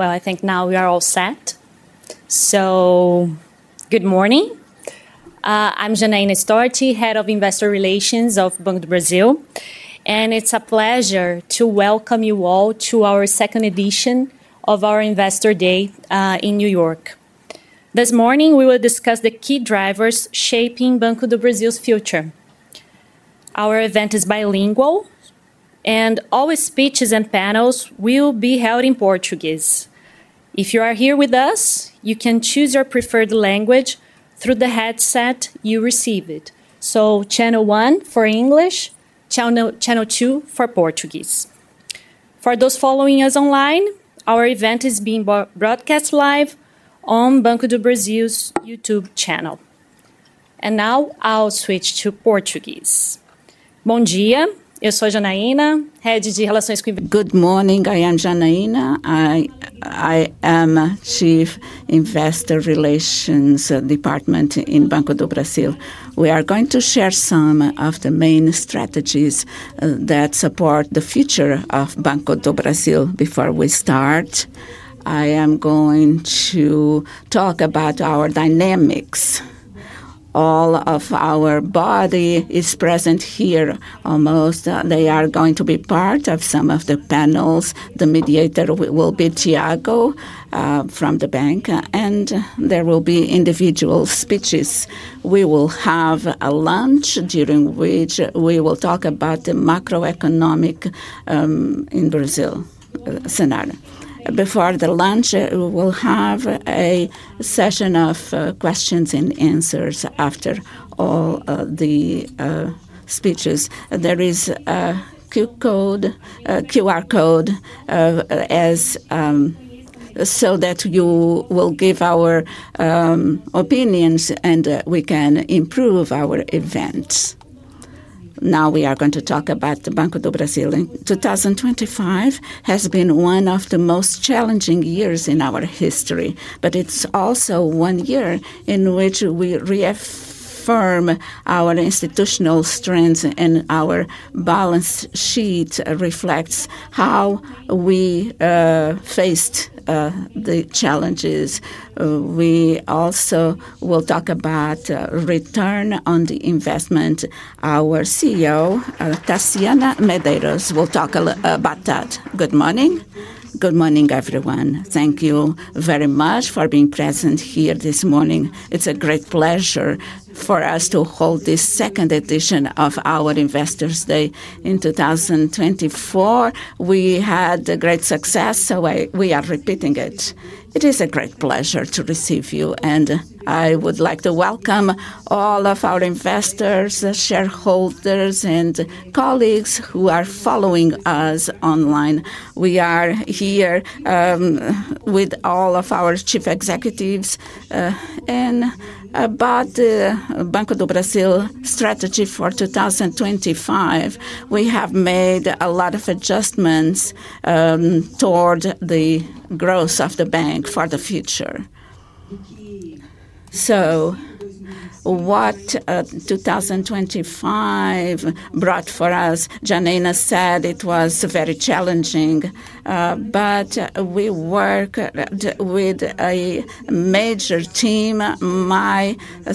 I think now we are all set. Good morning. I'm Janaína Storti, Head of Investor Relations of Banco do Brasil. It's a pleasure to welcome you all to our second edition of our Investor Day in New York. This morning, we will discuss the key drivers shaping Banco do Brasil's future. Our event is bilingual, and all speeches and panels will be held in Portuguese. If you are here with us, you can choose your preferred language through the headset you received. Channel one for English, channel two for Portuguese. For those following us online, our event is being broadcast live on Banco do Brasil's YouTube channel. Now, I'll switch to Portuguese. Bom dia, eu sou a Janaína, Head de Relações. Good morning, I am Janaína. I am Chief Investor Relations Department in Banco do Brasil. We are going to share some of the main strategies that support the future of Banco do Brasil. Before we start, I am going to talk about our dynamics. All of our body is present here almost. They are going to be part of some of the panels. The mediator will be Tiago, from the bank. There will be individual speeches. We will have a lunch during which we will talk about the macroeconomic scenario in Brazil. Before the lunch, we will have a session of questions and answers after all the speeches. There is a QR code so that you will give our opinions and we can improve our events. Now, we are going to talk about Banco do Brasil. 2025 has been one of the most challenging years in our history. It's also one year in which we reaffirm our institutional strengths, and our balance sheet reflects how we faced the challenges. We also will talk about the return on the investment. Our CEO, Tarciana Gomes Medeiros, will talk about that. Good morning. Good morning, everyone. Thank you very much for being present here this morning. It's a great pleasure for us to hold this second edition of our Investor Day in 2024. We had great success, so we are repeating it. It is a great pleasure to receive you, and I would like to welcome all of our investors, shareholders, and colleagues who are following us online. We are here with all of our chief executives. About the Banco do Brasil strategy for 2025, we have made a lot of adjustments toward the growth of the bank for the future. What 2025 brought for us, Janaína said it was very challenging. We work with a major team.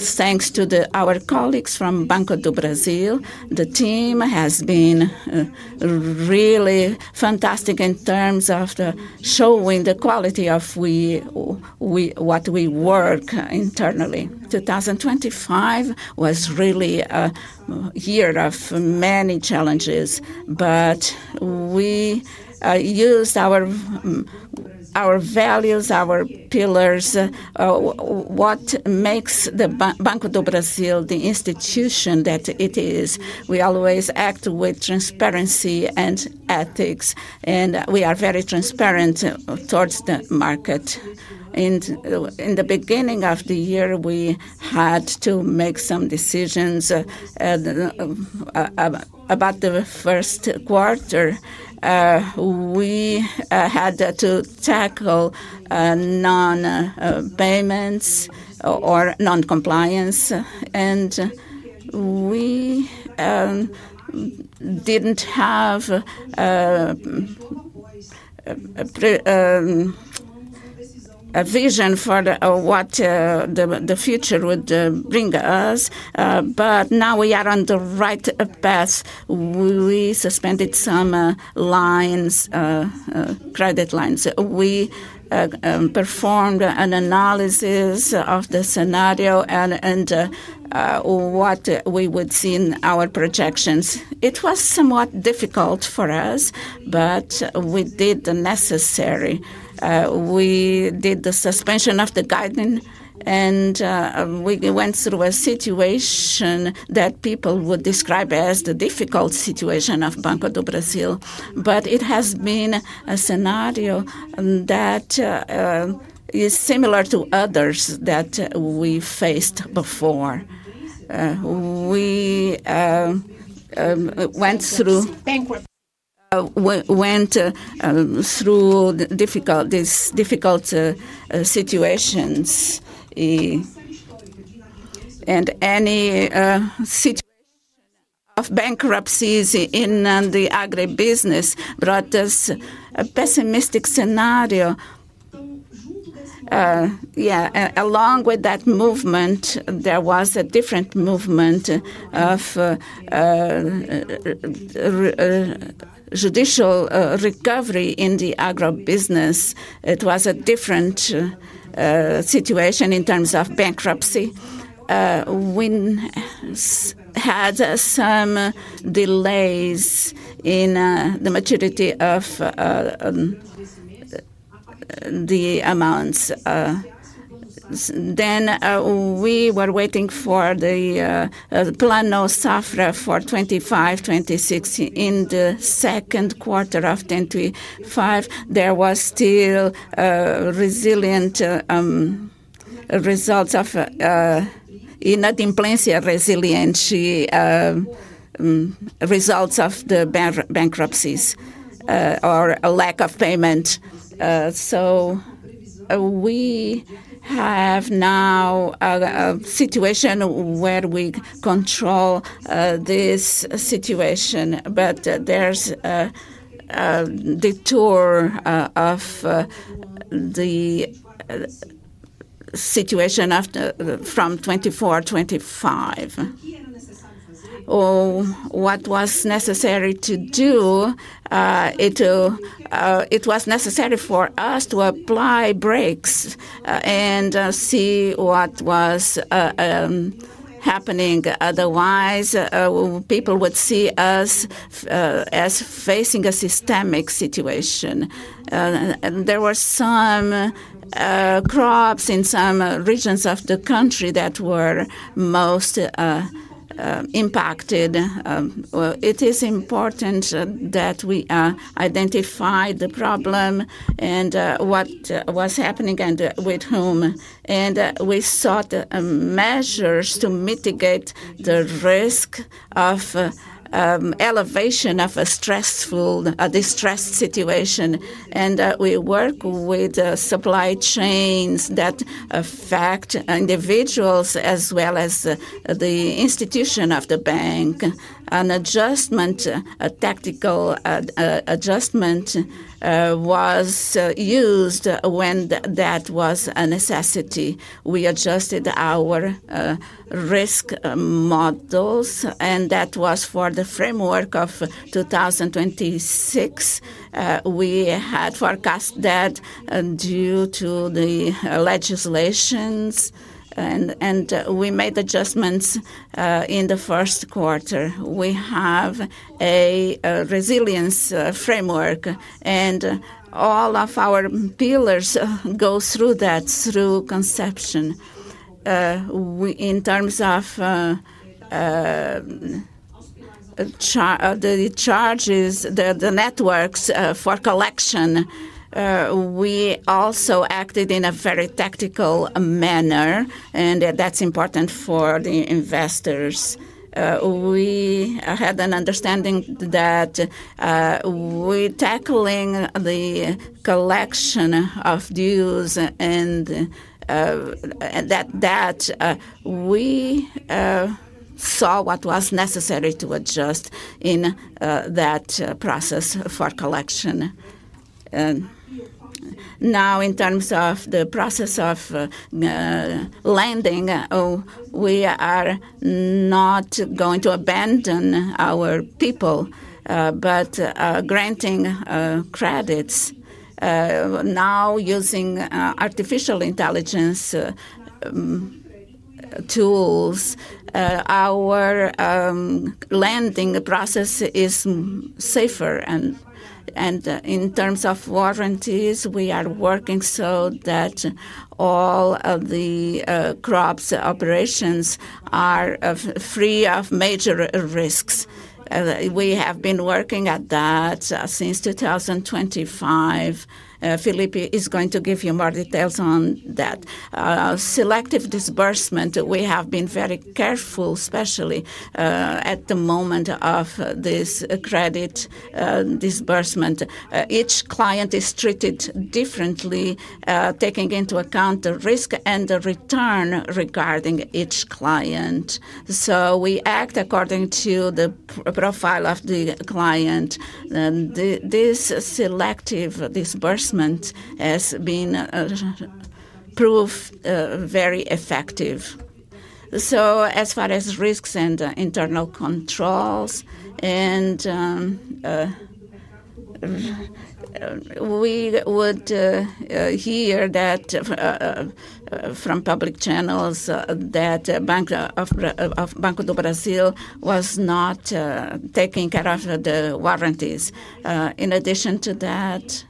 Thanks to our colleagues from Banco do Brasil, the team has been really fantastic in terms of showing the quality of what we work internally. 2025 was really a year of many challenges. We use our values, our pillars, what makes Banco do Brasil the institution that it is. We always act with transparency and ethics, and we are very transparent towards the market. In the beginning of the year, we had to make some decisions about the first quarter. We had to tackle non-payments or non-compliance, and we didn't have a vision for what the future would bring us. Now we are on the right path. We suspended some credit lines. We performed an analysis of the scenario and what we would see in our projections. It was somewhat difficult for us, but we did the necessary. We did the suspension of the guidance, and we went through a situation that people would describe as the difficult situation of Banco do Brasil. It has been a scenario that is similar to others that we faced before. We went through difficult situations, and any bankruptcies in the agribusiness brought us a pessimistic scenario. Along with that movement, there was a different movement of judicial recovery in the agribusiness. It was a different situation in terms of bankruptcy. We had some delays in the maturity of the amounts. We were waiting for the Plano Safra for 2025, 2026. In the second quarter of 2025, there were still resilient results of inadimplência resiliente, results of the bankruptcies or lack of payment. We have now a situation where we control this situation, but there's a detour of the situation from 2024 to 2025. What was necessary to do? It was necessary for us to apply brakes and see what was happening. Otherwise, people would see us as facing a systemic situation. There were some crops in some regions of the country that were most impacted. It is important that we identify the problem and what was happening and with whom. We sought measures to mitigate the risk of elevation of a distressed situation. We work with supply chains that affect individuals as well as the institution of the bank. A tactical adjustment was used when that was a necessity. We adjusted our risk models, and that was for the framework of 2026. We had forecast that due to the legislations, and we made adjustments in the first quarter. We have a resilience framework, and all of our pillars go through that through conception. In terms of the charges, the networks for collection, we also acted in a very tactical manner, and that's important for the investors. We had an understanding that we were tackling the collection of dues and that we saw what was necessary to adjust in that process for collection. In terms of the process of lending, we are not going to abandon our people, but granting credits. Now, using artificial intelligence tools, our lending process is safer. In terms of warranties, we are working so that all of the crops' operations are free of major risks. We have been working at that since 2025. Felipe is going to give you more details on that. Selective disbursement, we have been very careful, especially at the moment of this credit disbursement. Each client is treated differently, taking into account the risk and the return regarding each client. We act according to the profile of the client. This selective disbursement has been proved very effective. As far as risks and internal controls, we would hear from public channels that Banco do Brasil was not taking care of the warranties. In addition to that,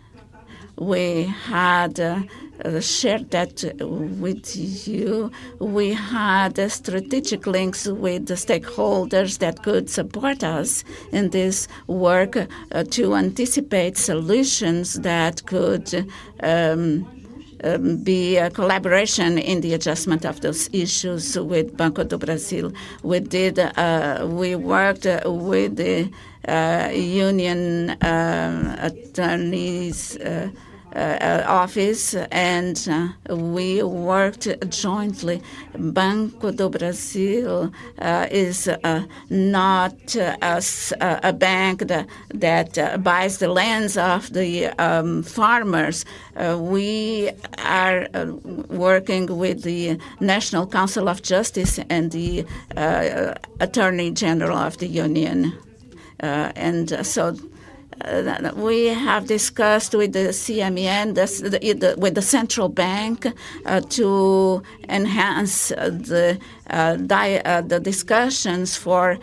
we had shared that with you. We had strategic links with the stakeholders that could support us in this work to anticipate solutions that could be a collaboration in the adjustment of those issues with Banco do Brasil. We worked with the Union Attorney's Office, and we worked jointly. Banco do Brasil is not a bank that buys the lands of the farmers. We are working with the National Council of Justice and the Attorney General of the Union. We have discussed with the CMEN, with the Central Bank of Brazil, to enhance the discussions for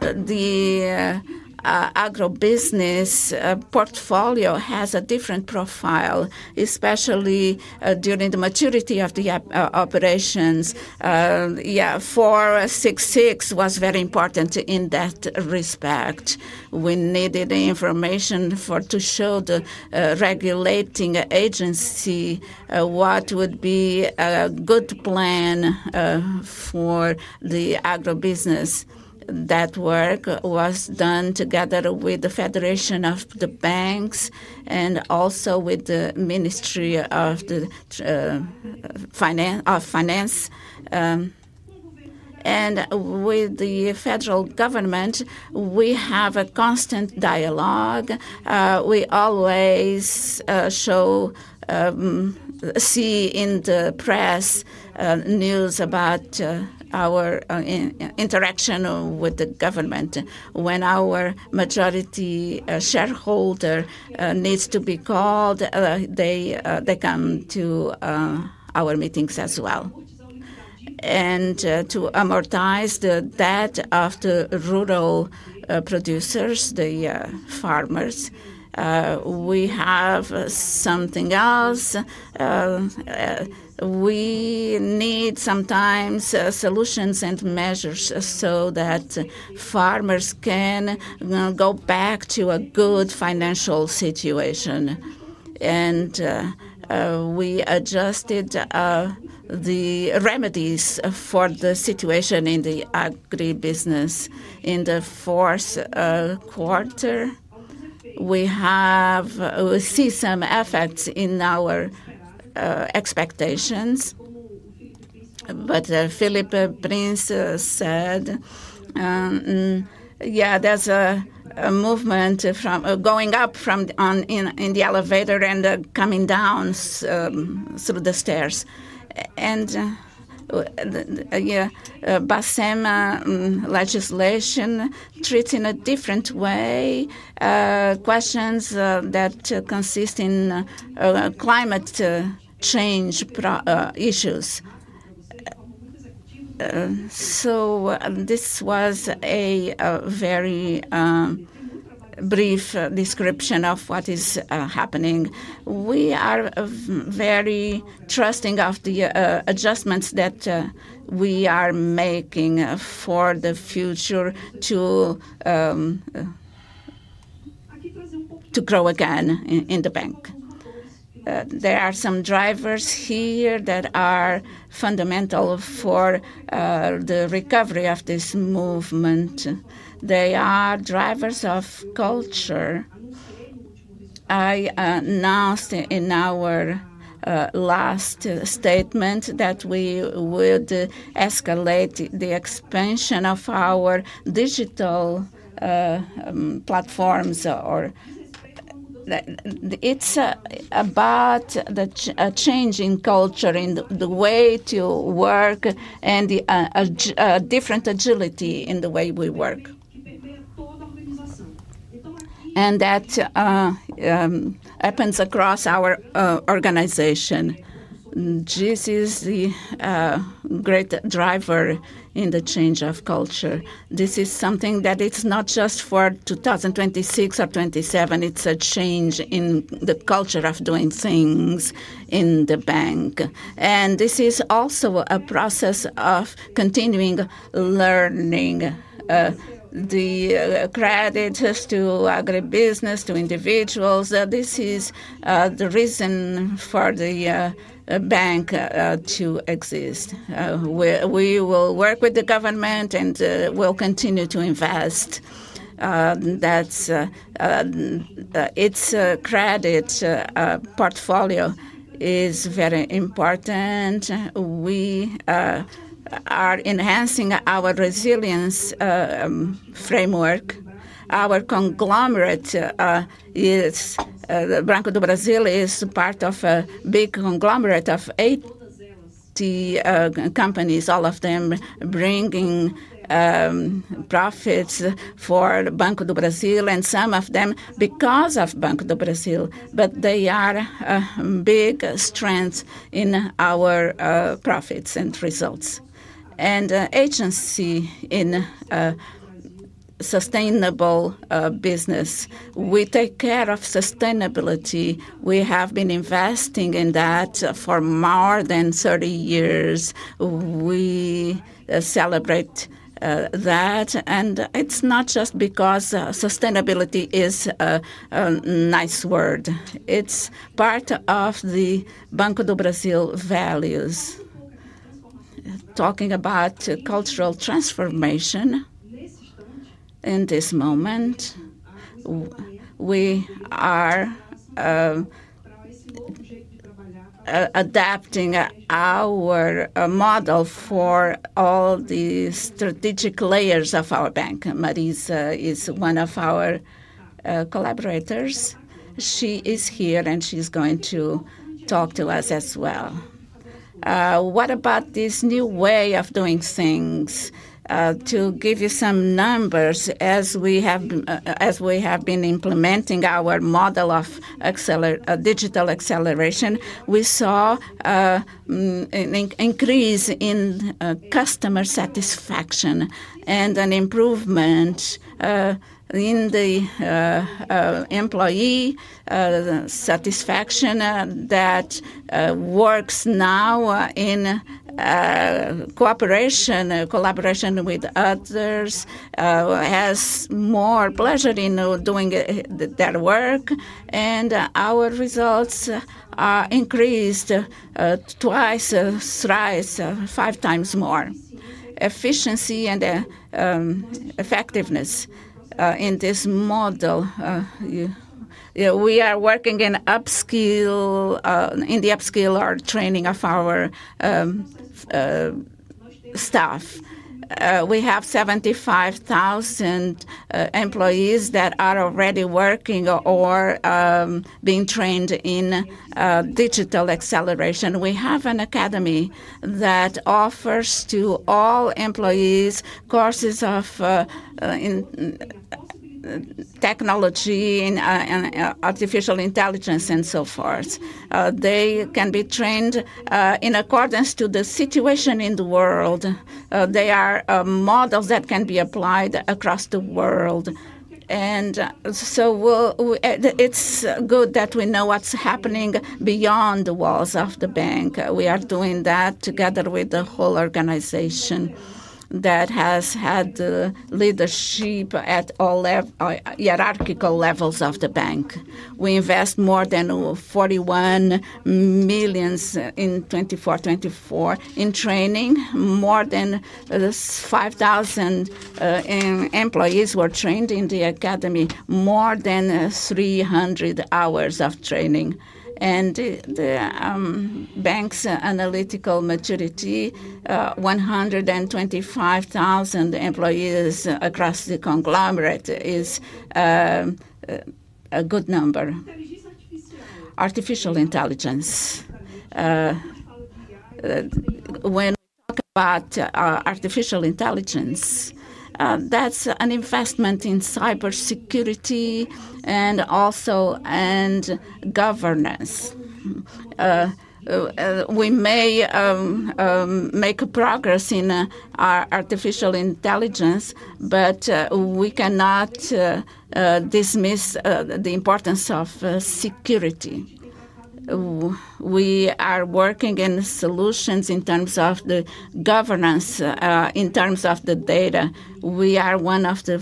the agribusiness portfolio, which has a different profile, especially during the maturity of the operations. Yeah, 466 was very important in that respect. We needed the information to show the regulating agency what would be a good plan for the agribusiness. That work was done together with the Federation of the Banks and also with the Ministry of Finance. With the federal government, we have a constant dialogue. We always see in the press news about our interaction with the government. When our majority shareholder needs to be called, they come to our meetings as well. To amortize the debt of the rural producers, the farmers, we have something else. We need sometimes solutions and measures so that farmers can go back to a good financial situation. We adjusted the remedies for the situation in the agribusiness in the fourth quarter. We see some effects in our expectations. Felipe Guimarães Prince said, "Yeah, there's a movement from going up from in the elevator and coming down through the stairs." Basema legislation treats in a different way questions that consist in climate change issues. This was a very brief description of what is happening. We are very trusting of the adjustments that we are making for the future to grow again in the bank. There are some drivers here that are fundamental for the recovery of this movement. They are drivers of culture. I announced in our last statement that we would escalate the expansion of our digital platforms. It's about changing culture in the way to work and a different agility in the way we work. That happens across our organization. This is the great driver in the change of culture. This is something that is not just for 2026 or 2027. It's a change in the culture of doing things in the bank. This is also a process of continuing learning. The credit to agribusiness, to individuals, this is the reason for the bank to exist. We will work with the government and will continue to invest. Its credit portfolio is very important. We are enhancing our resilience framework. Our conglomerate is the Banco do Brasil. It is part of a big conglomerate of 80 companies, all of them bringing profits for Banco do Brasil and some of them because of Banco do Brasil. They are a big strength in our profits and results, and agency in sustainable business. We take care of sustainability. We have been investing in that for more than 30 years. We celebrate that. It's not just because sustainability is a nice word. It's part of the Banco do Brasil values. Talking about cultural transformation in this moment, we are adapting our model for all the strategic layers of our bank. Marisa is one of our collaborators. She is here and she's going to talk to us as well. What about this new way of doing things? To give you some numbers, as we have been implementing our model of digital acceleration, we saw an increase in customer satisfaction and an improvement in the employee satisfaction that works now in cooperation, collaboration with others, has more pleasure in doing their work. Our results are increased twice, thrice, five times more. Efficiency and effectiveness in this model. We are working in the upskill or training of our staff. We have 75,000 employees that are already working or being trained in digital acceleration. We have an academy that offers to all employees courses of technology and artificial intelligence and so forth. They can be trained in accordance to the situation in the world. They are models that can be applied across the world. It's good that we know what's happening beyond the walls of the bank. We are doing that together with the whole organization that has had leadership at all hierarchical levels of the bank. We invest more than $41 million in 2024 in training. More than 5,000 employees were trained in the academy. More than 300 hours of training. The bank's analytical maturity, 125,000 employees across the conglomerate, is a good number. Artificial intelligence. When we talk about artificial intelligence, that's an investment in cybersecurity and also governance. We may make progress in our artificial intelligence, but we cannot dismiss the importance of security. We are working in solutions in terms of the governance, in terms of the data. We are one of the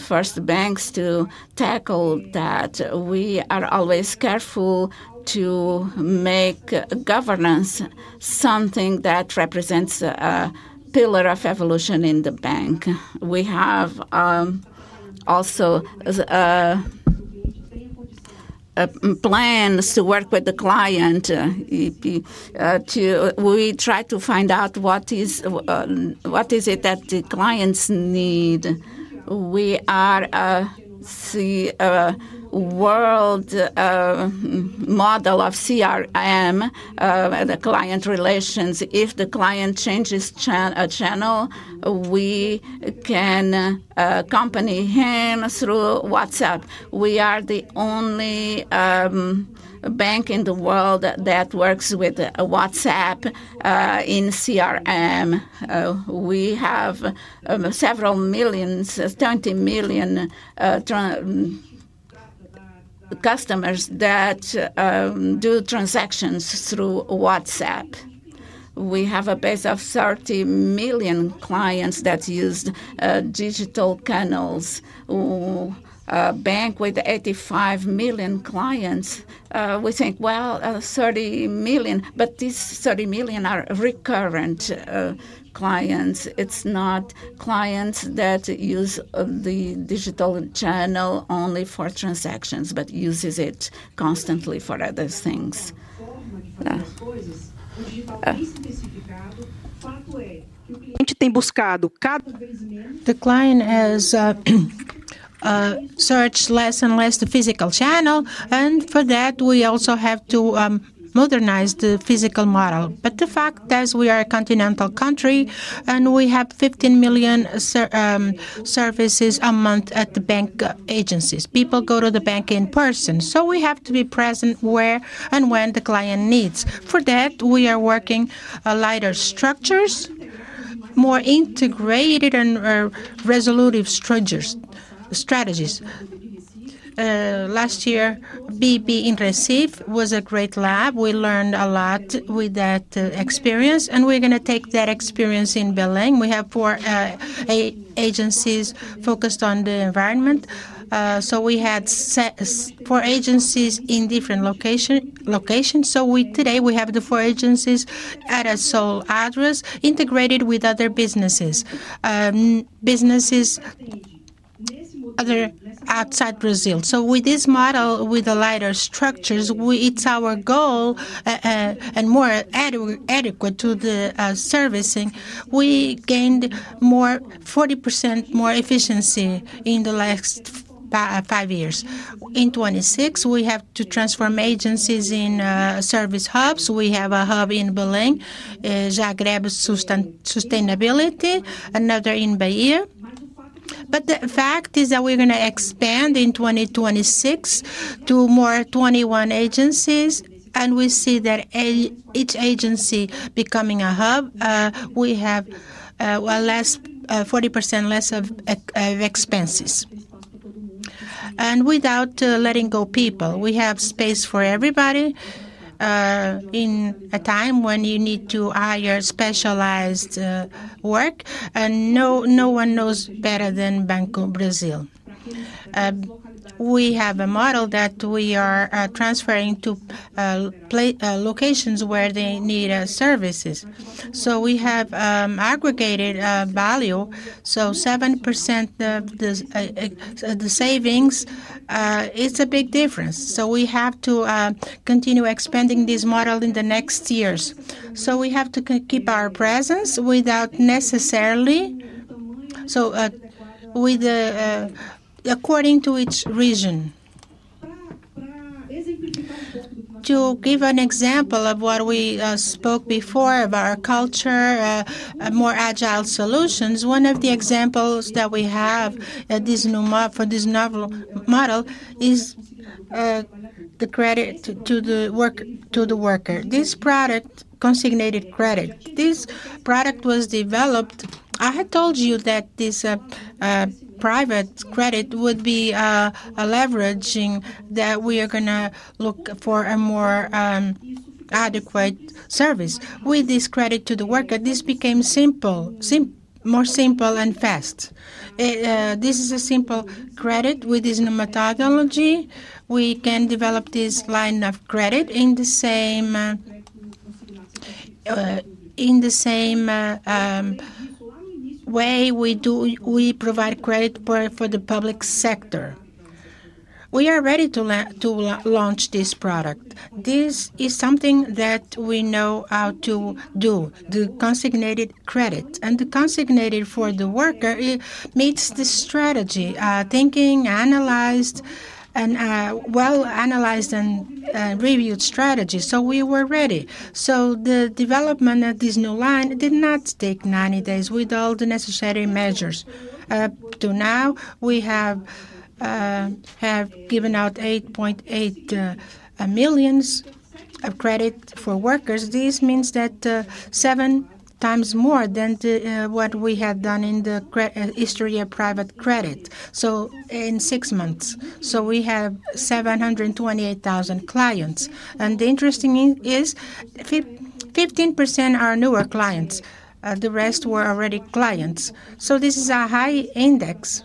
first banks to tackle that. We are always careful to make governance something that represents a pillar of evolution in the bank. We have also plans to work with the client. We try to find out what is it that the clients need. We are a world model of CRM, the client relations. If the client changes a channel, we can accompany him through WhatsApp. We are the only bank in the world that works with WhatsApp in CRM. We have several millions, 20 million customers that do transactions through WhatsApp. We have a base of 30 million clients that use digital channels. A bank with 85 million clients, we think, 30 million, but these 30 million are recurrent clients. It's not clients that use the digital channel only for transactions, but uses it constantly for other things. The client has searched less and less the physical channel, and for that, we also have to modernize the physical model. The fact is we are a continental country and we have 15 million services a month at the bank agencies. People go to the bank in person. We have to be present where and when the client needs. For that, we are working lighter structures, more integrated, and resolutive strategies. Last year, BB in Recife was a great lab. We learned a lot with that experience, and we're going to take that experience in Belém. We have four agencies focused on the environment. We had four agencies in different locations. Today, we have the four agencies at a sole address integrated with other businesses, other outside Brazil. With this model, with the lighter structures, it's our goal and more adequate to the servicing. We gained 40% more efficiency in the last five years. In 2026, we have to transform agencies in service hubs. We have a hub in Belém, Zagreb Sustainability, another in Bahia. The fact is that we're going to expand in 2026 to more 21 agencies, and we see that each agency becoming a hub, we have 40% less of expenses. Without letting go of people, we have space for everybody in a time when you need to hire specialized work. No one knows better than Banco do Brasil. We have a model that we are transferring to locations where they need services. We have aggregated value. 7% of the savings is a big difference. We have to continue expanding this model in the next years. We have to keep our presence without necessarily, according to each region. To give an example of what we spoke before about our culture, more agile solutions, one of the examples that we have for this novel model is the credit to the worker. This product, consignated credit, this product was developed. I had told you that this private credit would be a leveraging that we are going to look for a more adequate service. With this credit to the worker, this became simple, more simple and fast. This is a simple credit. With this new methodology, we can develop this line of credit in the same way we provide credit for the public sector. We are ready to launch this product. This is something that we know how to do. The consignated credit. The consignated for the worker meets the strategy, thinking, analyzed, and well-analyzed and reviewed strategy. We were ready. The development of this new line did not take 90 days with all the necessary measures. Up to now, we have given out $8.8 million of credit for workers. This means that is seven times more than what we had done in the history of private credit in six months. We have 728,000 clients. The interesting thing is 15% are newer clients; the rest were already clients. This is a high index.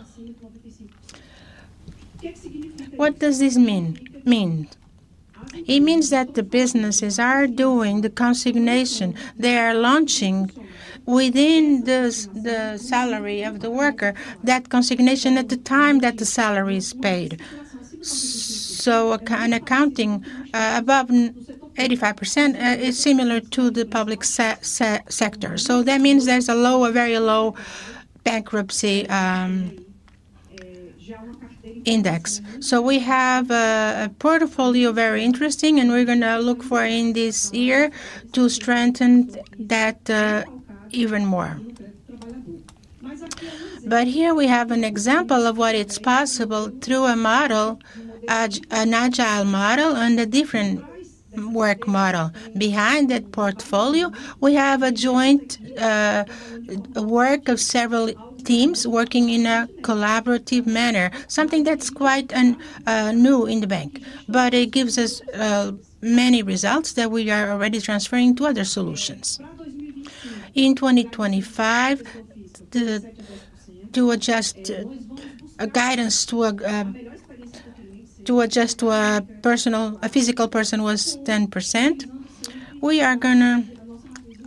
What does this mean? It means that the businesses are doing the consignation. They are launching within the salary of the worker, that consignation at the time that the salary is paid. An accounting above 85% is similar to the public sector. That means there's a low, a very low bankruptcy index. We have a portfolio very interesting, and we're going to look for in this year to strengthen that even more. Here we have an example of what is possible through a model, an agile model, and a different work model. Behind that portfolio, we have a joint work of several teams working in a collaborative manner, something that's quite new in the bank. It gives us many results that we are already transferring to other solutions. In 2025, to adjust a guidance to a physical person was 10%. We are going to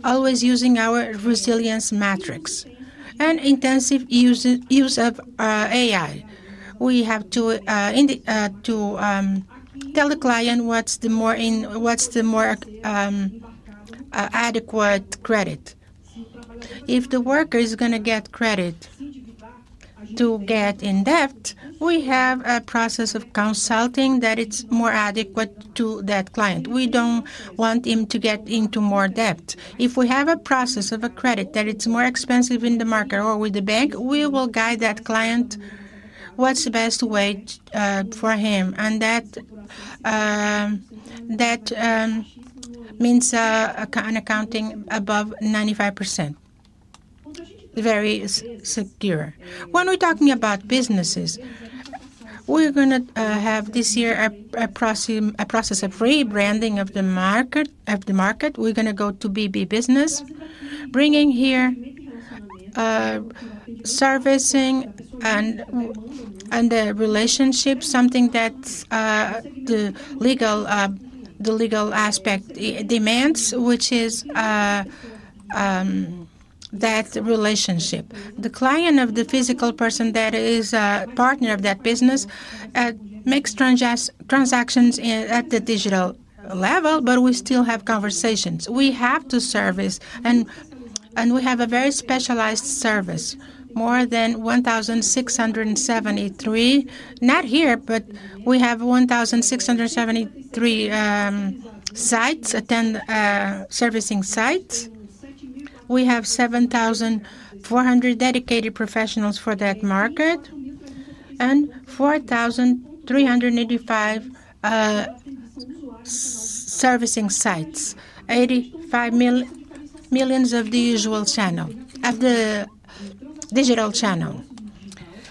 always use our resilience metrics and intensive use of AI. We have to tell the client what's the more adequate credit. If the worker is going to get credit to get in debt, we have a process of consulting that it's more adequate to that client. We don't want him to get into more debt. If we have a process of a credit that it's more expensive in the market or with the bank, we will guide that client what's the best way for him. That means an accounting above 95%. Very secure. When we're talking about businesses, we're going to have this year a process of rebranding of the market. We're going to go to BB business, bringing here servicing and the relationship, something that the legal aspect demands, which is that relationship. The client of the physical person that is a partner of that business makes transactions at the digital level, but we still have conversations. We have to service, and we have a very specialized service, more than 1,673, not here, but we have 1,673 sites, servicing sites. We have 7,400 dedicated professionals for that market and 4,385 servicing sites, 85 million of the usual channel, of the digital channel.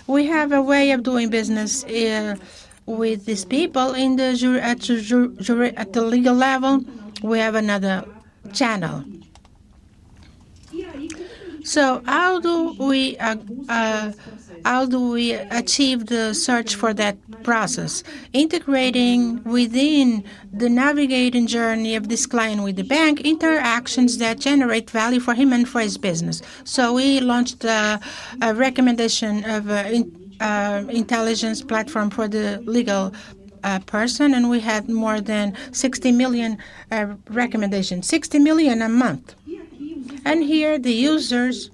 We have a way of doing business with these people. At the legal level, we have another channel. How do we achieve the search for that process? Integrating within the navigating journey of this client with the bank, interactions that generate value for him and for his business. We launched a recommendation of an intelligence platform for the legal person, and we had more than 60 million recommendations, 60 million a month. Here, the users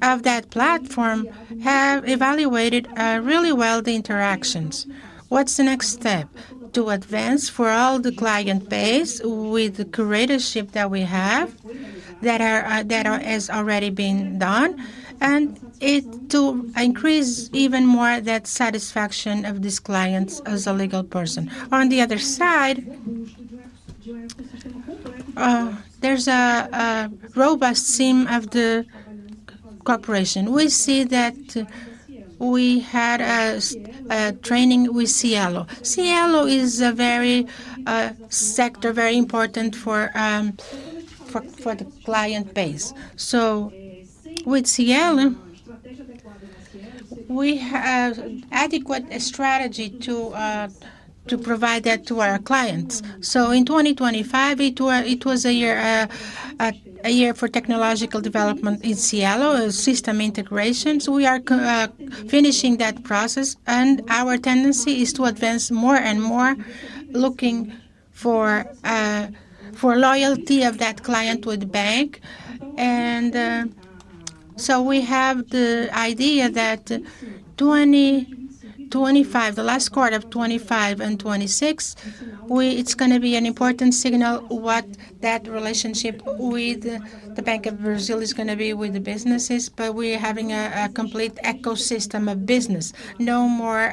of that platform have evaluated really well the interactions. What's the next step? To advance for all the client base with the curatorship that we have that has already been done, and it to increase even more that satisfaction of these clients as a legal person. On the other side, there's a robust theme of the corporation. We see that we had a training with Cielo. Cielo is a very sector, very important for the client base. With Cielo, we have adequate strategy to provide that to our clients. In 2025, it was a year for technological development in Cielo, system integrations. We are finishing that process, and our tendency is to advance more and more, looking for loyalty of that client with the bank. We have the idea that 2025, the last quarter of 2025 and 2026, it's going to be an important signal what that relationship with Banco do Brasil is going to be with the businesses, but we're having a complete ecosystem of business. No more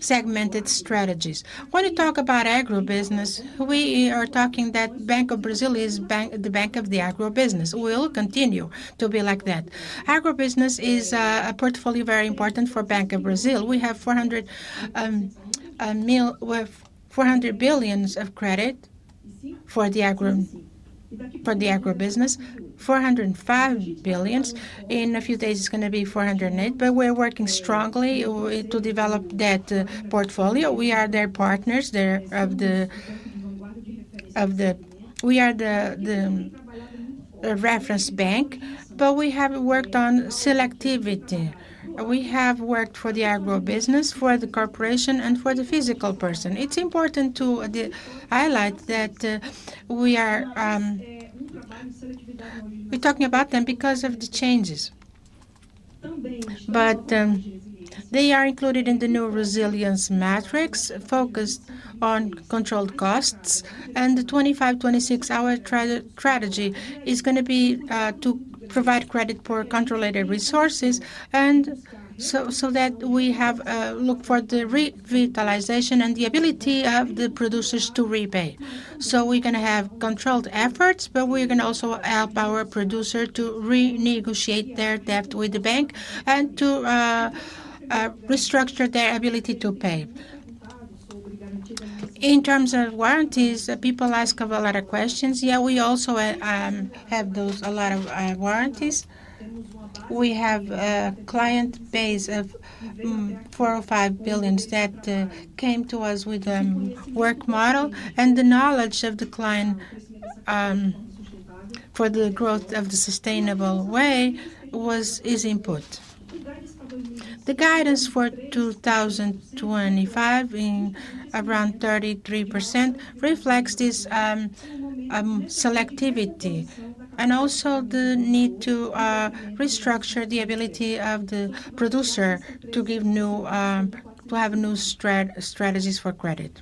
segmented strategies. When we talk about agribusiness, we are talking that Banco do Brasil is the bank of the agribusiness. We'll continue to be like that. Agribusiness is a portfolio very important for Banco do Brasil. We have $400 billion of credit for the agribusiness, $405 billion. In a few days, it's going to be $408 billion, but we're working strongly to develop that portfolio. We are their partners. We are the reference bank, but we have worked on selectivity. We have worked for the agribusiness, for the corporation, and for the physical person. It's important to highlight that we are talking about them because of the changes. They are included in the new resilience metrics focused on controlled costs. The 2025, 2026-hour strategy is going to be to provide credit for controlled resources and so that we have looked for the revitalization and the ability of the producers to repay. We're going to have controlled efforts, but we're going to also help our producer to renegotiate their debt with the bank and to restructure their ability to pay. In terms of warranties, people ask a lot of questions. Yeah, we also have those, a lot of warranties. We have a client base of R$405 billion that came to us with a work model, and the knowledge of the client for the growth of the sustainable way is input. The guidance for 2025 in around 33% reflects this selectivity and also the need to restructure the ability of the producer to have new strategies for credit.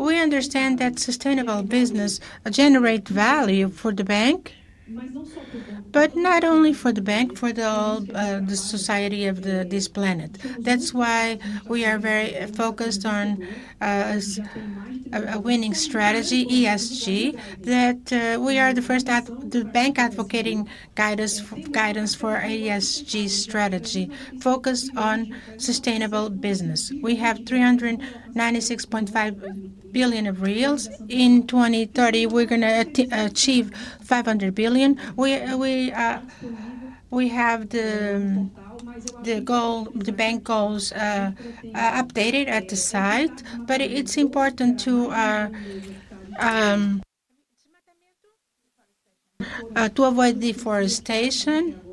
We understand that sustainable business generates value for the bank, but not only for the bank, for the society of this planet. That's why we are very focused on a winning strategy, ESG, that we are the first bank advocating guidance for ESG strategy focused on sustainable business. We have R$396.5 billion. In 2030, we're going to achieve R$500 billion. We have the bank goals updated at the site, but it's important to avoid deforestation up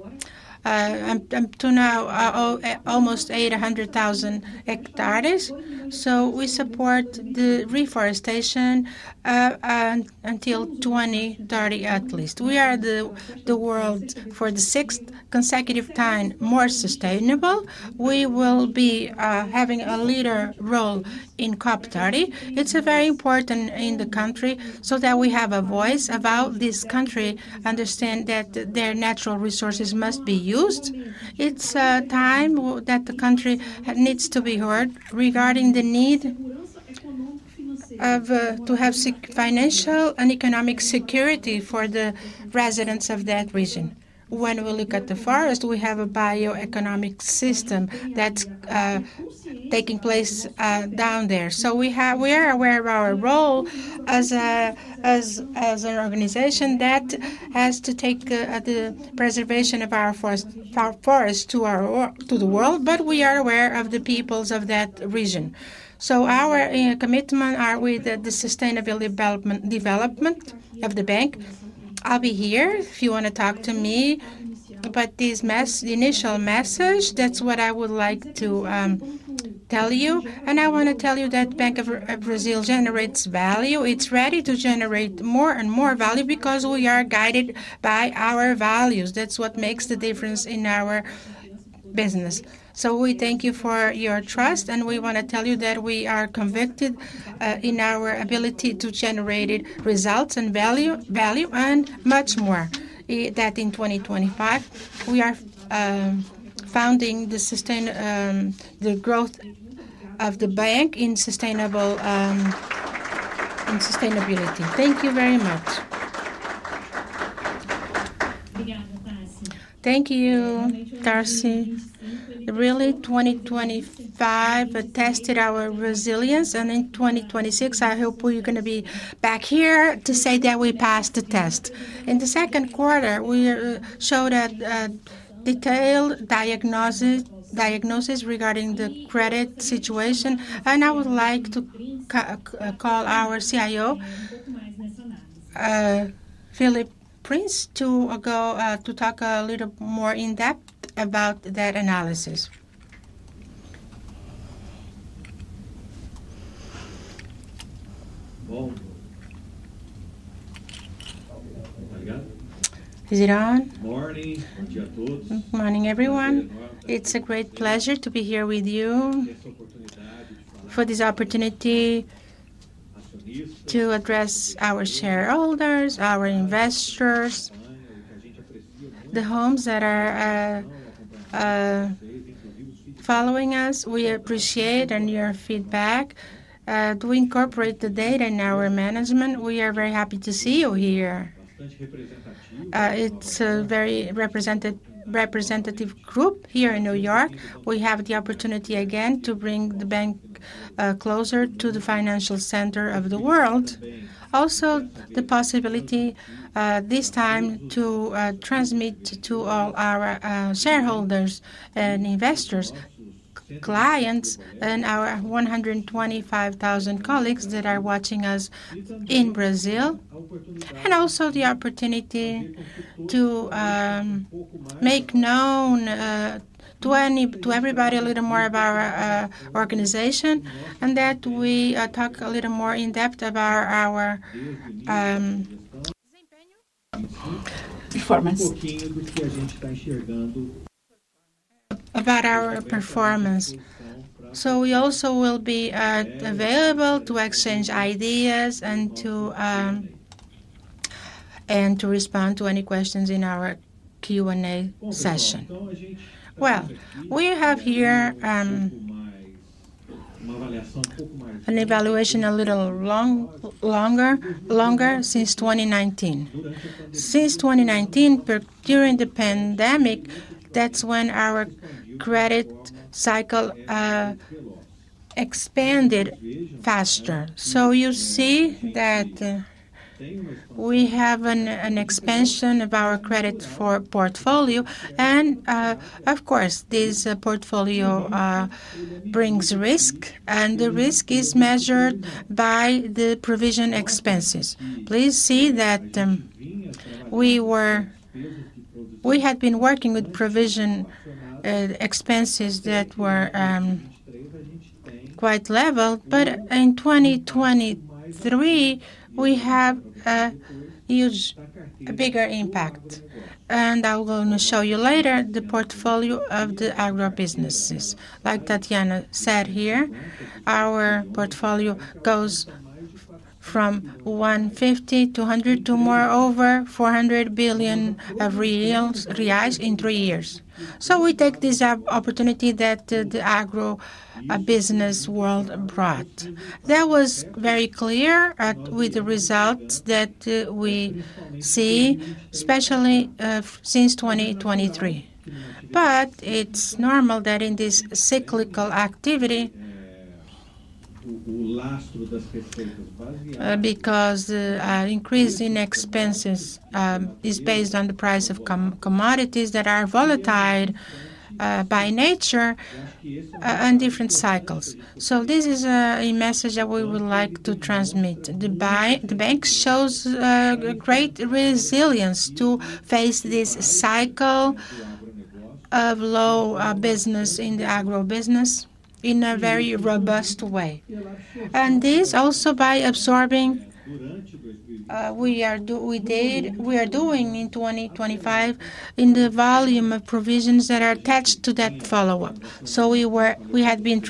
to now almost 800,000 hectares. We support the reforestation until 2030 at least. We are the world for the sixth consecutive time more sustainable. We will be having a leader role in COP30. It's very important in the country so that we have a voice about this country understanding that their natural resources must be used. It's a time that the country needs to be heard regarding the need to have financial and economic security for the residents of that region. When we look at the forest, we have a bioeconomic system that's taking place down there. We are aware of our role as an organization that has to take the preservation of our forest to the world, but we are aware of the peoples of that region. Our commitment with the sustainable development of the bank. I'll be here if you want to talk to me, but this initial message, that's what I would like to tell you. I want to tell you that Banco do Brasil generates value. It's ready to generate more and more value because we are guided by our values. That's what makes the difference in our business. We thank you for your trust, and we want to tell you that we are convicted in our ability to generate results and value and much more, that in 2025, we are founding the growth of the bank in sustainability. Thank you very much. Thank you, Tarci. Really, 2025 tested our resilience, and in 2026, I hope we're going to be back here to say that we passed the test. In the second quarter, we showed a detailed diagnosis regarding the credit situation, and I would like to call our CIO, Felipe Guimarães Prince, to go to talk a little more in-depth about that analysis. Is it on? Morning. Morning, everyone. It's a great pleasure to be here with you for this opportunity to address our shareholders, our investors, the homes that are following us. We appreciate your feedback. To incorporate the data in our management, we are very happy to see you here. It's a very representative group here in New York. We have the opportunity again to bring the bank closer to the financial center of the world. Also, the possibility this time to transmit to all our shareholders and investors, clients, and our 125,000 colleagues that are watching us in Brazil, and also the opportunity to make known to everybody a little more about our organization and that we talk a little more in-depth about our performance. Okay. About our performance. We also will be available to exchange ideas and to respond to any questions in our Q&A session. We have here an evaluation a little longer, longer since 2019. Since 2019, during the pandemic, that's when our credit cycle expanded faster. You see that we have an expansion of our credit portfolio. Of course, this portfolio brings risk, and the risk is measured by the provision expenses. Please see that we had been working with provision expenses that were quite level. In 2023, we have a huge, bigger impact. I will show you later the portfolio of the agribusinesses. Like Tarciana said here, our portfolio goes from 150 to 100 to more over 400 billion reals in three years. We take this opportunity that the agribusiness world brought. That was very clear with the results that we see, especially since 2023. It's normal that in this cyclical activity, because the increase in expenses is based on the price of commodities that are volatile by nature and different cycles. This is a message that we would like to transmit. The bank shows great resilience to face this cycle of low business in the agribusiness in a very robust way. This also by absorbing what we are doing in 2025 in the volume of provisions that are attached to that follow-up. We had been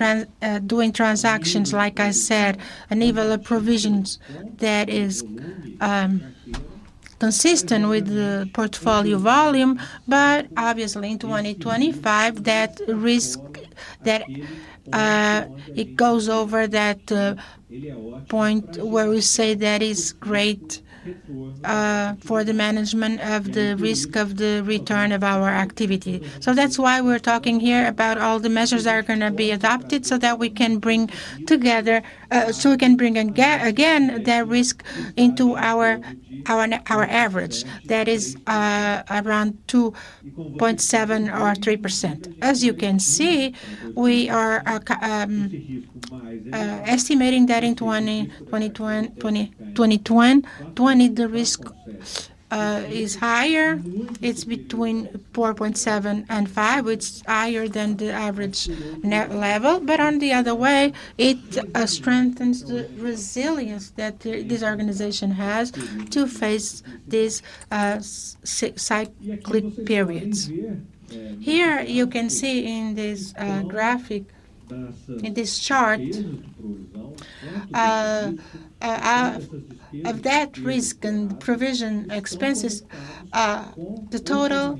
doing transactions, like I said, annuity provisions that are consistent with the portfolio volume. Obviously, in 2025, that risk, it goes over that point where we say that is great for the management of the risk of the return of our activity. That's why we're talking here about all the measures that are going to be adopted so that we can bring together, so we can bring again that risk into our average that is around 2.7 or 3%. As you can see, we are estimating that in 2020, the risk is higher. It's between 4.7 and 5%, which is higher than the average net level. On the other way, it strengthens the resilience that this organization has to face these cyclic periods. Here, you can see in this graphic, in this chart of that risk and provision expenses, the total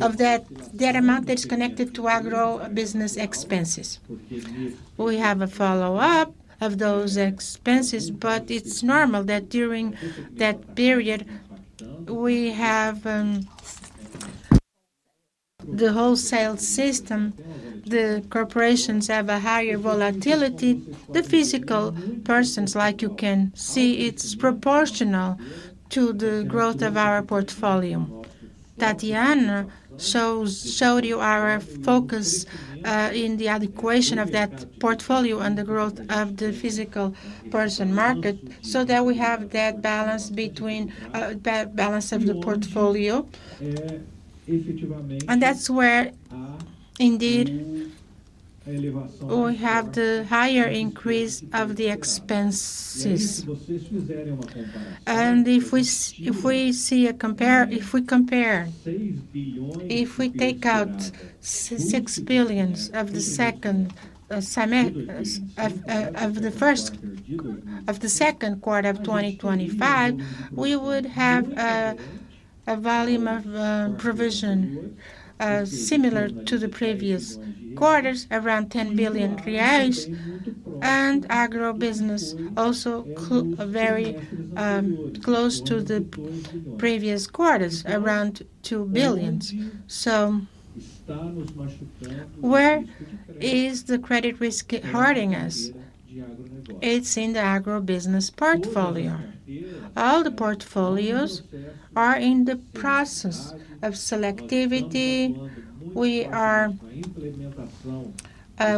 of that amount that's connected to agribusiness expenses. We have a follow-up of those expenses, but it's normal that during that period, we have the wholesale system. The corporations have a higher volatility. The physical persons, like you can see, it's proportional to the growth of our portfolio. Tatiana showed you our focus in the adequation of that portfolio and the growth of the physical person market so that we have that balance between the balance of the portfolio. That's where indeed we have the higher increase of the expenses. If we compare, if we take out $6 billion of the second quarter of 2025, we would have a volume of provision similar to the previous quarters, around $10 billion. Agribusiness also very close to the previous quarters, around $2 billion. Where is the credit risk hurting us? It's in the agribusiness portfolio. All the portfolios are in the process of selectivity. We are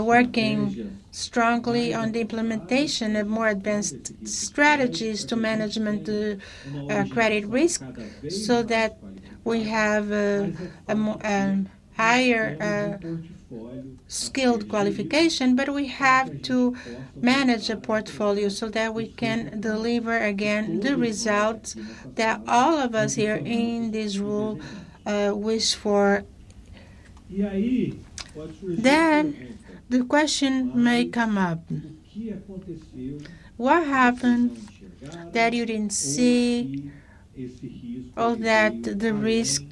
working strongly on the implementation of more advanced strategies to manage the credit risk so that we have a higher skilled qualification. We have to manage the portfolio so that we can deliver, again, the results that all of us here in this room wish for. The question may come up. What happened that you didn't see or that the risk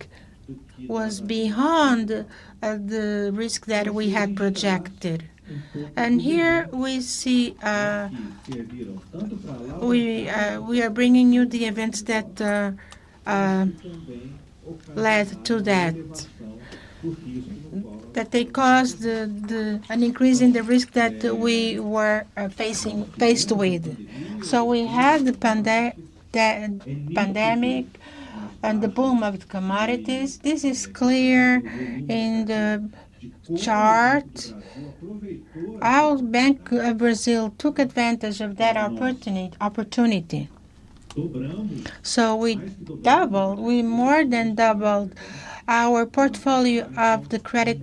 was beyond the risk that we had projected? Here we see we are bringing you the events that led to that, that they caused an increase in the risk that we were faced with. We had the pandemic and the boom of the commodities. This is clear in the chart. Our Banco do Brasil took advantage of that opportunity. We doubled, we more than doubled our portfolio of the credit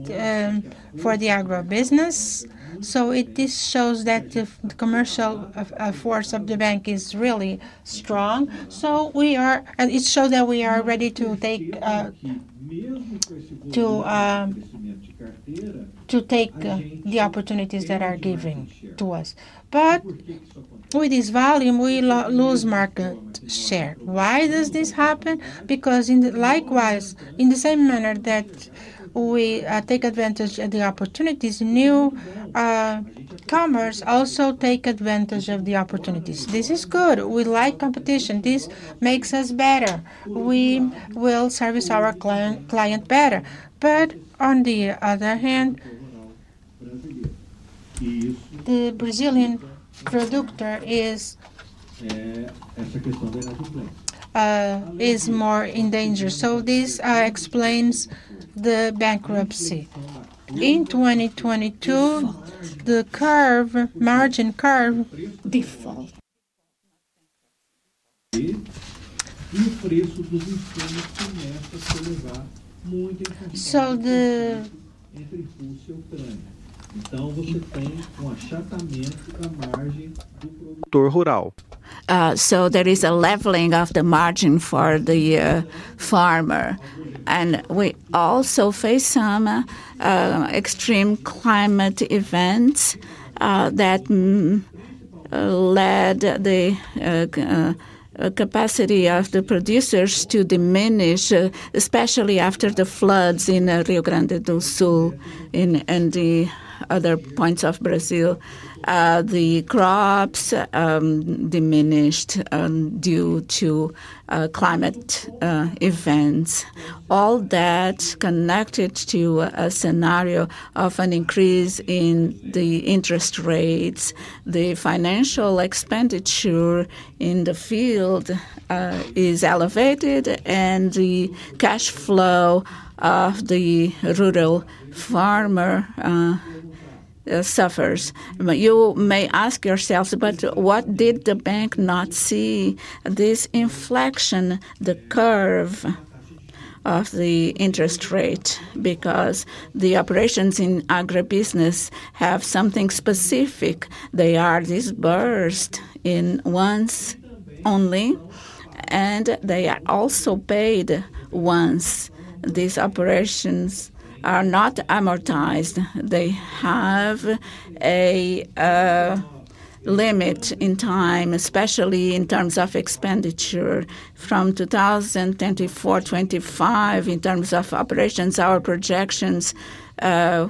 for the agribusiness. This shows that the commercial force of the bank is really strong. It shows that we are ready to take the opportunities that are given to us. With this volume, we lose market share. Why does this happen? Because in the likewise, in the same manner that we take advantage of the opportunities, newcomers also take advantage of the opportunities. This is good. We like competition. This makes us better. We will service our client better. On the other hand, the Brazilian productor is more in danger. This explains the bankruptcy. In 2022, the margin curve. Default. So, the. There is a leveling of the margin for the farmer. We also face some extreme climate events that led the capacity of the producers to diminish, especially after the floods in Rio Grande do Sul and other points of Brazil. The crops diminished due to climate events. All that's connected to a scenario of an increase in the interest rates. The financial expenditure in the field is elevated, and the cash flow of the rural farmer suffers. You may ask yourself, what did the bank not see? This inflection, the curve of the interest rate, because the operations in agribusiness have something specific. They are this burst in once only, and they are also paid once. These operations are not amortized. They have a limit in time, especially in terms of expenditure. From 2024, 2025, in terms of operations, our projections were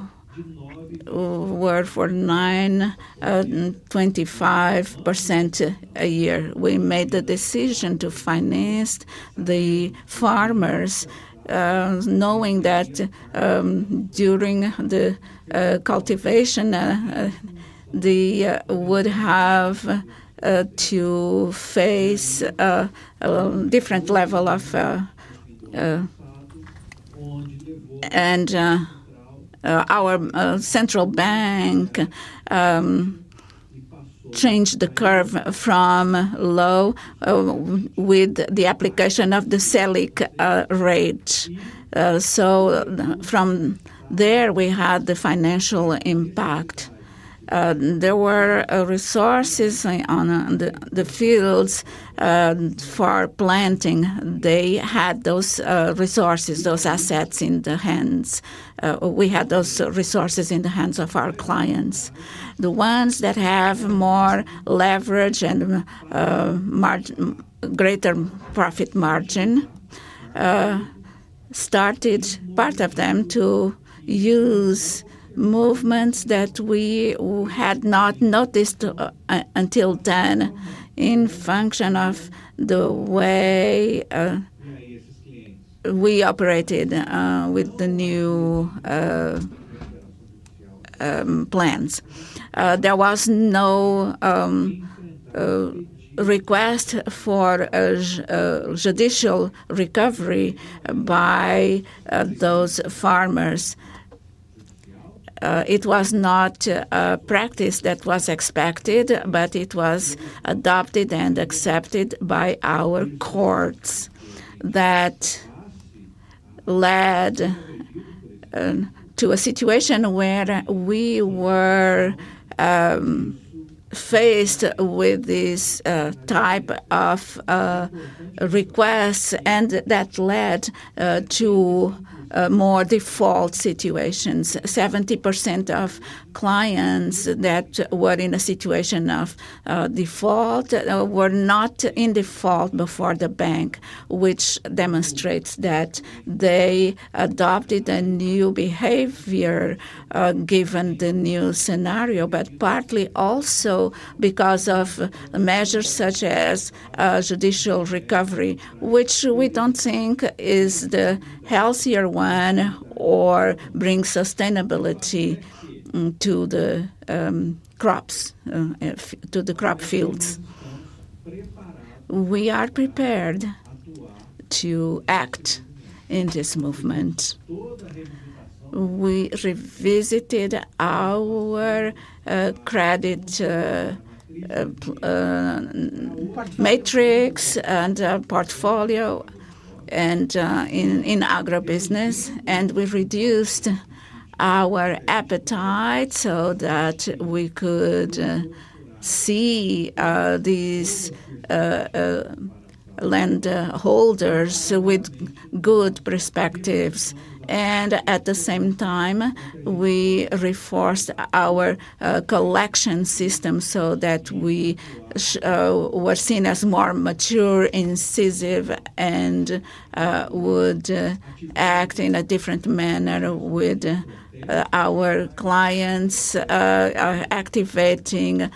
for 9.25% a year. We made the decision to finance the farmers, knowing that during the cultivation, they would have to face a different level of... Our Central Bank changed the curve from low with the application of the SELIC rate. From there, we had the financial impact. There were resources on the fields for planting. They had those resources, those assets in their hands. We had those resources in the hands of our clients. The ones that have more leverage and greater profit margin started part of them to use movements that we had not noticed until then in function of the way we operated with the new plans. There was no request for a judicial recovery by those farmers. It was not a practice that was expected, but it was adopted and accepted by our courts that led to a situation where we were faced with this type of requests and that led to more default situations. 70% of clients that were in a situation of default were not in default before the bank, which demonstrates that they adopted a new behavior given the new scenario, but partly also because of measures such as judicial recovery, which we don't think is the healthier one or brings sustainability to the crop fields. We are prepared to act in this movement. We revisited our credit matrix and portfolio in agribusiness, and we reduced our appetite so that we could see these lender holders with good perspectives. At the same time, we reinforced our collection system so that we were seen as more mature, incisive, and would act in a different manner with our clients, activating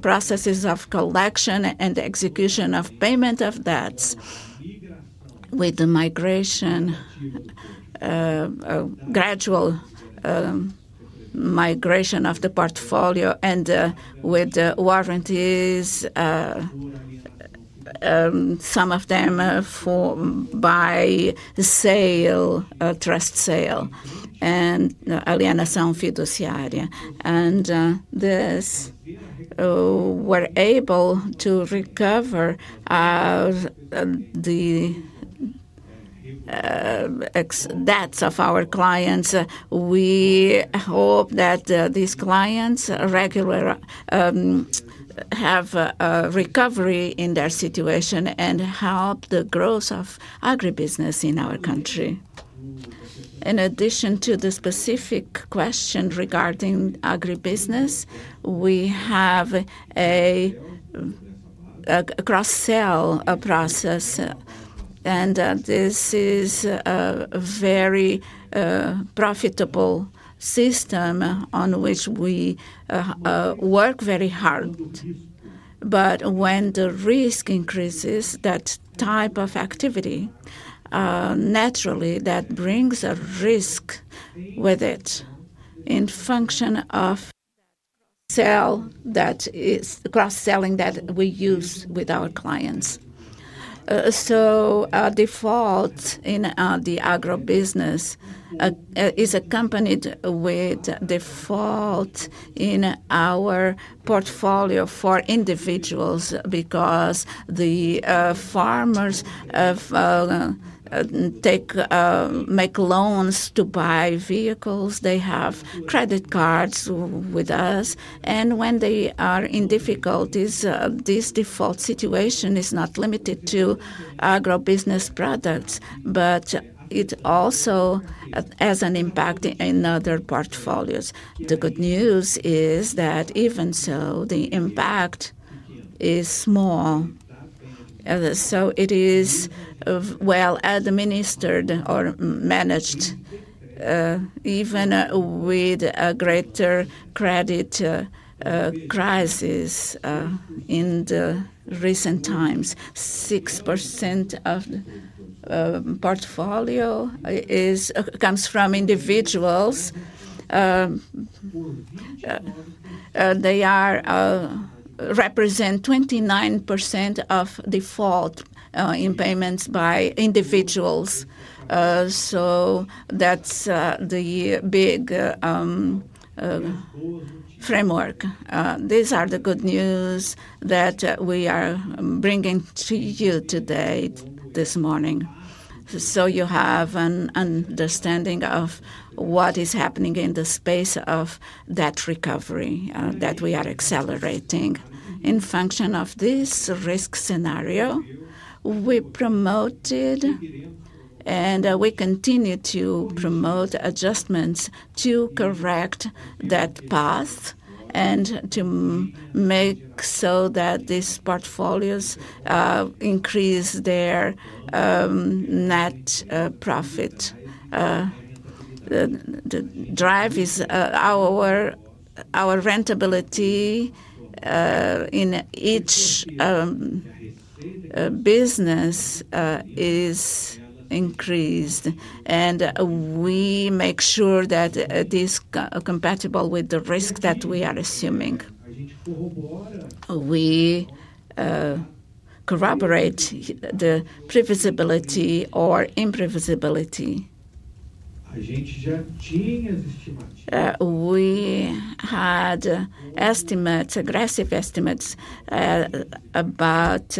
processes of collection and execution of payment of debts with the migration, gradual migration of the portfolio, and with the warranties, some of them by trust sale and alienação fiduciária. We were able to recover the debts of our clients. We hope that these clients have recovery in their situation and help the growth of agribusiness in our country. In addition to the specific question regarding agribusiness, we have a cross-sale process, and this is a very profitable system on which we work very hard. When the risk increases, that type of activity, naturally, brings a risk with it in function of cross-selling that we use with our clients. Default in the agribusiness is accompanied with default in our portfolio for individuals because the farmers make loans to buy vehicles. They have credit cards with us. When they are in difficulties, this default situation is not limited to agribusiness products, but it also has an impact in other portfolios. The good news is that even so, the impact is small. It is well administered or managed, even with a greater credit crisis in recent times. 6% of the portfolio comes from individuals. They represent 29% of default in payments by individuals. That's the big framework. These are the good news that we are bringing to you today, this morning. You have an understanding of what is happening in the space of debt recovery that we are accelerating. In function of this risk scenario, we promoted and we continue to promote adjustments to correct that path and to make so that these portfolios increase their net profit. Our rentability in each business is increased, and we make sure that it is compatible with the risk that we are assuming. We corroborate the previsibility or imprevisibility. We had aggressive estimates about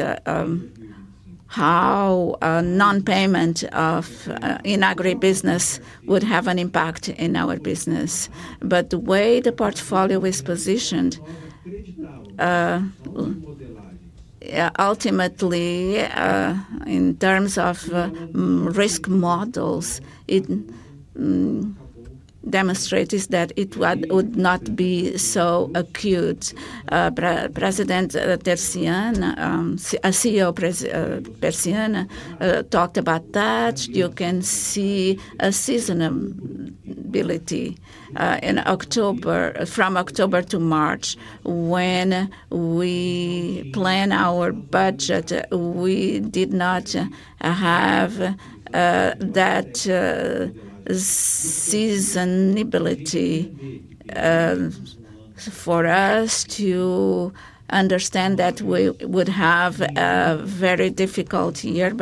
how non-payment in agribusiness would have an impact in our business. The way the portfolio is positioned, ultimately, in terms of risk models, it demonstrates that it would not be so acute. President Tarciana Gomes Medeiros, CEO Tarciana Gomes Medeiros, talked about that. You can see a seasonality from October to March. When we plan our budget, we did not have that seasonality for us to understand that we would have a very difficult year.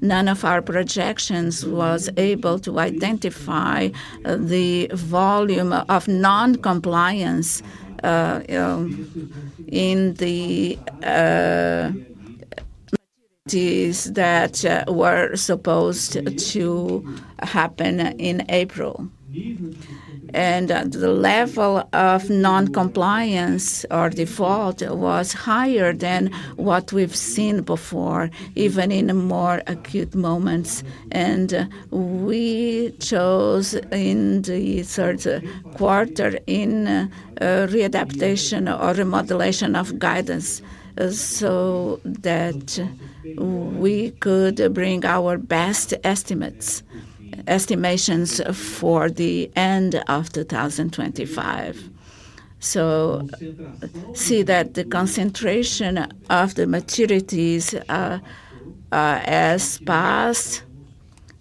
None of our projections was able to identify the volume of non-compliance that was supposed to happen in April. The level of non-compliance or default was higher than what we've seen before, even in more acute moments. We chose in the third quarter a readaptation or remodelation of guidance so that we could bring our best estimations for the end of 2025. The concentration of the maturities has passed.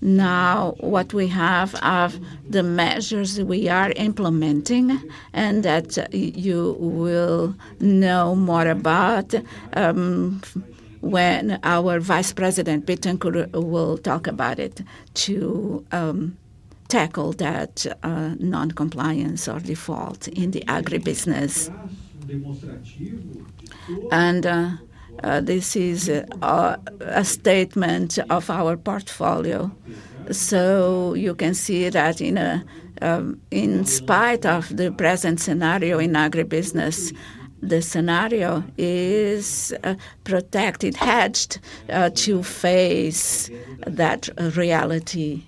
Now, what we have are the measures that we are implementing and that you will know more about when our Vice President Jilson Bittenkourt will talk about it to tackle that non-compliance or default in the agribusiness. This is a statement of our portfolio. You can see that in spite of the present scenario in agribusiness, the scenario is protected, hedged to face that reality.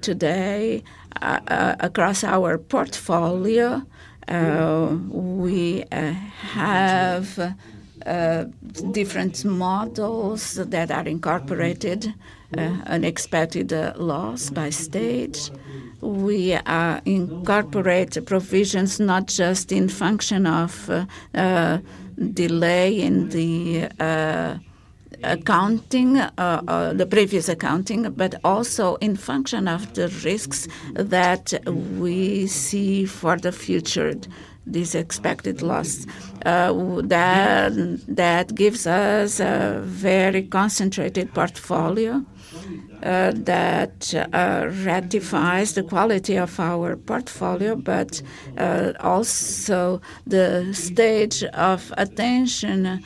Today, across our portfolio, we have different models that are incorporated, unexpected loss by state. We incorporate provisions not just in function of delay in the previous accounting, but also in function of the risks that we see for the future, these expected loss. That gives us a very concentrated portfolio that ratifies the quality of our portfolio, but also the stage of attention,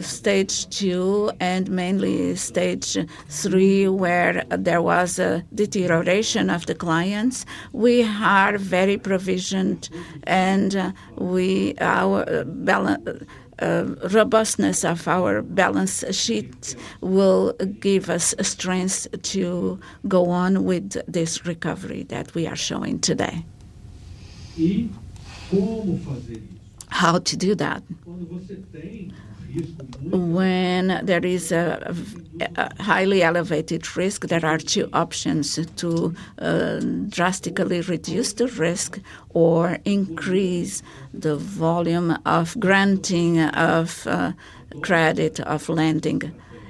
stage two, and mainly stage three, where there was a deterioration of the clients. We are very provisioned, and our robustness of our balance sheet will give us strength to go on with this recovery that we are showing today. How to do that? When there is a highly elevated risk, there are two options to drastically reduce. The risk or increase the volume of granting of credit of lending.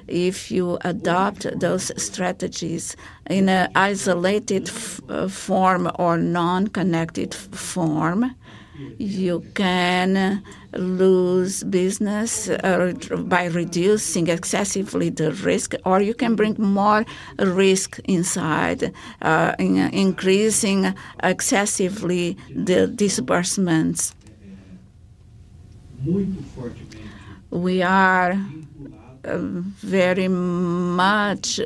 If you adopt those strategies in an isolated form or non-connected form, you can lose business by reducing excessively the risk, or you can bring more risk inside, increasing excessively the disbursements. We are very much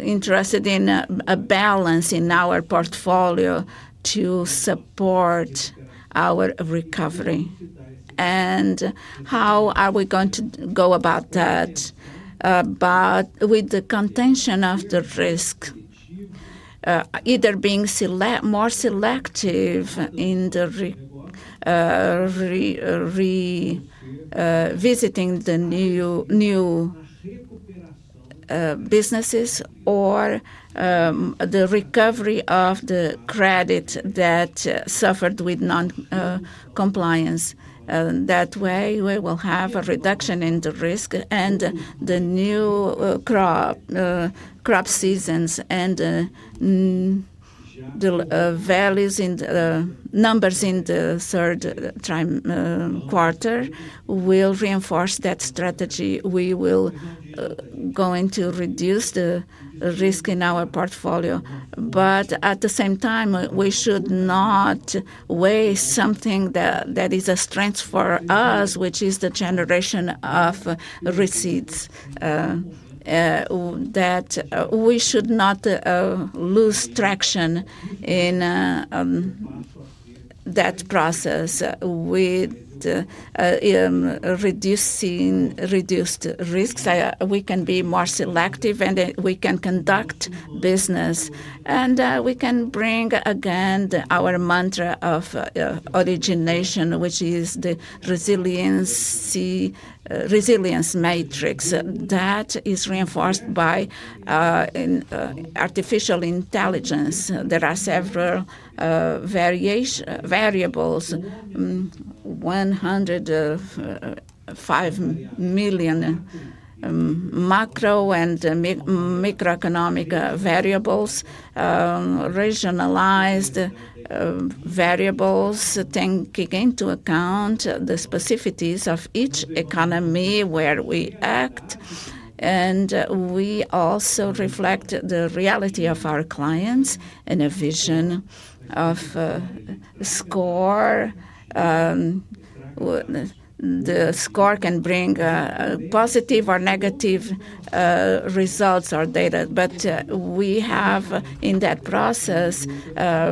interested in a balance in our portfolio to support our recovery. How are we going to go about that? With the contention of the risk, either being more selective in revisiting the new businesses or the recovery of the credit that suffered with non-compliance. That way, we will have a reduction in the risk. The new crop seasons and the values and numbers in the third quarter will reinforce that strategy. We will go into reduce the risk in our portfolio. At the same time, we should not waste something that is a strength for us, which is the generation of receipts. We should not lose traction in that process. With reduced risks, we can be more selective and we can conduct business. We can bring again our mantra of origination, which is the resilience matrix. That is reinforced by artificial intelligence. There are several variables: 105 million macro and microeconomic variables, regionalized variables, taking into account the specificities of each economy where we act. We also reflect the reality of our clients in a vision of score. The score can bring positive or negative results or data. We have in that process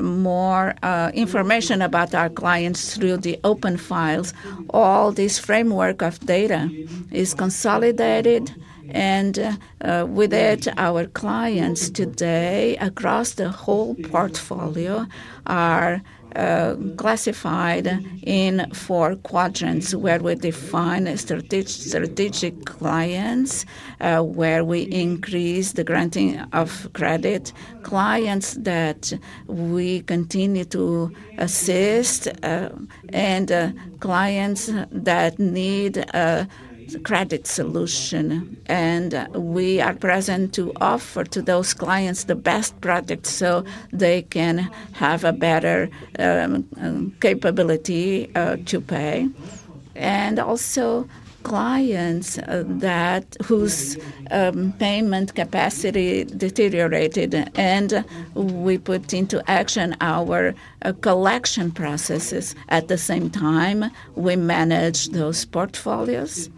more information about our clients through the open files. All this framework of data is consolidated. With it, our clients today across the whole portfolio are classified in four quadrants where we define strategic clients, where we increase the granting of credit, clients that we continue to assist, and clients that need a credit solution. We are present to offer to those clients the best product so they can have a better capability to pay. Also, clients whose payment capacity deteriorated, we put into action our collection processes. At the same time, we manage those portfolios.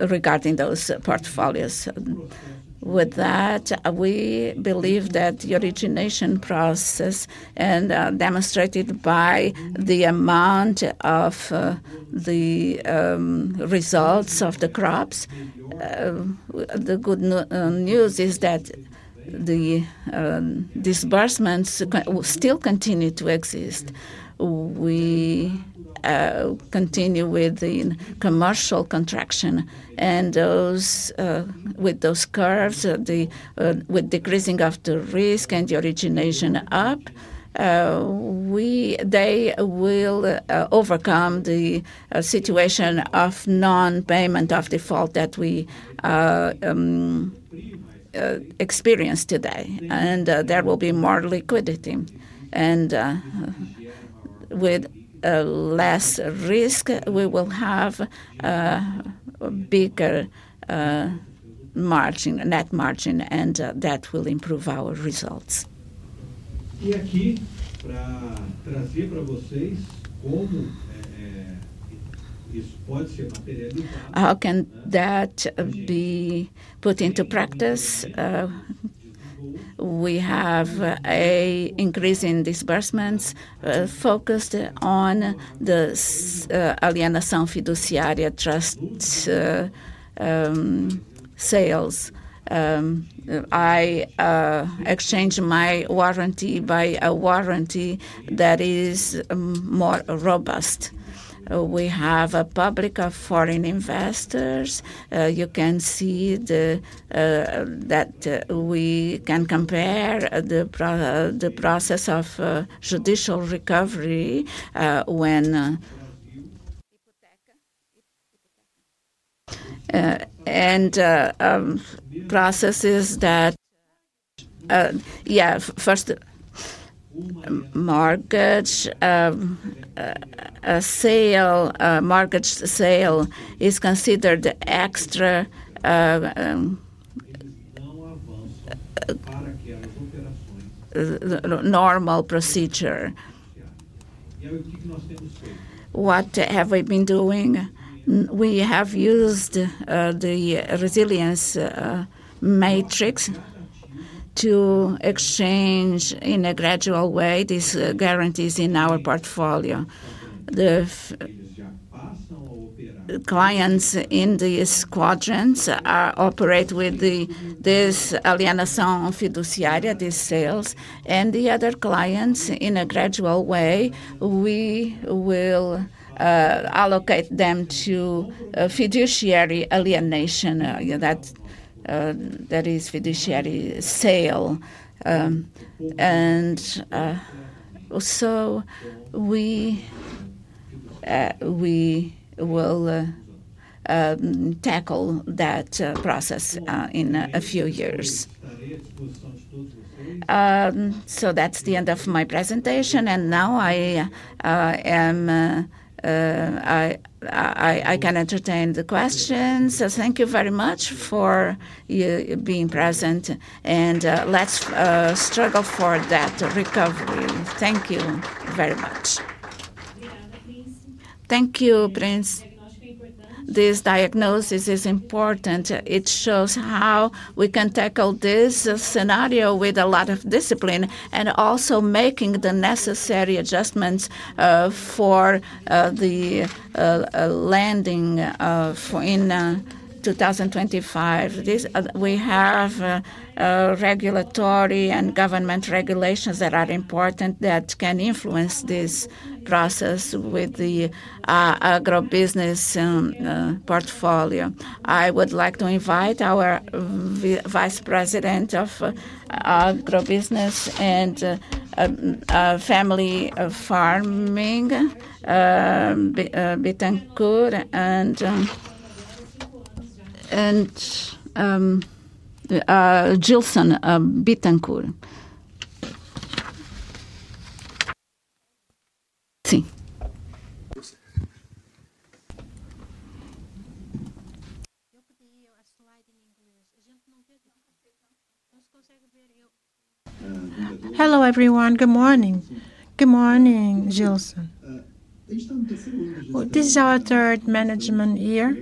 Regarding those portfolios, we believe that the origination process, and demonstrated by the amount of the results of the crops, the good news is that the disbursements still continue to exist. We continue with the commercial contraction. With those curves, with decreasing of the risk and the origination up, they will overcome the situation of non-payment of default that we experience today. There will be more liquidity. With less risk, we will have a bigger net margin, and that will improve our results. E aqui, para trazer para vocês como isso pode ser uma pedra. How can that be put into practice? We have an increase in disbursements focused on the alienation fiduciary trust sales. I exchange my warranty by a warranty that is more robust. We have a public of foreign investors. You can see that we can compare the process of judicial recovery when and processes that, yeah, first, mortgage sale is considered extra normal procedure. What have we been doing? We have used the resilience matrix to exchange in a gradual way these guarantees in our portfolio. The clients in these quadrants operate with this alienation fiduciary, these sales. The other clients, in a gradual way, we will allocate them to fiduciary alienation, that is fiduciary sale. We will tackle that process in a few years. That's the end of my presentation. Now I can entertain the questions. Thank you very much for you being present. Let's struggle for that recovery. Thank you very much. Thank you, Prince. This diagnosis is important. It shows how we can tackle this scenario with a lot of discipline and also making the necessary adjustments for the landing in 2025. We have regulatory and government regulations that are important that can influence this process with the agrobusiness portfolio. I would like to invite our Vice President of Agribusiness and Family Farming, Bittenkourt. Jilson Bittenkourt. Hello, everyone. Good morning. Good morning, Jilson. This is our third management year.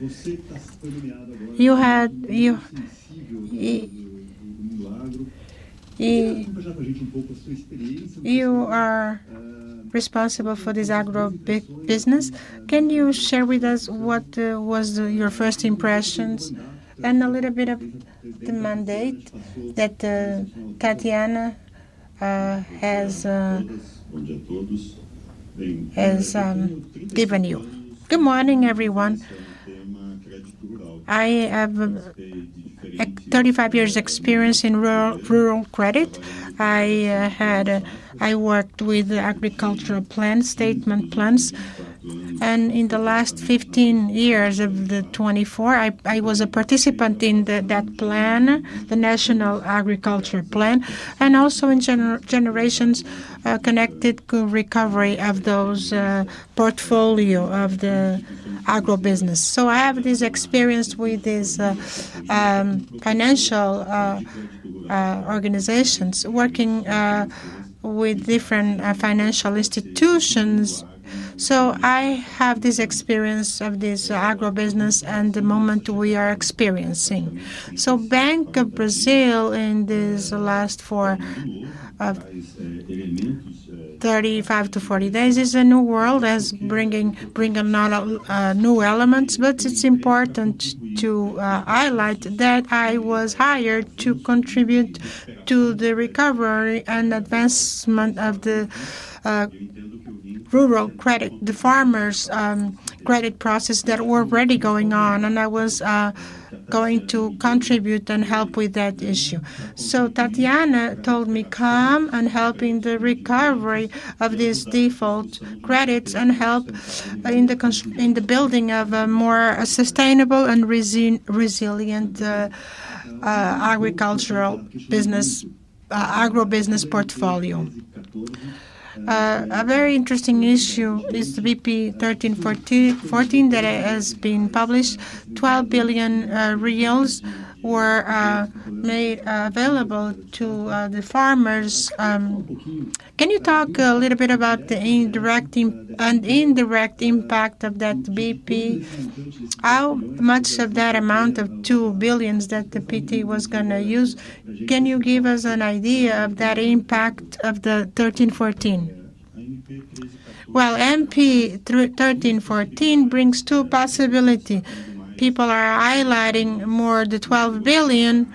You are superior to him. Eu sou o segundo ano. E você já compartilhou com a gente um pouco a sua experiência. You are responsible for this agrobusiness. Can you share with us what was your first impressions and a little bit of the mandate that Tarciana has given you? Good morning, everyone. I have 35 years' experience in rural credit. I worked with agricultural plan statement plans. In the last 15 years of the 24, I was a participant in that plan, the National Agriculture Plan, and also in generations connected to recovery of those portfolio of the agrobusiness. I have this experience with these financial organizations working with different financial institutions. I have this experience of this agrobusiness and the moment we are experiencing. Banco do Brasil, in these last 45 to 40 days, is a new world, bringing a lot of new elements. It's important to highlight that I was hired to contribute to the recovery and advancement of the rural credit, the farmers' credit process that were already going on. I was going to contribute and help with that issue. Tarciana told me, "Come and help in the recovery of these default credits and help in the building of a more sustainable and resilient agricultural business, agrobusiness portfolio." A very interesting issue, this VP 1314 that has been published, R$12 billion were made available to the farmers. Can you talk a little bit about the indirect impact of that VP? How much of that amount of R$2 billion that the PT was going to use? Can you give us an idea of that impact of the 1314? MP13. MP1314 brings two possibilities. People are highlighting more the $12 billion,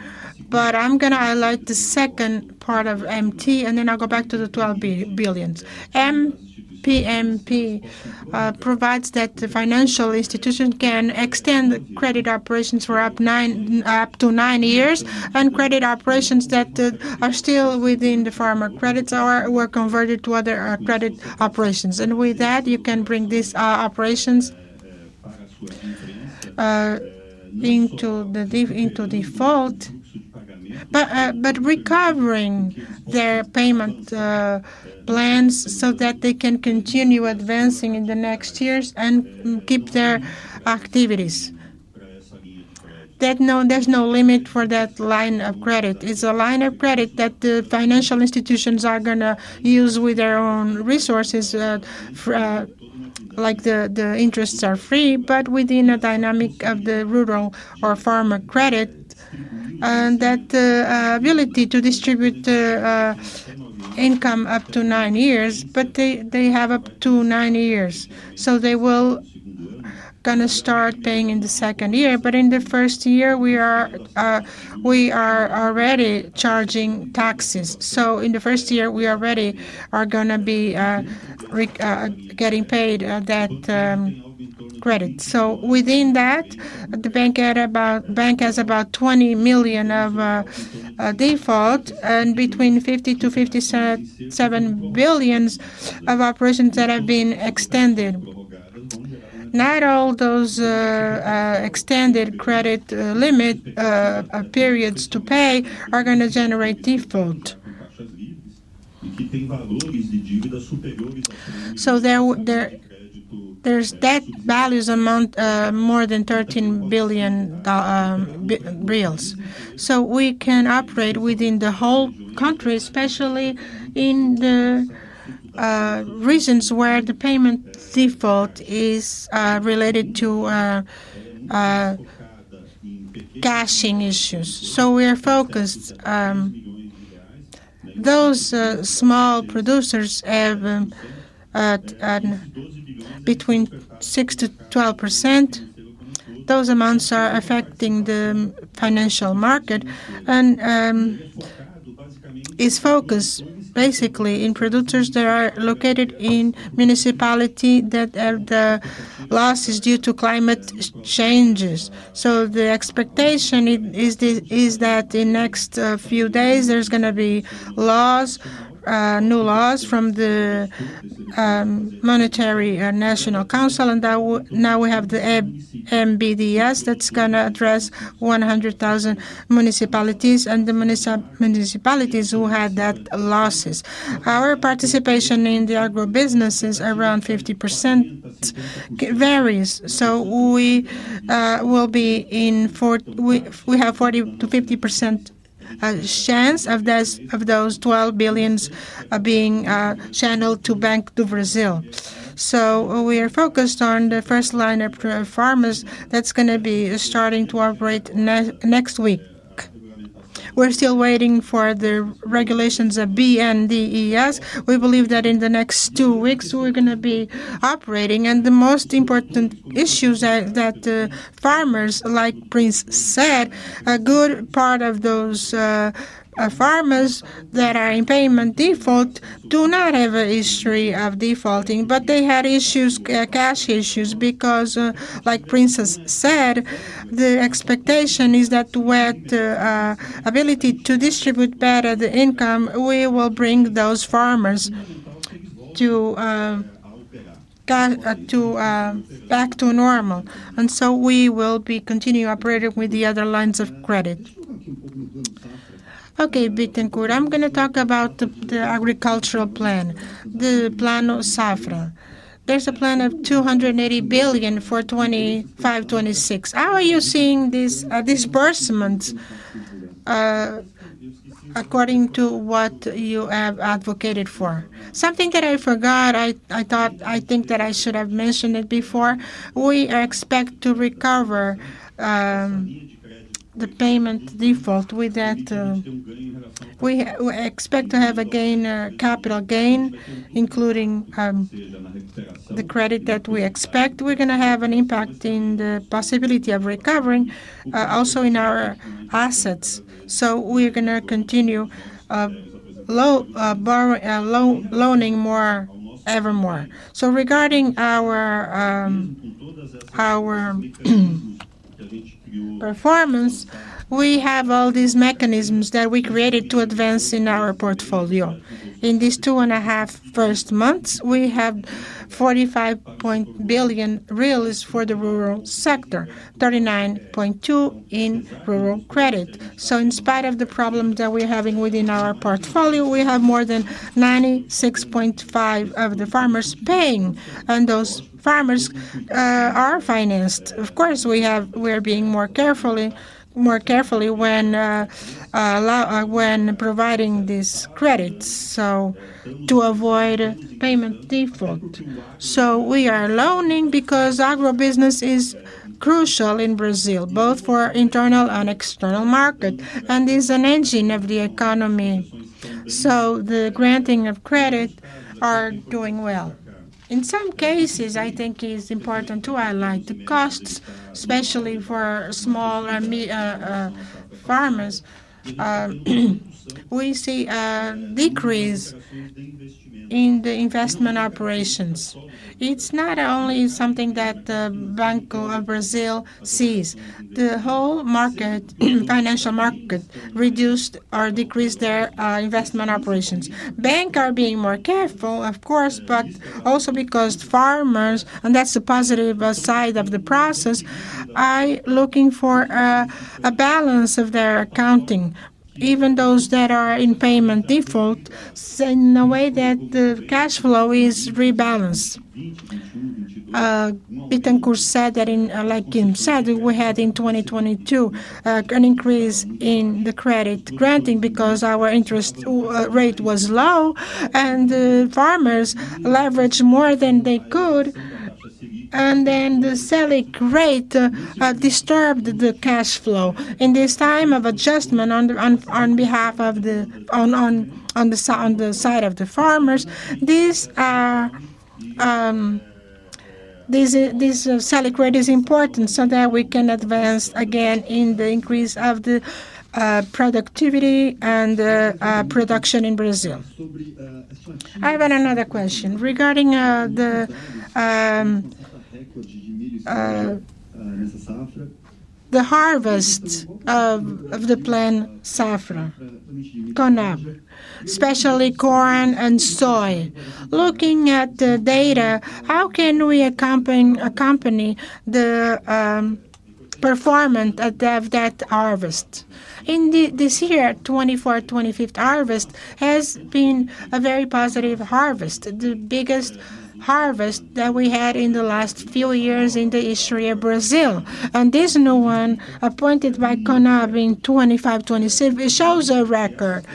but I'm going to highlight the second part of MP, and then I'll go back to the $12 billion. MP provides that the financial institution can extend credit operations for up to nine years and credit operations that are still within the farmer credits or were converted to other credit operations. With that, you can bring these operations into default, but recovering their payment plans so that they can continue advancing in the next years and keep their activities. There's no limit for that line of credit. It's a line of credit that the financial institutions are going to use with their own resources. The interests are free, but within a dynamic of the rural or farmer credit. That ability to distribute income is up to nine years, but they have up to nine years. They will kind of start paying in the second year. In the first year, we are already charging taxes. In the first year, we already are going to be getting paid that credit. Within that, the bank has about $20 million of default and between $50 to $57 billion of operations that have been extended. Not all those extended credit limit periods to pay are going to generate default. There's debt values among more than R$13 billion. We can operate within the whole country, especially in the regions where the payment default is related to cashing issues. We are focused. Those small producers have between 6% to 12%. Those amounts are affecting the financial market and is focused basically in producers that are located in municipalities that have the losses due to climate changes. The expectation is that in the next few days, there's going to be new laws from the Monetary National Council. Now we have the BNDES that's going to address 100,000 municipalities and the municipalities who had that losses. Our participation in the agribusiness is around 50%. It varies. We will be in, we have 40% to 50% chance of those $12 billion being channeled to Banco do Brasil. We are focused on the first line of farmers that's going to be starting to operate next week. We're still waiting for the regulations of BNDES. We believe that in the next two weeks, we're going to be operating. The most important issues are that farmers, like Prince said, a good part of those farmers that are in payment default do not have a history of defaulting, but they had issues, cash issues because, like Prince has said, the expectation is that with the ability to distribute better the income, we will bring those farmers back to normal. We will continue operating with the other lines of credit. Okay, Bittenkourt. I'm going to talk about the agricultural plan, the Plano Safra. There's a plan of R$280 billion for 2025. How are you seeing these disbursements according to what you have advocated for? Something that I forgot, I think that I should have mentioned it before. We expect to recover the payment default with that. We expect to have a capital gain, including the credit that we expect. We're going to have an impact in the possibility of recovering also in our assets. We're going to continue loaning more ever more. Regarding our performance, we have all these mechanisms that we created to advance in our portfolio. In these two and a half first months, we have R$45.1 billion for the rural sector, R$39.2 billion in rural credit. In spite of the problems that we're having within our portfolio, we have more than 96.5% of the farmers paying. Those farmers are financed. Of course, we are being more careful when providing these credits to avoid payment default. We are loaning because agribusiness is crucial in Brazil, both for internal and external markets, and it's an engine of the economy. The granting of credit is doing well. In some cases, I think it's important to highlight the costs, especially for small farmers. We see a decrease in the investment operations. It's not only something that Banco do Brasil sees. The whole financial market reduced or decreased their investment operations. Banks are being more careful, of course, but also because farmers, and that's the positive side of the process, are looking for a balance of their accounting, even those that are in payment default, in a way that the cash flow is rebalanced. Bittenkourt said that, like Kim said, we had in 2022 an increase in the credit granting because our interest rate was low and the farmers leveraged more than they could. The selling rate disturbed the cash flow. In this time of adjustment on behalf of the on the side of the farmers, this selling rate is important so that we can advance again in the increase of the productivity and the production in Brazil. I have another question regarding the harvest of the plan Safra, especially corn and soy. Looking at the data, how can we accompany the performance of that harvest? In this year, 2024-2025 harvest has been a very positive harvest. The biggest harvest that we had in the last few years in the history of Brazil. This new one appointed by CONAB in 2025-2026 shows a record.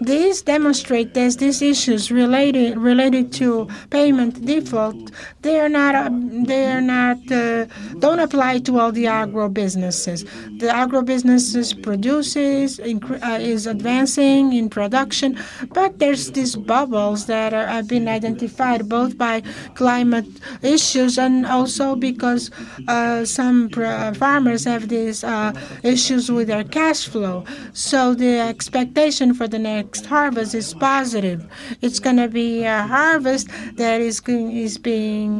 These demonstrate that these issues related to payment default, they don't apply to all the agribusinesses. The agribusinesses produce, is advancing in production, but there's these bubbles that have been identified both by climate issues and also because some farmers have these issues with their cash flow. The expectation for the next harvest is positive. It's going to be a harvest that is being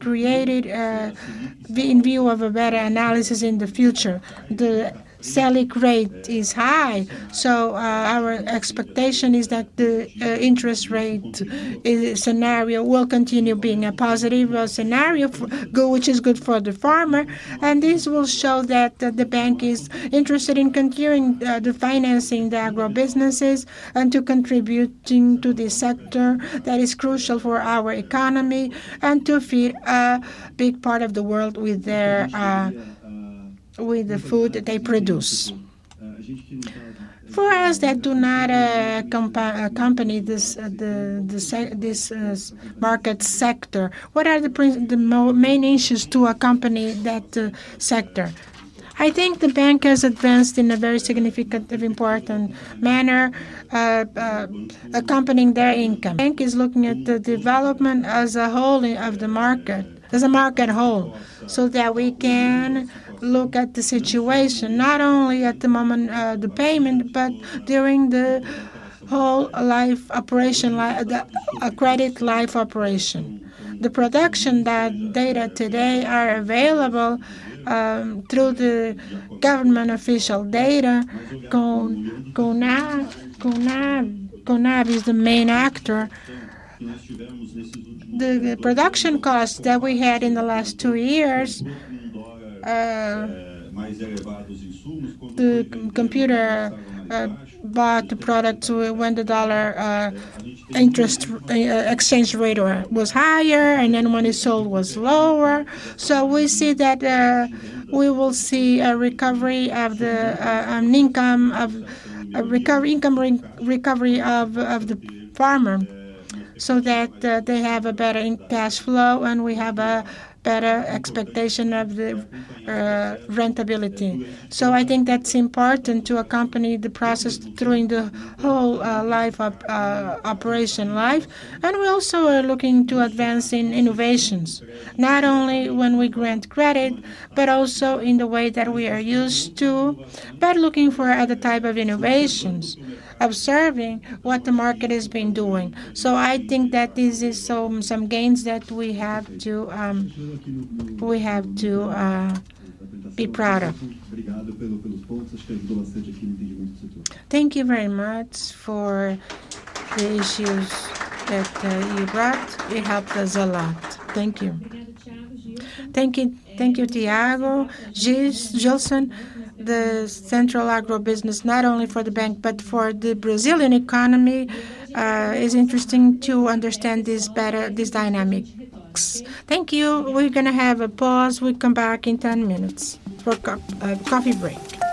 created in view of a better analysis in the future. The selling rate is high. Our expectation is that the interest rate scenario will continue being a positive scenario, which is good for the farmer. This will show that the bank is interested in continuing the financing of the agribusinesses and to contribute to this sector that is crucial for our economy and to feed a big part of the world with the food they produce. For us that do not accompany this market sector, what are the main issues to accompany that sector? I think the bank has advanced in a very significant and important manner, accompanying their income. The bank is looking at the development as a whole of the market, as a market whole, so that we can look at the situation, not only at the moment of the payment, but during the whole life operation, the credit life operation. The production data today are available through the government official data. CONAB is the main actor. The production costs that we had in the last two years, the computer bought the product when the dollar exchange rate was higher and then when it sold was lower. We see that we will see a recovery of the income recovery of the farmer so that they have a better cash flow and we have a better expectation of the rentability. I think that's important to accompany the process during the whole life of operation life. We also are looking to advance in innovations, not only when we grant credit, but also in the way that we are used to, but looking for other types of innovations, observing what the market has been doing. I think that these are some gains that we have to be proud of. Thank you very much for the issues that you brought. It helped us a lot. Thank you. Thank you, thank you, Tiago, Jilson. The central agribusiness, not only for the bank, but for the Brazilian economy, is interesting to understand these dynamics. Thank you. We're going to have a pause. We'll come back in 10 minutes for a coffee. Hello, sites, please. Hi.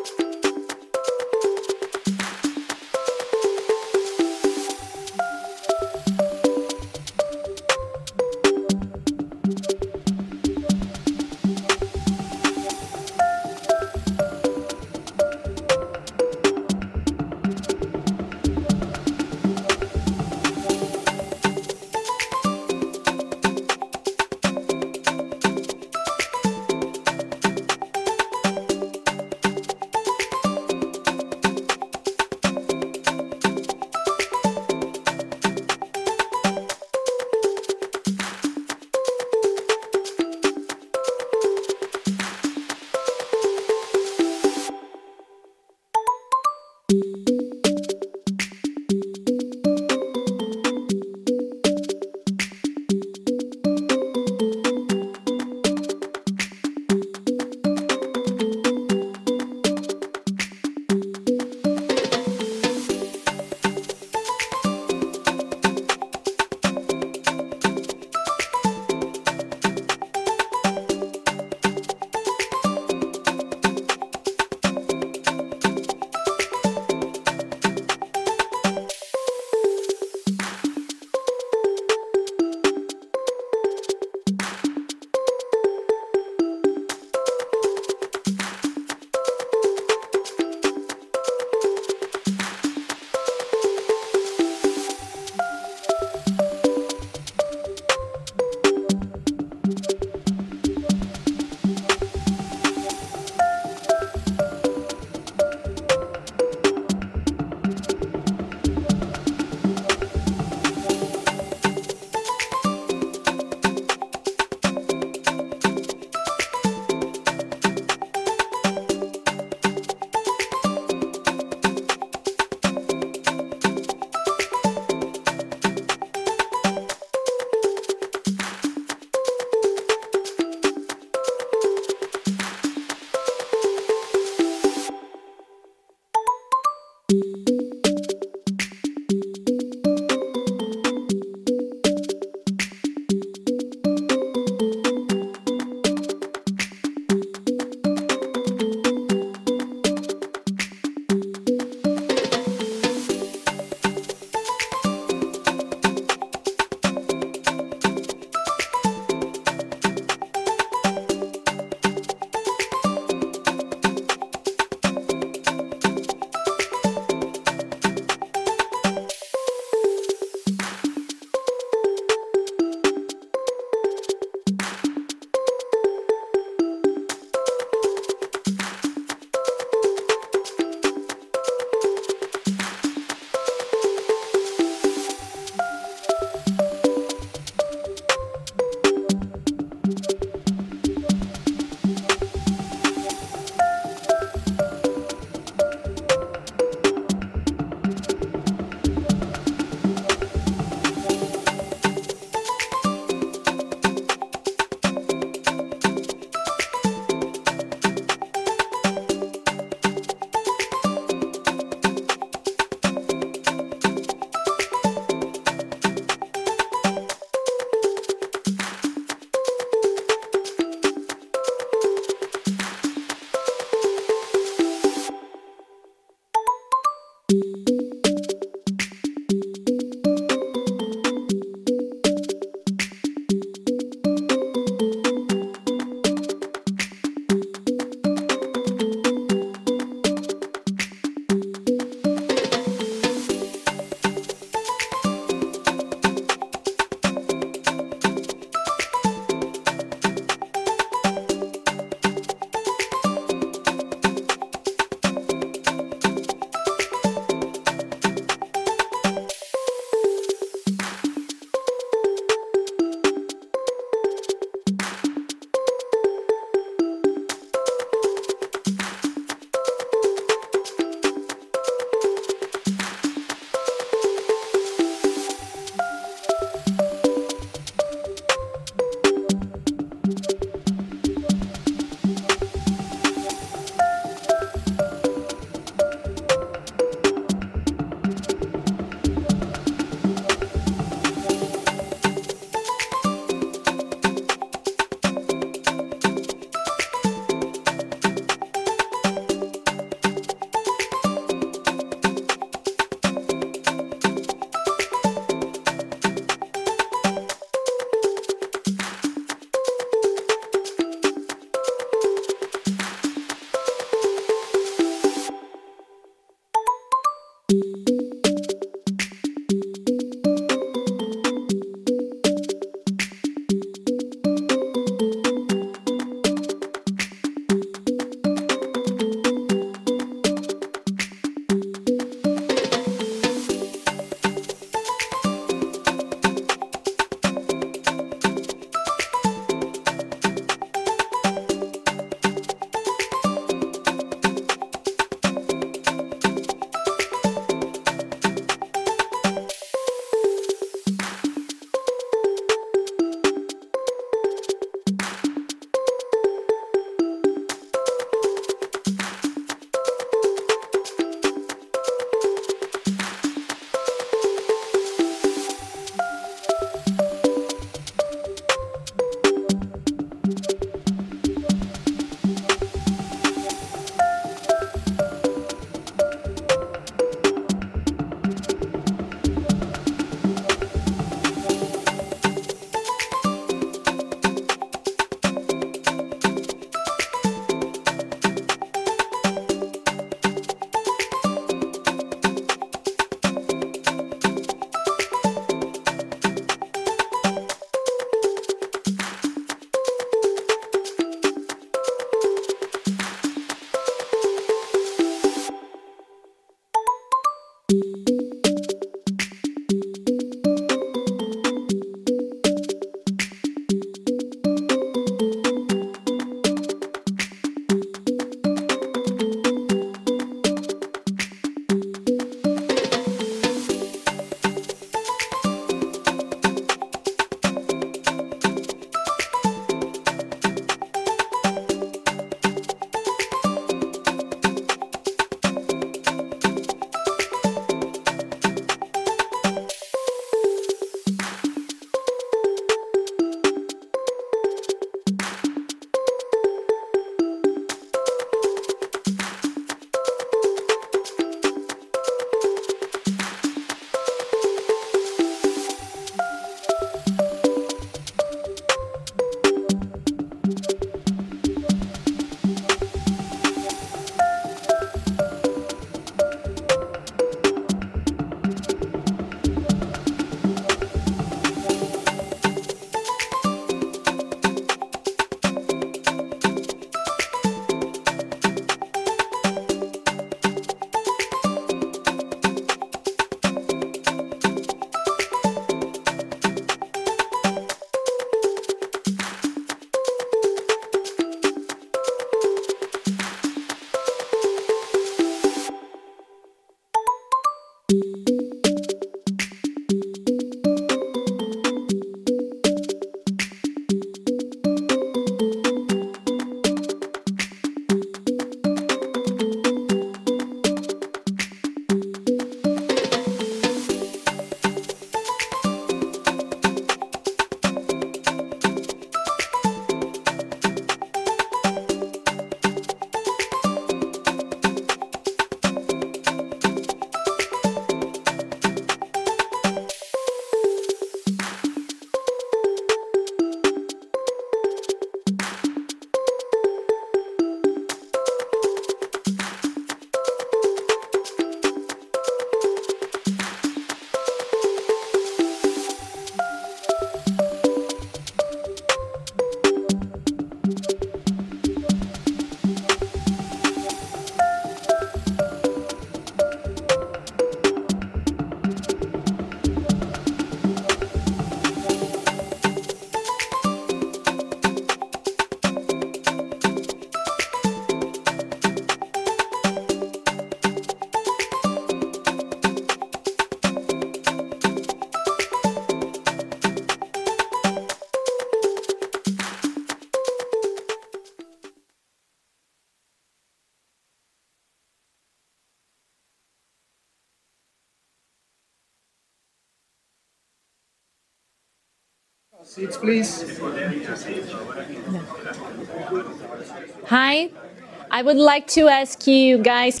I would like to ask you guys,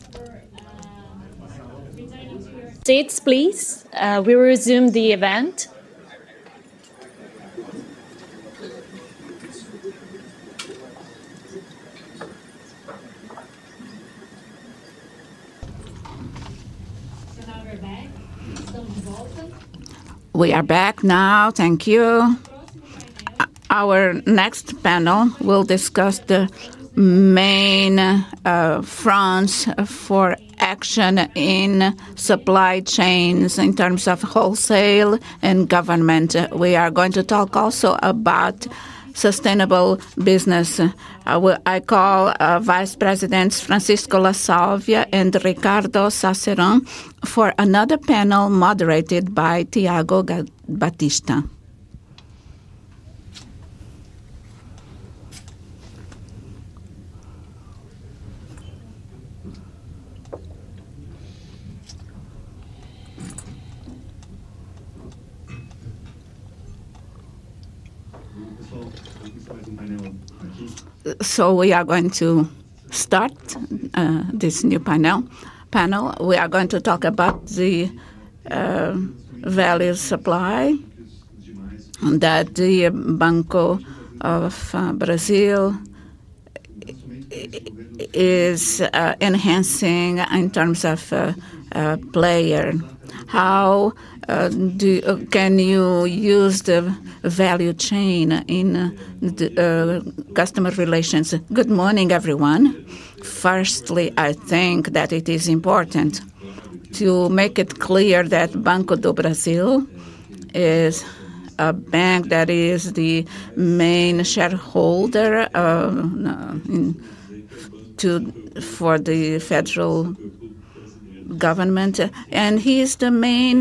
sites, please. We resumed the event. We are back now. Thank you. Our next panel will discuss the main fronts for action in supply chains in terms of wholesale and government. We are going to talk also about sustainable business. I call Vice Presidents Francisco Lasalvia and Ricardo Saceron for another panel moderated by Tiago Batista. We are going to start this new panel. We are going to talk about the value supply that Banco do Brasil is enhancing in terms of a player. How can you use the value chain in customer relations? Good morning, everyone. Firstly, I think that it is important to make it clear that Banco do Brasil is a bank that is the main shareholder for the federal government. He is the main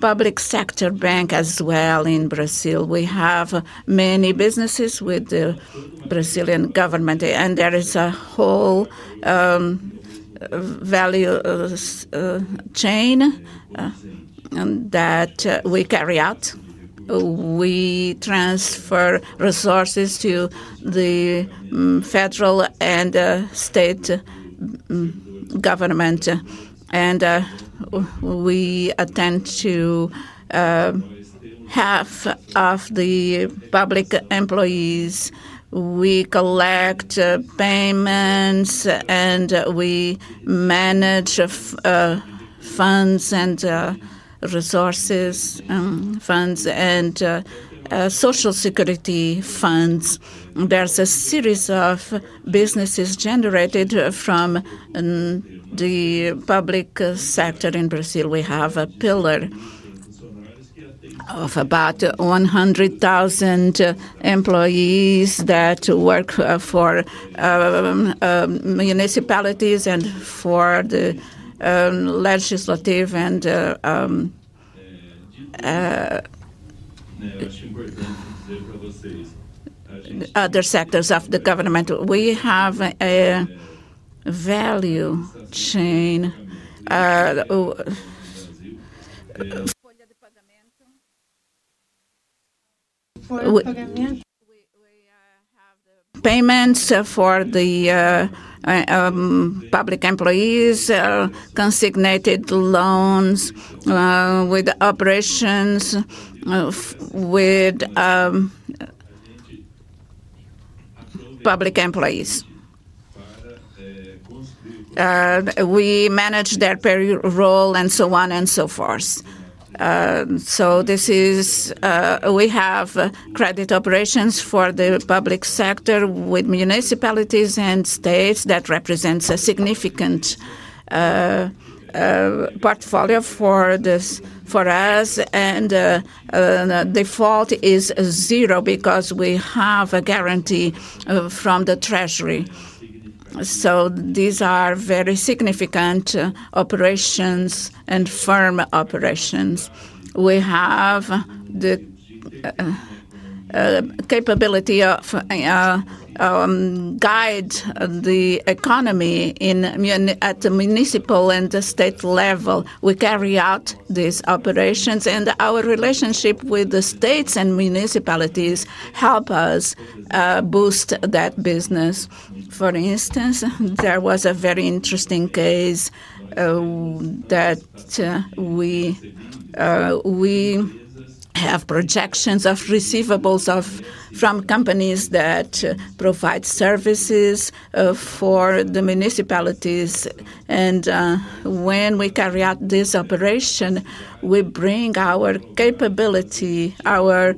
public sector bank as well in Brazil. We have many businesses with the Brazilian government. There is a whole value chain that we carry out. We transfer resources to the federal and state government. We attend to half of the public employees. We collect payments and we manage funds and resources, funds, and social security funds. There's a series of businesses generated from the public sector in Brazil. We have a pillar of about 100,000 employees that work for municipalities and for the legislative and other sectors of the government. We have a value chain. Payments for the public employees are consignated to loans with operations with public employees. We manage their payroll and so on and so forth. We have credit operations for the public sector with municipalities and states that represent a significant portfolio for us. The default is zero because we have a guarantee from the Treasury. These are very significant operations and firm operations. We have the capability of guiding the economy at the municipal and the state level. We carry out these operations. Our relationship with the states and municipalities helps us boost that business. For instance, there was a very interesting case that we have projections of receivables from companies that provide services for the municipalities. When we carry out this operation, we bring our capability, our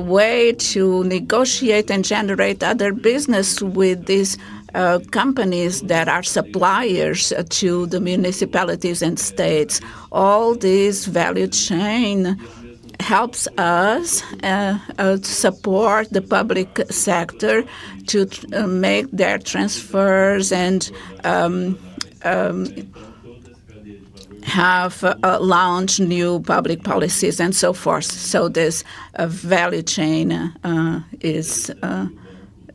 way to negotiate and generate other business with these companies that are suppliers to the municipalities and states. All this value chain helps us to support the public sector to make their transfers and have launched new public policies and so forth. This value chain is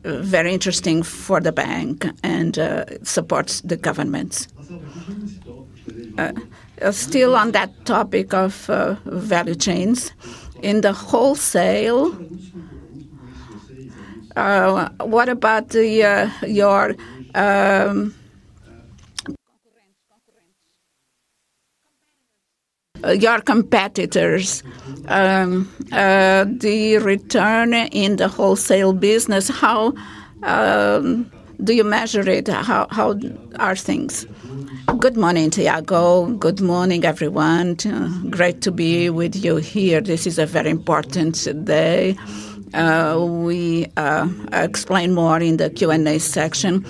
very interesting for the bank and supports the governments. Still on that topic of value chains, in the wholesale, what about your competitors? The return in the wholesale business, how do you measure it? How are things? Good morning, Tiago. Good morning, everyone. Great to be with you here. This is a very important day. We explain more in the Q&A section.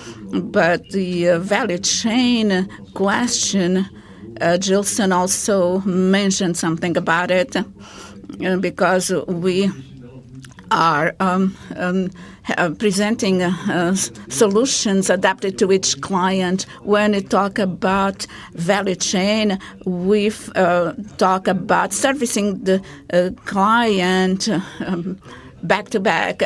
The value chain question, Jilson also mentioned something about it because we are presenting solutions adapted to each client. When we talk about value chain, we talk about servicing the client back to back.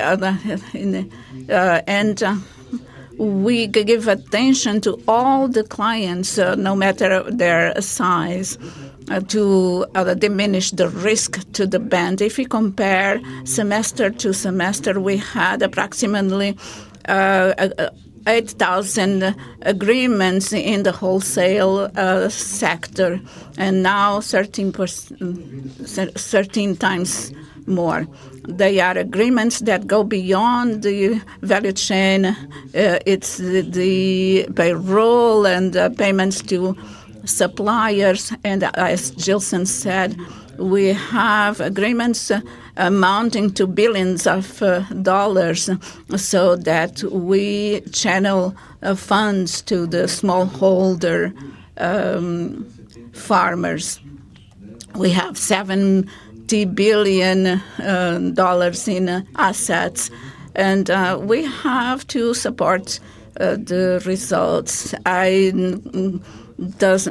We give attention to all the clients, no matter their size, to diminish the risk to the bank. If you compare semester to semester, we had approximately 8,000 agreements in the wholesale sector, and now 13 times more. They are agreements that go beyond the value chain. It's the payroll and the payments to suppliers. As Jilson said, we have agreements amounting to billions of dollars so that we channel funds to the smallholder farmers. We have $70 billion in assets. We have to support the results.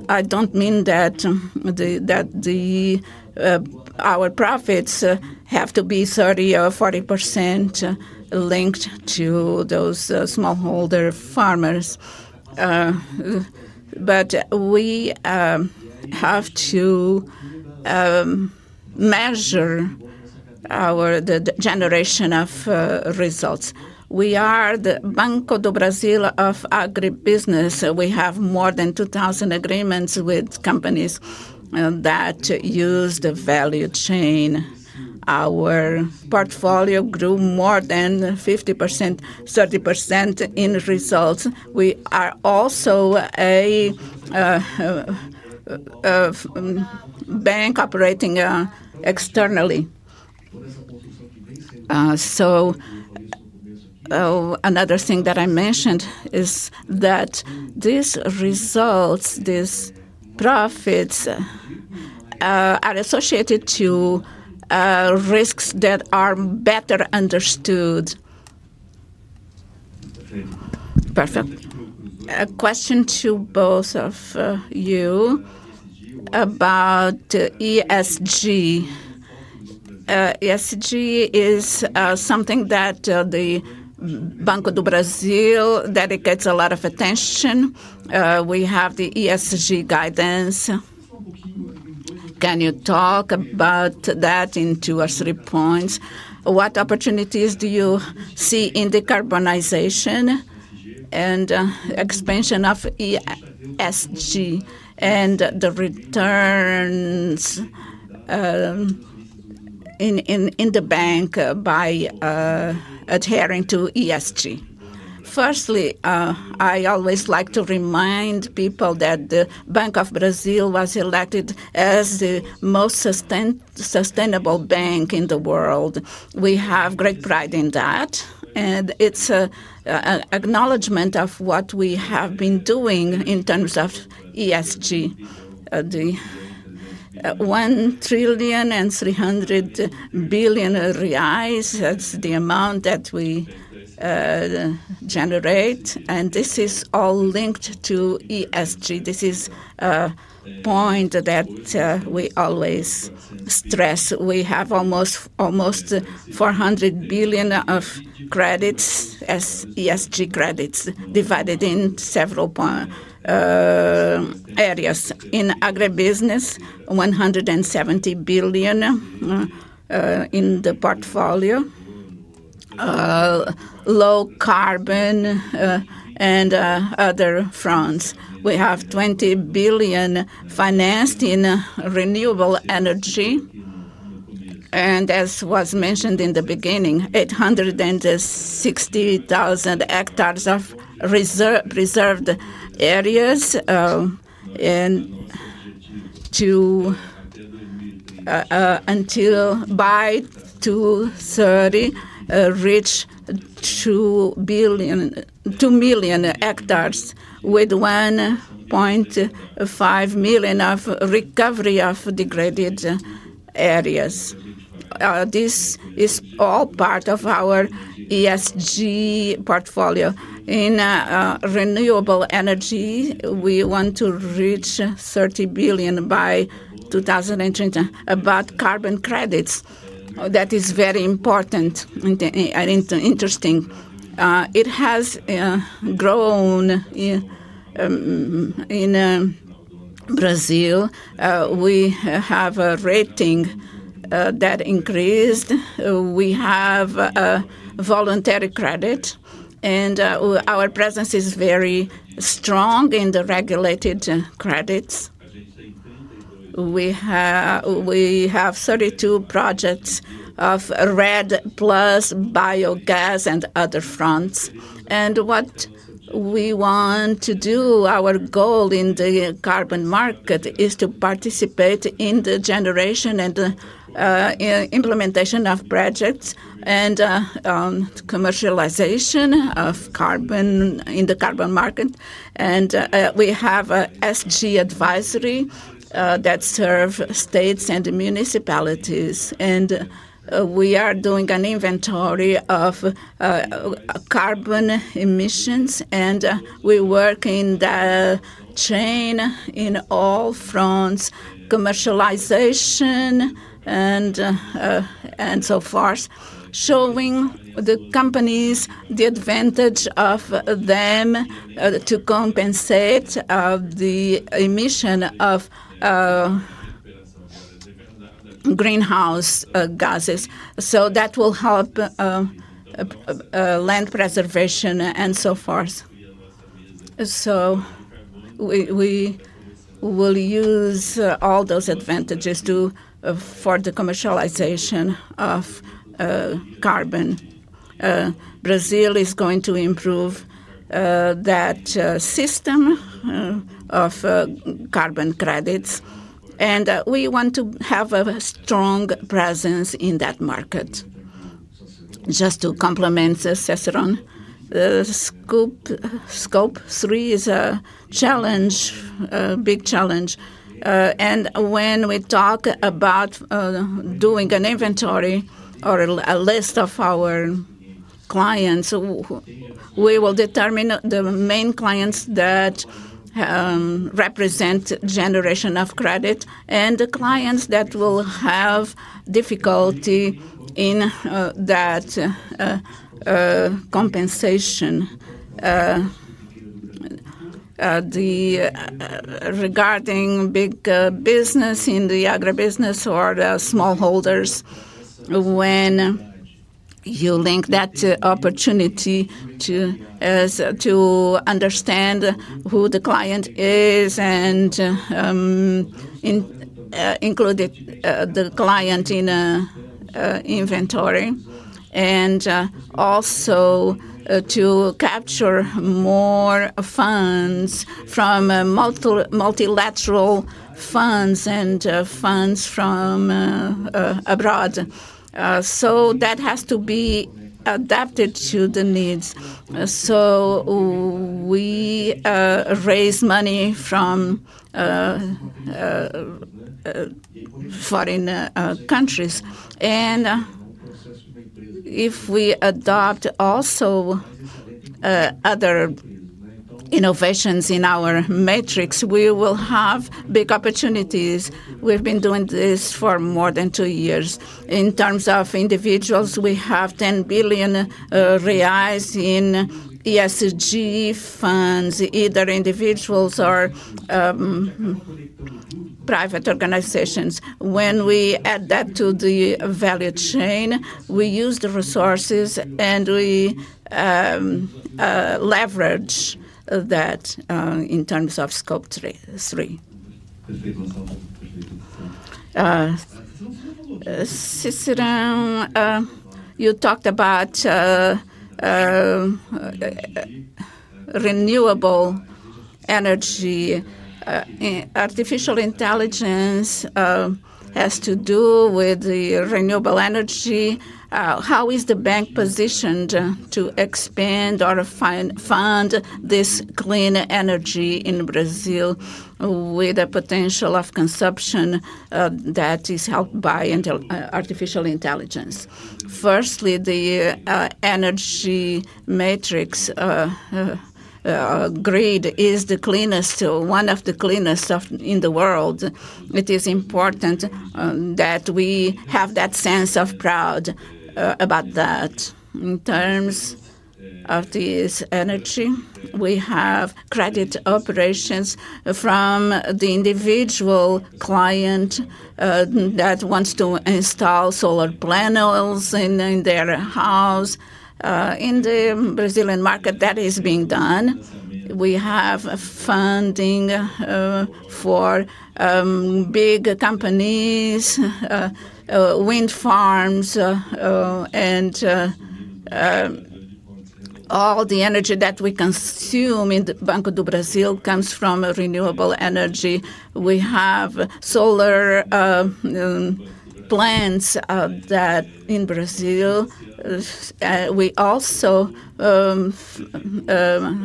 I don't mean that our profits have to be 30% or 40% linked to those smallholder farmers. We have to measure the generation of results. We are the Banco do Brasil of agribusiness. We have more than 2,000 agreements with companies that use the value chain. Our portfolio grew more than 50%, 30% in results. We are also a bank operating externally. Another thing that I mentioned is that these results, these profits are associated to risks that are better understood. Perfect. A question to both of you about the ESG. ESG is something that Banco do Brasil dedicates a lot of attention to. We have the ESG guidance. Can you talk about that in two or three points? What opportunities do you see in decarbonization and expansion of ESG and the returns in the bank by adhering to ESG? Firstly, I always like to remind people that Banco do Brasil was elected as the most sustainable bank in the world. We have great pride in that. It's an acknowledgment of what we have been doing in terms of ESG. R$1.3 trillion, that's the amount that we generate. This is all linked to ESG. This is a point that we always stress. We have almost R$400 billion of credits as ESG credits divided in several areas. In agribusiness, R$170 billion in the portfolio, low carbon, and other fronts. We have R$20 billion financed in renewable energy. As was mentioned in the beginning, 860,000 hectares of preserved areas. By 2030, we want to reach 2 million hectares with 1.5 million of recovery of degraded areas. This is all part of our ESG portfolio. In renewable energy, we want to reach R$30 billion by 2030. About carbon credits, that is very important and interesting. It has grown in Brazil. We have a rating that increased. We have voluntary credit, and our presence is very strong in the regulated credits. We have 32 projects of REDD+, biogas, and other fronts. What we want to do, our goal in the carbon market, is to participate in the generation and implementation of projects and commercialization of carbon in the carbon market. We have an ESG advisory that serves states and municipalities. We are doing an inventory of carbon emissions. We work in the chain in all fronts, commercialization and so forth, showing the companies the advantage of them to compensate the emission of greenhouse gases. That will help land preservation and so forth. We will use all those advantages for the commercialization of carbon. Brazil is going to improve that system of carbon credits. We want to have a strong presence in that market. Just to complement the Ciceron scope, scope three is a challenge, a big challenge. When we talk about doing an inventory or a list of our clients, we will determine the main clients that represent generation of credit and the clients that will have difficulty in that compensation. Regarding big business in the agribusiness or the smallholders, when you link that opportunity to understand who the client is and include the client in an inventory, and also to capture more funds from multilateral funds and funds from abroad, that has to be adapted to the needs. We raise money from foreign countries. If we adopt also other innovations in our metrics, we will have big opportunities. We've been doing this for more than two years. In terms of individuals, we have R$10 billion in ESG funds, either individuals or private organizations. When we add that to the value chain, we use the resources and we leverage that in terms of scope 3. Ciceron, you talked about renewable energy. Artificial intelligence has to do with the renewable energy. How is the bank positioned to expand or fund this clean energy in Brazil with the potential of consumption that is helped by artificial intelligence? Firstly, the energy matrix grid is the cleanest, one of the cleanest in the world. It is important that we have that sense of pride about that. In terms of this energy, we have credit operations from the individual client that wants to install solar panels in their house. In the Brazilian market, that is being done. We have funding for big companies, wind farms, and all the energy that we consume in the Banco do Brasil comes from renewable energy. We have solar plants in Brazil. We also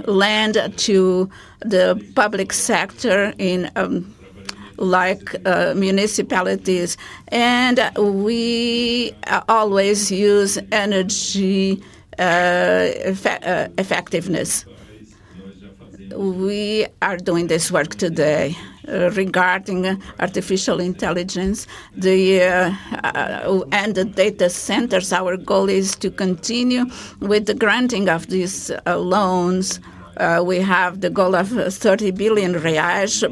lend to the public sector in municipalities. We always use energy effectiveness. We are doing this work today regarding artificial intelligence and the data centers. Our goal is to continue with the granting of these loans. We have the goal of R$30 billion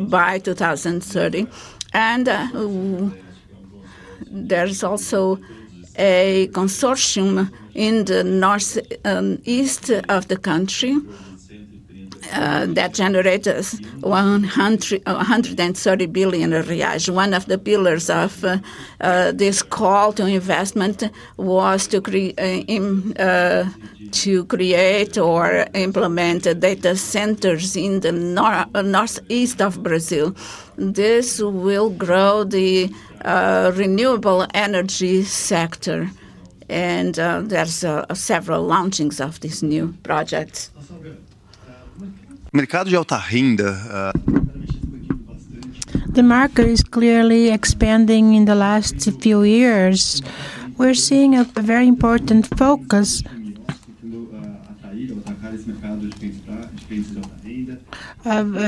by 2030. There is also a consortium in the northeast of the country that generates R$130 billion. One of the pillars of this call to investment was to create or implement data centers in the northeast of Brazil. This will grow the renewable energy sector. There are several launchings of these new projects. The market is clearly expanding in the last few years. We're seeing a very important focus.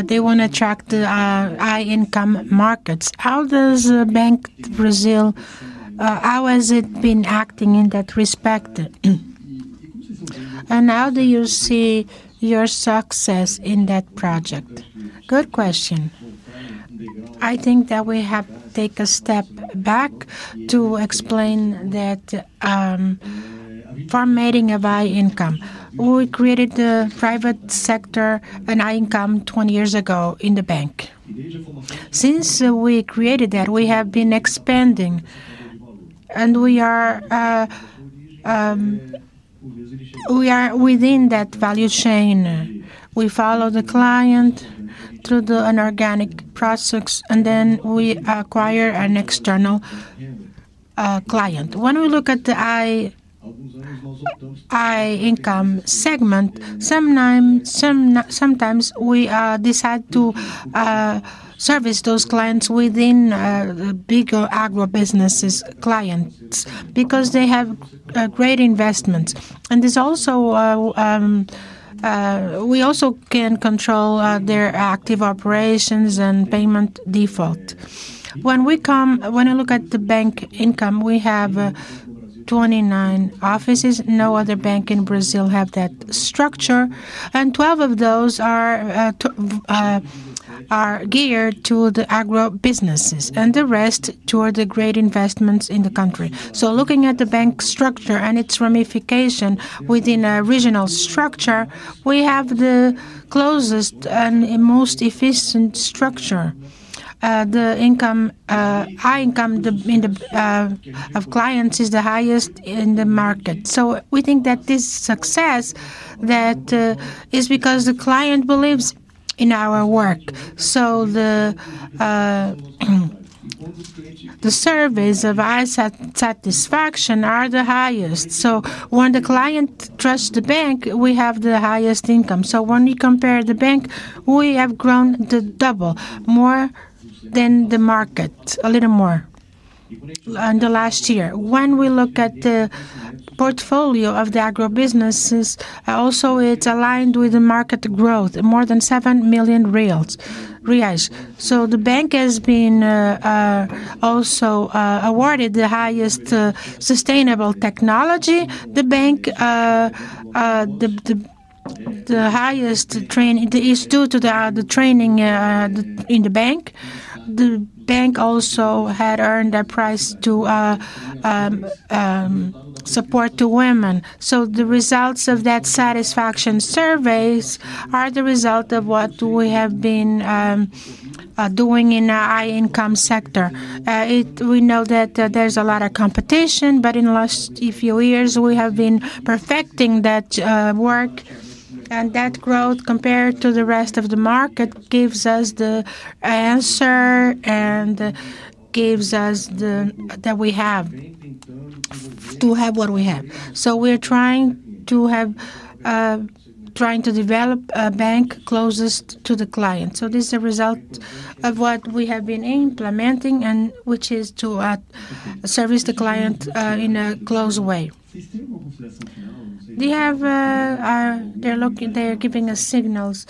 They want to attract the high-income markets. How does Banco do Brasil, how has it been acting in that respect? How do you see your success in that project? Good question. I think that we have to take a step back to explain that, formating a high income. We created the private sector, and high income, 20 years ago in the bank. Since we created that, we have been expanding. We are within that value chain. We follow the client through an organic process, and then we acquire an external client. When we look at the high-income segment, sometimes we decide to service those clients within bigger agribusiness clients because they have great investments. We also can control their active operations and payment default. When I look at the bank income, we have 29 offices. No other bank in Brazil has that structure. Twelve of those are geared to the agribusinesses, and the rest toward the great investments in the country. Looking at the bank structure and its ramification within a regional structure, we have the closest and most efficient structure. The high income of clients is the highest in the market. We think that this success is because the client believes in our work. The surveys of satisfaction are the highest. When the client trusts the bank, we have the highest income. When you compare the bank, we have grown double, more than the market, a little more in the last year. When we look at the portfolio of the agribusinesses, also it's aligned with the market growth, more than R$7 million. The bank has also been awarded the highest sustainable technology. The bank, the highest training, the E2 to the training in the bank. The bank also had earned a prize to support women. The results of that satisfaction surveys are the result of what we have been doing in the high-income sector. We know that there's a lot of competition, but in the last few years, we have been perfecting that work. That growth compared to the rest of the market gives us the answer and gives us that we have to have what we have. We're trying to develop a bank closest to the client. This is a result of what we have been implementing, which is to service the client in a close way. They're giving us signals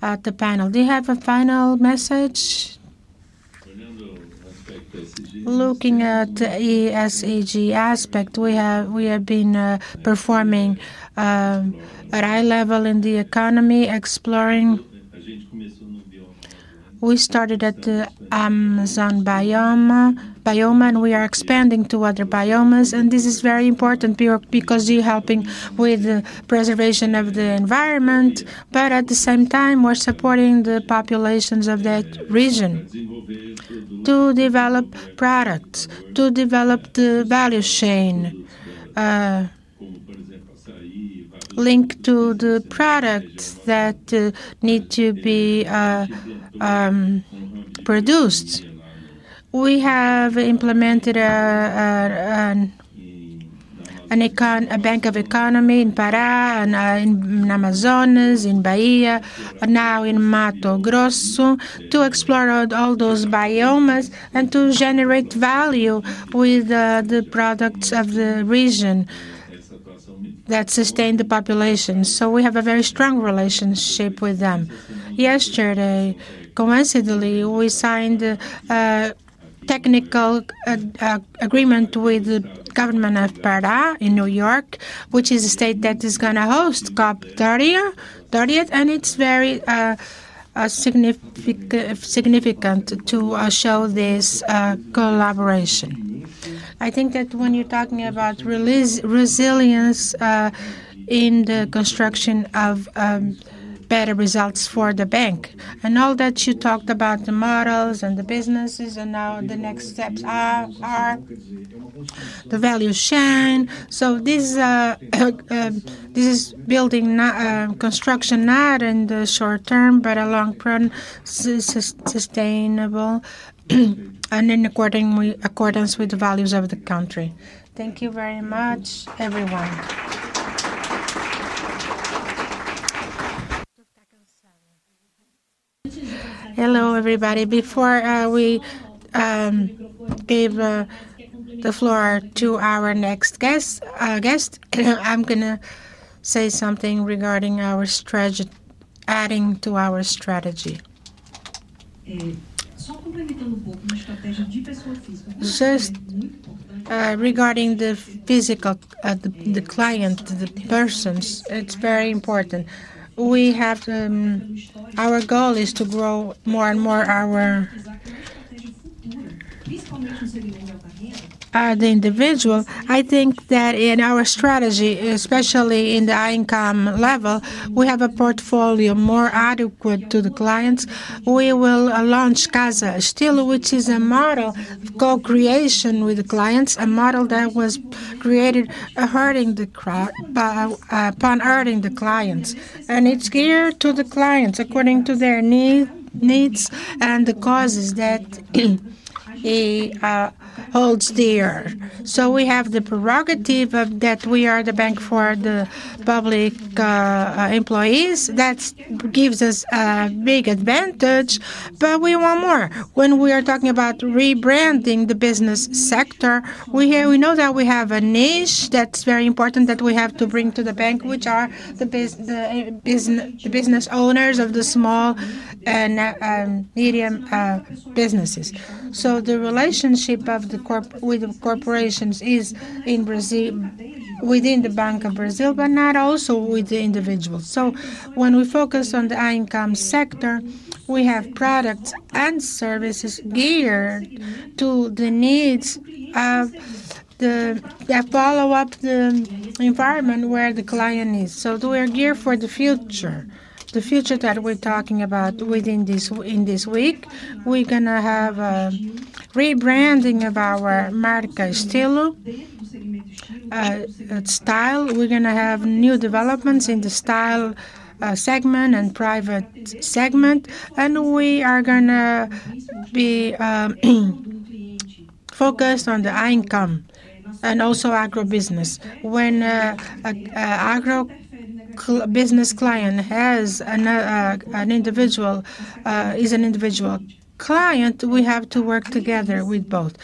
at the panel. They have a final message looking at the ESG aspect. We have been performing at a high level in the economy, exploring. We started at the Amazon biome, and we are expanding to other biomes. This is very important because you're helping with the preservation of the environment. At the same time, we're supporting the populations of that region to develop products, to develop the value chain linked to the products that need to be produced. We have implemented a bank of economy in Pará, in Amazonas, in Bahia, and now in Mato Grosso to explore all those biomes and to generate value with the products of the region that sustain the populations. We have a very strong relationship with them. Yesterday, coincidentally, we signed a technical agreement with the government of Pará in New York, which is a state that is going to host COP30, and it's very significant to show this collaboration. I think that when you're talking about resilience in the construction of better results for the bank, and all that you talked about, the models and the businesses, the next steps are the value chain. This is building construction not in the short term, but a long-term sustainable and in accordance with the values of the country. Thank you very much, everyone. Hello, everybody. Before we give the floor to our next guest, I'm going to say something regarding our strategy, adding to our strategy. to add a little, a strategy for individuals? Regarding the physical, the client, the persons, it's very important. Our goal is to grow more and more our. Esses produtos são comuns? Esses produtos são comuns no seu nível de carreira? The individual, I think that in our strategy, especially in the high-income level, we have a portfolio more adequate to the clients. We will launch Casa Estilo, which is a model of co-creation with the clients, a model that was created upon hearing the clients. It's geared to the clients according to their needs and the causes that he holds dear. We have the prerogative that we are the bank for the public employees. That gives us a big advantage, but we want more. When we are talking about rebranding the business sector, we know that we have a niche that's very important that we have to bring to the bank, which are the business owners of the small and medium businesses. The relationship with the corporations is within Banco do Brasil, but not also with the individuals. When we focus on the high-income sector, we have products and services geared to the needs of the follow-up, the environment where the client is. We are geared for the future, the future that we're talking about within this week. We're going to have a rebranding of our marca Estilo, style. We're going to have new developments in the Estilo segment and private segment. We are going to be focused on the high-income and also agribusiness. When an agribusiness client is an individual client, we have to work together with both.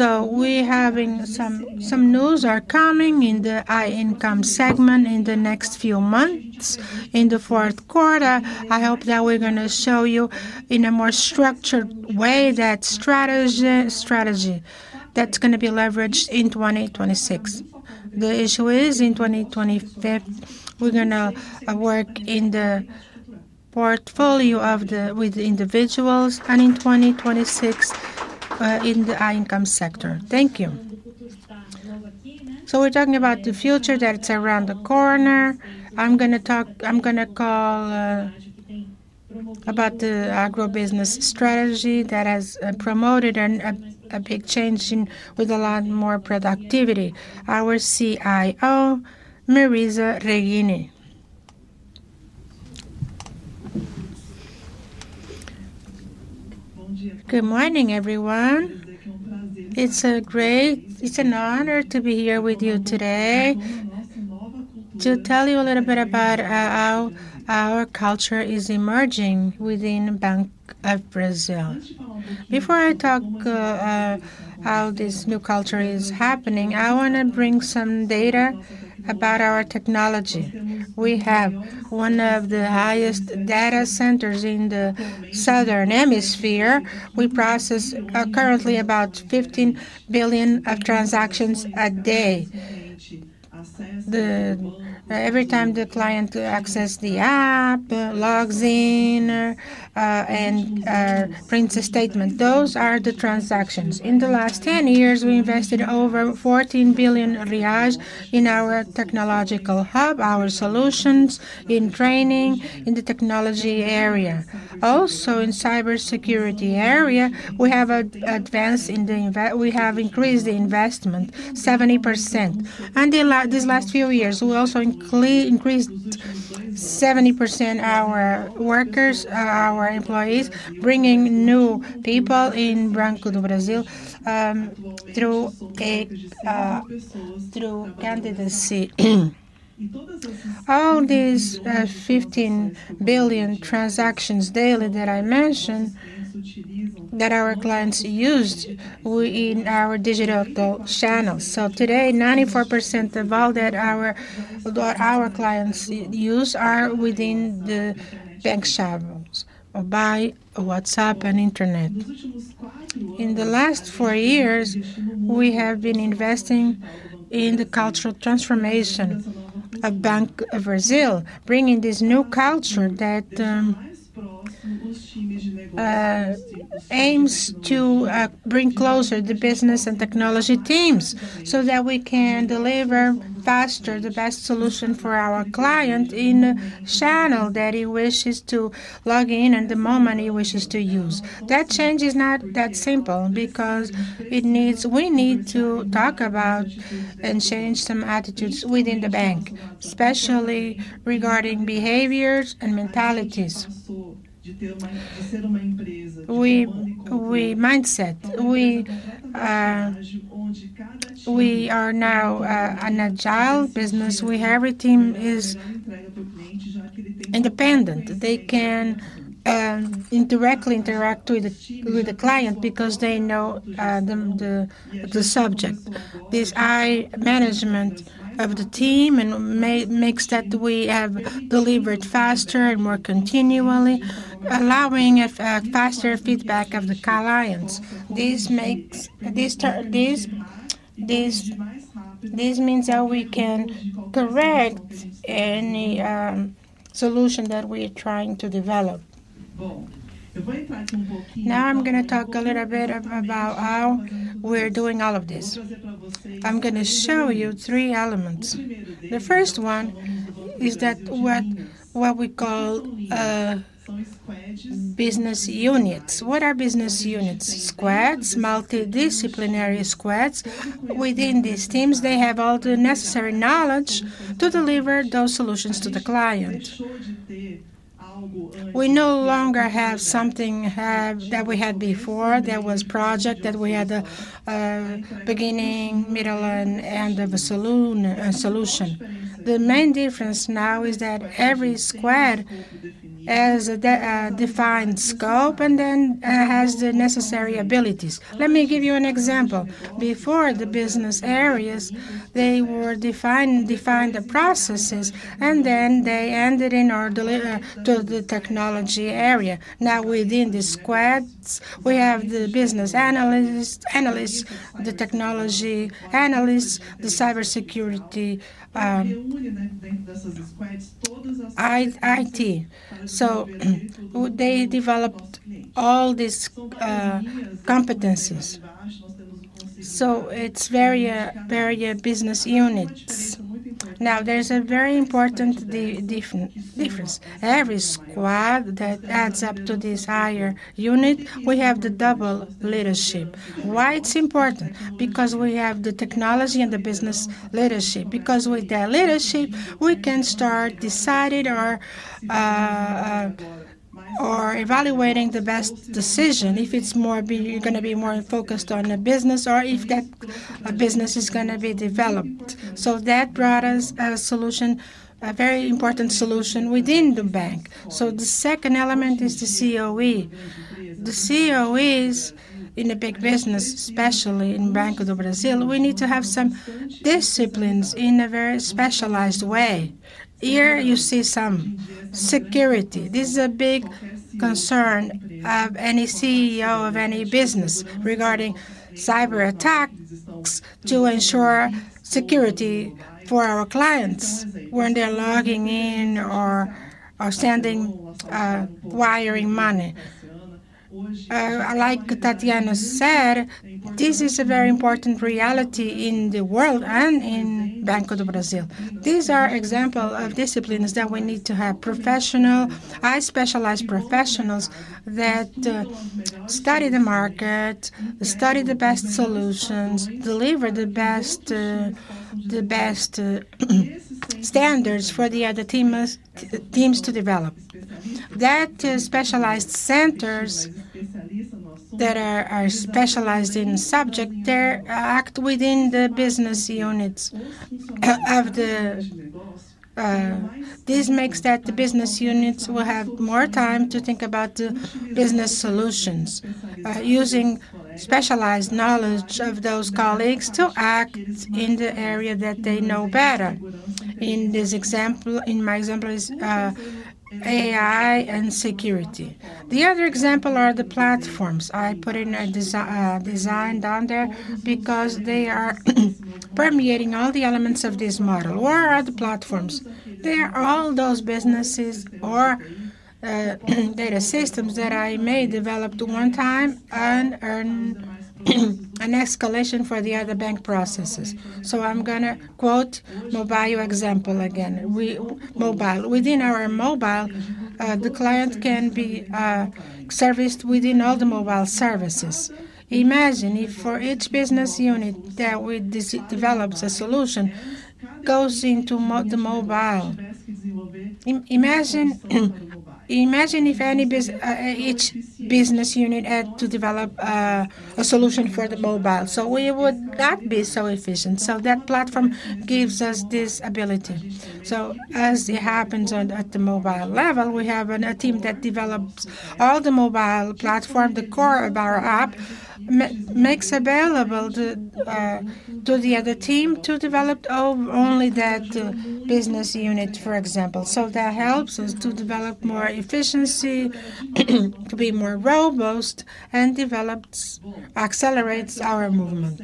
We're having some news that are coming in the high-income segment in the next few months in the fourth quarter. I hope that we're going to show you in a more structured way that strategy that's going to be leveraged in 2026. The issue is in 2025, we're going to work in the portfolio with the individuals and in 2026 in the high-income sector. Thank you. We're talking about the future that's around the corner. I'm going to talk, I'm going to call about the agribusiness strategy that has promoted a big change with a lot more productivity. Our CIO, Marisa Reguinha. Hello. Good morning, everyone. It's a great, it's an honor to be here with you today to tell you a little bit about how our culture is emerging within Banco do Brasil. Before I talk about how this new culture is happening, I want to bring some data about our technology. We have one of the highest data centers in the southern hemisphere. We process currently about 15 billion transactions a day. Every time the client accesses the app, logs in, and prints a statement, those are the transactions. In the last 10 years, we invested over R$14 billion in our technological hub, our solutions in training in the technology area. Also, in the cybersecurity area, we have increased the investment 70%. In these last few years, we also increased 70% our workers, our employees, bringing new people in Banco do Brasil through candidacy. All these 15 billion transactions daily that I mentioned that our clients used in our digital channels. Today, 94% of all that our clients use are within the bank channels by WhatsApp and internet. In the last four years, we have been investing in the cultural transformation of Banco do Brasil, bringing this new culture that aims to bring closer the business and technology teams so that we can deliver faster the best solution for our client in a channel that he wishes to log in and the moment he wishes to use. That change is not that simple because we need to talk about and change some attitudes within the bank, especially regarding behaviors and mentalities. We are now an agile business. We have a team that is independent. They can directly interact with the client because they know the subject. This high management of the team makes that we have delivered faster and more continually, allowing a faster feedback of the clients. This means that we can correct any solution that we're trying to develop. Now, I'm going to talk a little bit about how we're doing all of this. I'm going to show you three elements. The first one is that what we call business units. What are business units? Squads, multidisciplinary squads within these teams. They have all the necessary knowledge to deliver those solutions to the client. We no longer have something that we had before that was a project that we had a beginning, middle, and the solution. The main difference now is that every squad has a defined scope and then has the necessary abilities. Let me give you an example. Before, the business areas were defining the processes, and then they ended in our to the technology area. Now, within the squads, we have the business analysts, the technology analysts, the cybersecurity, IT. They developed all these competencies. It's very, very business units. Now, there's a very important difference. Every squad that adds up to this higher unit, we have the double leadership. Why is it important? Because we have the technology and the business leadership. With that leadership, we can start deciding or evaluating the best decision if it's more you're going to be more focused on the business or if that business is going to be developed. That brought us a solution, a very important solution within the bank. The second element is the COE. The COEs in the big business, especially in Banco do Brasil, we need to have some disciplines in a very specialized way. Here, you see some security. This is a big concern of any CEO of any business regarding cyber attacks to ensure security for our clients when they're logging in or sending wiring money. Like Tarciana said, this is a very important reality in the world and in Banco do Brasil. These are examples of disciplines that we need to have professional, high-specialized professionals that study the market, study the best solutions, deliver the best standards for the other teams to develop. That specialized centers that are specialized in the subject, they act within the business units. This makes that the business units will have more time to think about the business solutions, using specialized knowledge of those colleagues to act in the area that they know better. In this example, in my example, is AI and security. The other example are the platforms. I put in a design down there because they are permeating all the elements of this model. Where are the platforms? They are all those businesses or data systems that I may develop at one time and earn an escalation for the other bank processes. I'm going to quote Mobile example again. Within our mobile, the client can be serviced within all the mobile services. Imagine if for each business unit that we develop a solution that goes into the mobile. Imagine if each business unit had to develop a solution for the mobile. That would not be so efficient. That platform gives us this ability. As it happens at the mobile level, we have a team that develops all the mobile platforms. The core of our app makes it available to the other team to develop only that business unit, for example. That helps us to develop more efficiency, to be more robust, and accelerates our movement.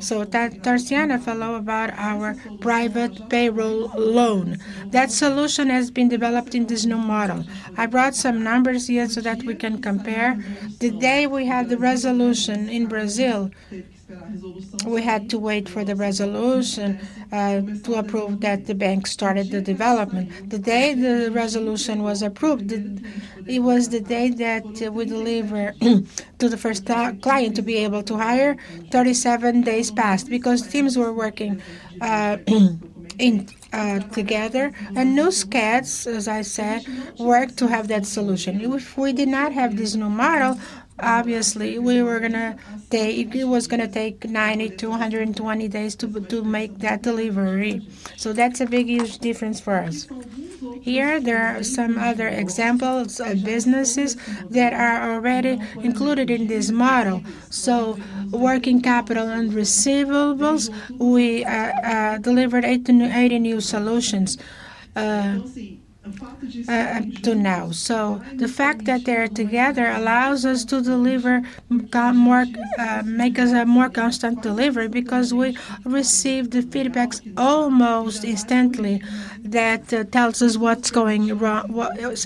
Tarciana talked about our private payroll loan. That solution has been developed in this new model. I brought some numbers here so that we can compare. The day we had the resolution in Brazil, we had to wait for the resolution to approve that the bank started the development. The day the resolution was approved, it was the day that we delivered to the first client to be able to hire. Thirty-seven days passed because teams were working together. New sketches, as I said, worked to have that solution. If we did not have this new model, obviously, it was going to take 90 to 120 days to make that delivery. That's a big, huge difference for us. Here, there are some other examples of businesses that are already included in this model. Working capital and receivables, we delivered 80 new solutions to now. The fact that they're together allows us to deliver more, makes us a more constant delivery because we receive the feedback almost instantly that tells us what's going wrong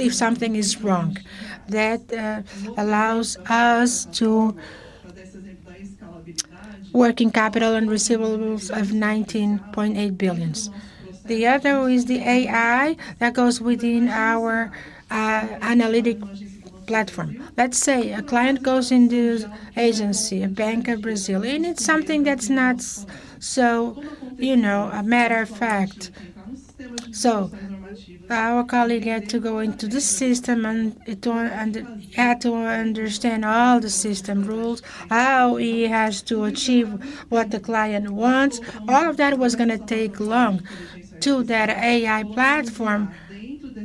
if something is wrong. That allows us to work in capital and receivables of $19.8 billion. The other is the AI that goes within our analytic platform. Let's say a client goes into an agency, a Banco do Brasil, and it's something that's not so, you know, a matter of fact. Our colleague had to go into the system and had to understand all the system rules, how he has to achieve what the client wants. All of that was going to take long. To that AI platform,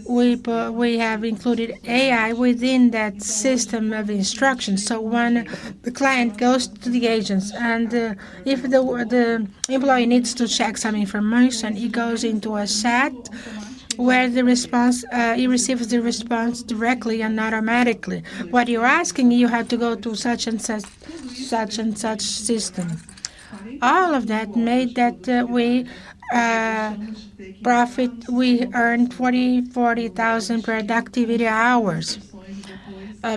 we have included AI within that system of instructions. When the client goes to the agents and if the employee needs to check some information, he goes into a set where he receives the response directly and automatically. What you're asking, you have to go to such and such and such system. All of that made that we profit, we earned 40,000 productivity hours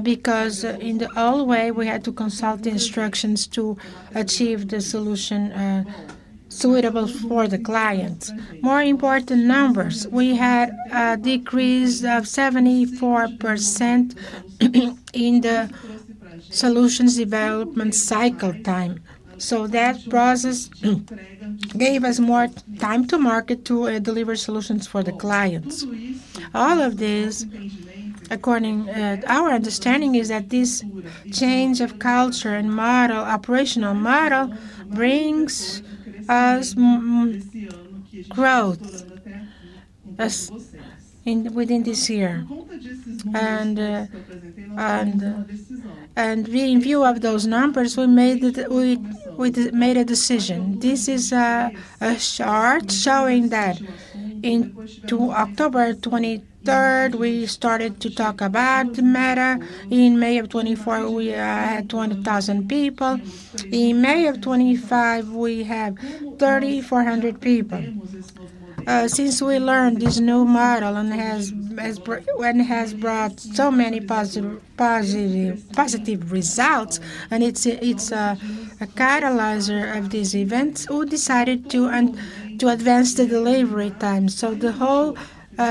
because in the old way, we had to consult the instructions to achieve the solution suitable for the client. More important numbers, we had a decrease of 74% in the solutions development cycle time. That process gave us more time to market to deliver solutions for the clients. All of this, according to our understanding, is that this change of culture and operational model brings us growth within this year. In view of those numbers, we made a decision. This is a chart showing that in October 23rd, we started to talk about the meta. In May of 2024, we had 200,000 people. In May of 2025, we have 3,400 people. Since we learned this new model and has brought so many positive results, and it's a catalyzer of these events, we decided to advance the delivery time. The whole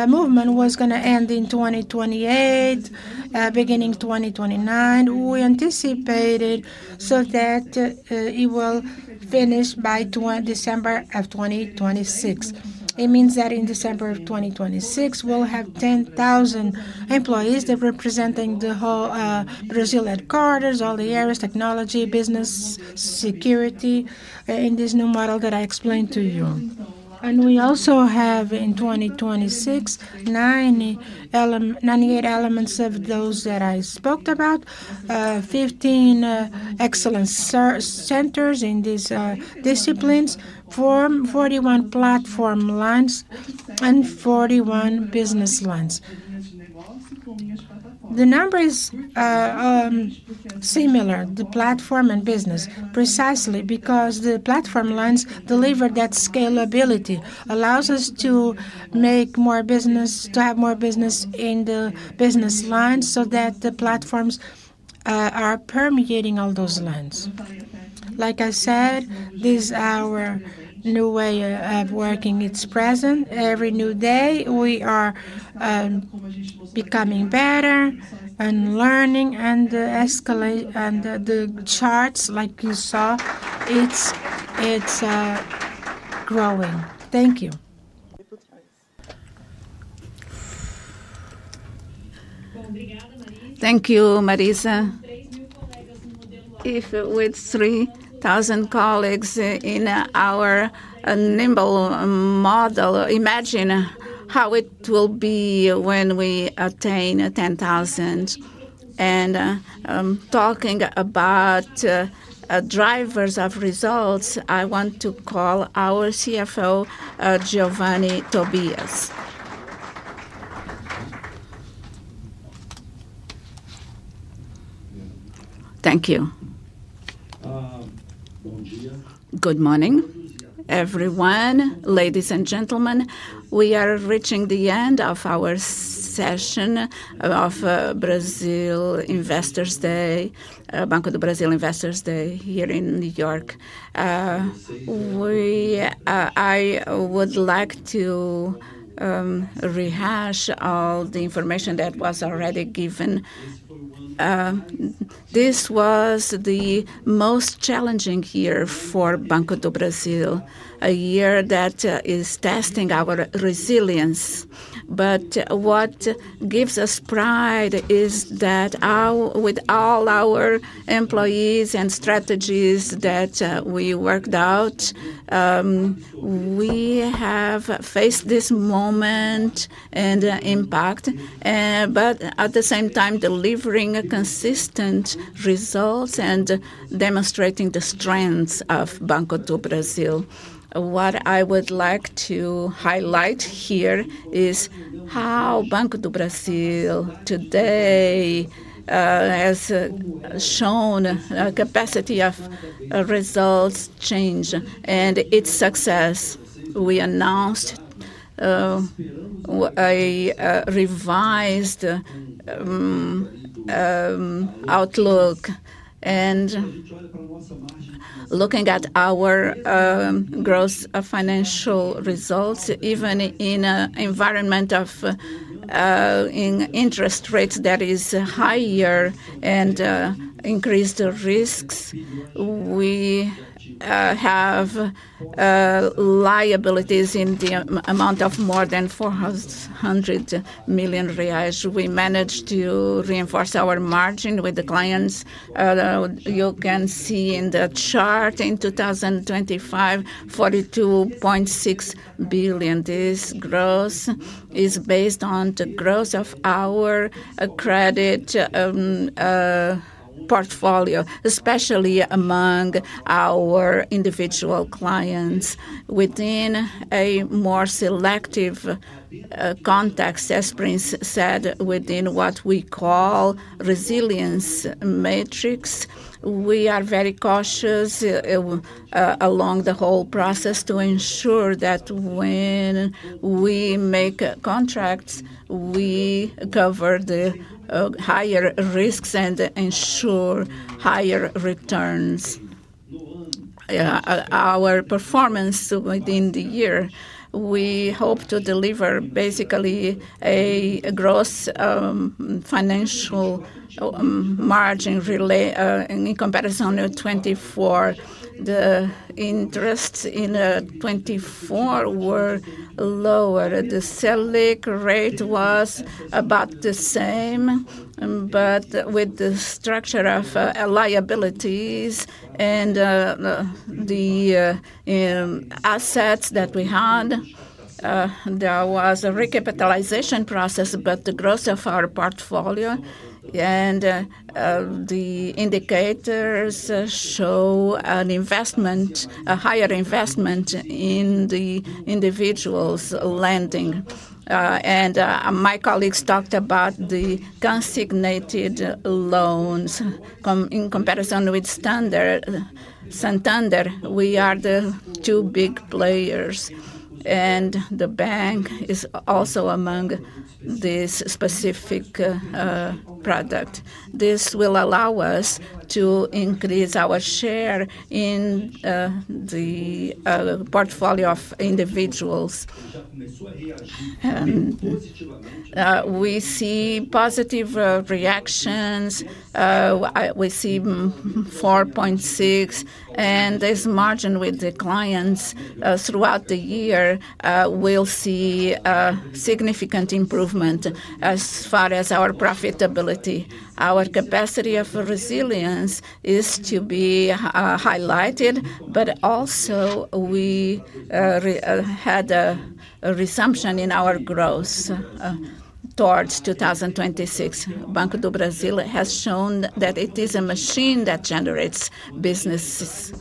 movement was going to end in 2028, beginning 2029. We anticipated so that it will finish by December of 2026. It means that in December of 2026, we'll have 10,000 employees that represent the whole Brazil headquarters, all the areas, technology, business, security in this new model that I explained to you. We also have, in 2026, 98 elements of those that I spoke about, 15 excellent centers in these disciplines, form 41 platform lines, and 41 business lines. The number is similar, the platform and business, precisely because the platform lines deliver that scalability, allows us to make more business, to have more business in the business lines so that the platforms are permeating all those lines. Like I said, this is our new way of working. It's present. Every new day, we are becoming better and learning and the charts, like you saw, it's growing. Thank you. Thank you, Marisa. If with 3,000 colleagues in our nimble model, imagine how it will be when we attain 10,000. Talking about drivers of results, I want to call our CFO, Giovanni Tobias. Thank you. Good morning, everyone, ladies and gentlemen. We are reaching the end of our session of Banco do Brasil Investors Day here in New York. I would like to rehash all the information that was already given. This was the most challenging year for Banco do Brasil, a year that is testing our resilience. What gives us pride is that with all our employees and strategies that we worked out, we have faced this moment and the impact, at the same time, delivering consistent results and demonstrating the strengths of Banco do Brasil. What I would like to highlight here is how Banco do Brasil today has shown the capacity of results change and its success. We announced a revised outlook and looking at our growth of financial results, even in an environment of interest rates that are higher and increase the risks. We have liabilities in the amount of more than R$400 million. We managed to reinforce our margin with the clients. You can see in the chart in 2025, R$42.6 billion. This growth is based on the growth of our credit portfolio, especially among our individual clients. Within a more selective context, as Prince said, within what we call resilience matrix, we are very cautious along the whole process to ensure that when we make contracts, we cover the higher risks and ensure higher returns. Our performance within the year, we hope to deliver basically a gross financial margin in comparison to 2024. The interests in 2024 were lower. The selling rate was about the same, with the structure of liabilities and the assets that we had, there was a recapitalization process, but the growth of our portfolio and the indicators show a higher investment in the individual's lending. My colleagues talked about the consignated loans in comparison with Banco Santander Brasil. We are the two big players, and the bank is also among this specific product. This will allow us to increase our share in the portfolio of individuals. We see positive reactions. We see 4.6 and this margin with the clients throughout the year will see a significant improvement as far as our profitability. Our capacity of resilience is to be highlighted, we had a resumption in our growth towards 2026. Banco do Brasil has shown that it is a machine that generates businesses.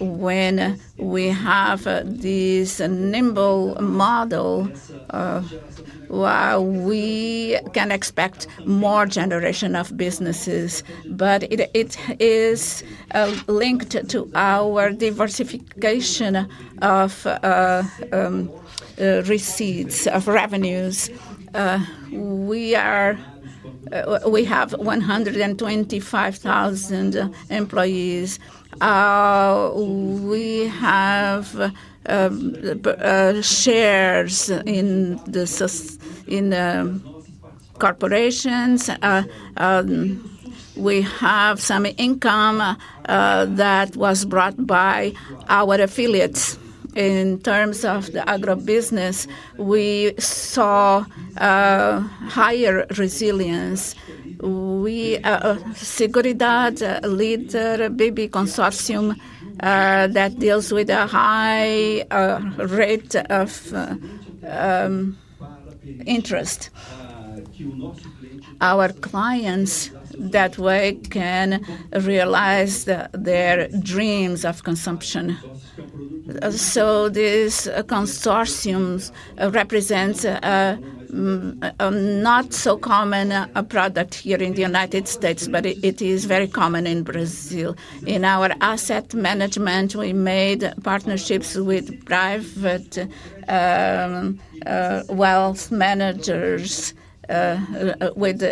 When we have this nimble model, we can expect more generation of businesses, it is linked to our diversification of receipts of revenues. We have 125,000 employees. We have shares in the corporations. We have some income that was brought by our affiliates. In terms of the agribusiness, we saw higher resilience. We have BB Seguridade, a leader, a big consortium that deals with a high rate of interest. Our clients that way can realize their dreams of consumption. These consortiums represent a not-so-common product here in the United States, but it is very common in Brazil. In our asset management, we made partnerships with private wealth managers, with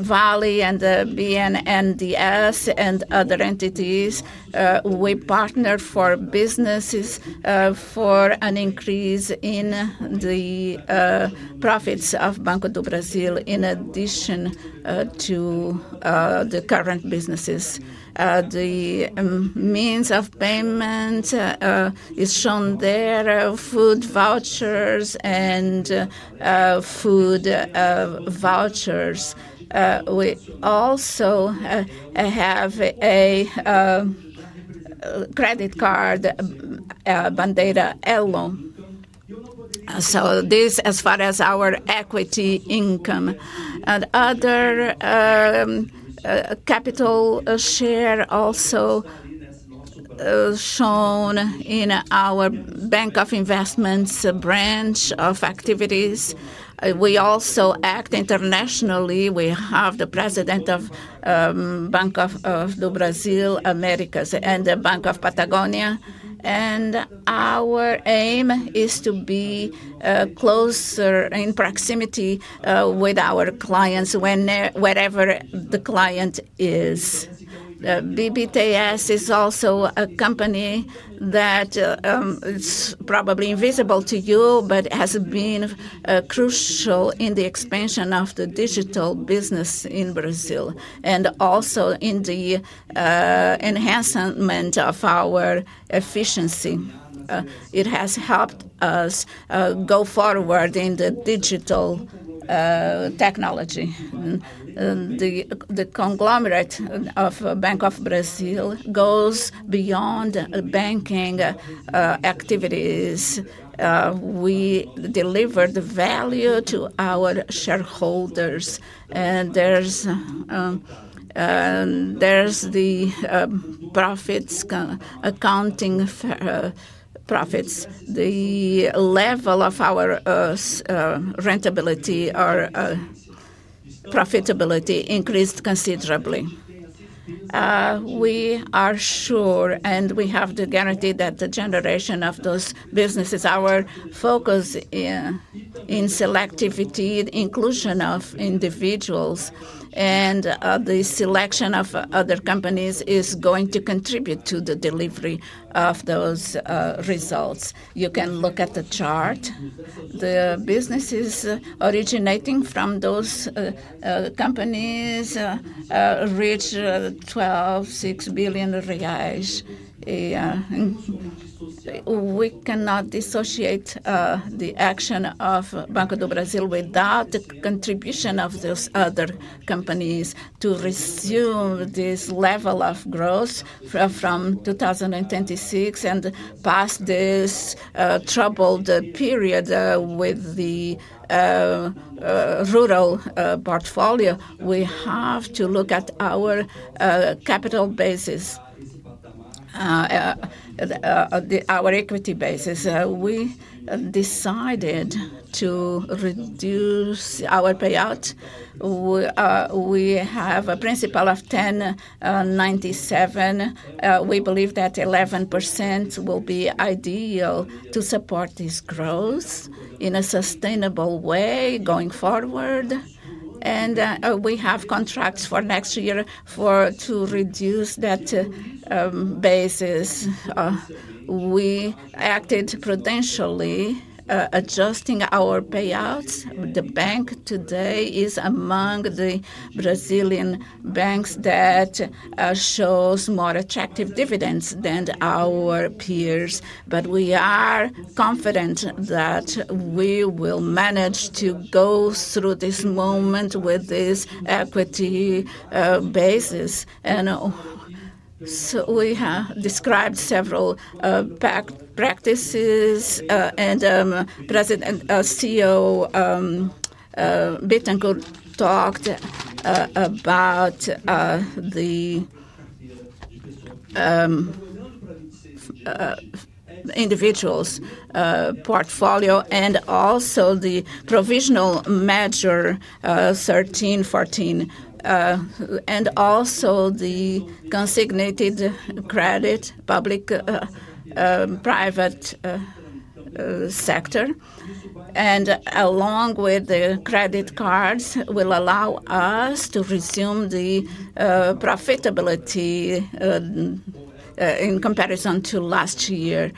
Vale and BNDES and other entities. We partner for businesses for an increase in the profits of Banco do Brasil in addition to the current businesses. The means of payment is shown there, food vouchers and food vouchers. We also have a credit card, Bandeira Elo. This, as far as our equity income. Other capital share also shown in our Bank of Investments branch of activities. We also act internationally. We have the President of Banco do Brasil Americas and the Banco Patagonia. Our aim is to be closer in proximity with our clients wherever the client is. BB Tecnologia e Serviços is also a company that is probably invisible to you, but has been crucial in the expansion of the digital business in Brazil and also in the enhancement of our efficiency. It has helped us go forward in the digital technology. The conglomerate of Banco do Brasil goes beyond banking activities. We deliver the value to our shareholders. There are the profits, accounting profits. The level of our rentability or profitability increased considerably. We are sure, and we have the guarantee that the generation of those businesses, our focus in selectivity and inclusion of individuals and the selection of other companies is going to contribute to the delivery of those results. You can look at the chart. The businesses originating from those companies reach R$12.6 billion. We cannot dissociate the action of Banco do Brasil without the contribution of those other companies to resume this level of growth from 2026 and pass this troubled period with the rural portfolio. We have to look at our capital basis, our equity basis. We decided to reduce our payout. We have a principal of 10.97%. We believe that 11% will be ideal to support this growth in a sustainable way going forward. We have contracts for next year to reduce that basis. We acted prudentially, adjusting our payouts. The bank today is among the Brazilian banks that shows more attractive dividends than our peers. We are confident that we will manage to go through this moment with this equity basis. We have described several practices, and President and CEO Tarciana Gomes Medeiros talked about the individual's portfolio and also the provisional measure 13, 14, and also the consignated credit, public, private sector. Along with the credit cards, it will allow us to resume the profitability in comparison to last year.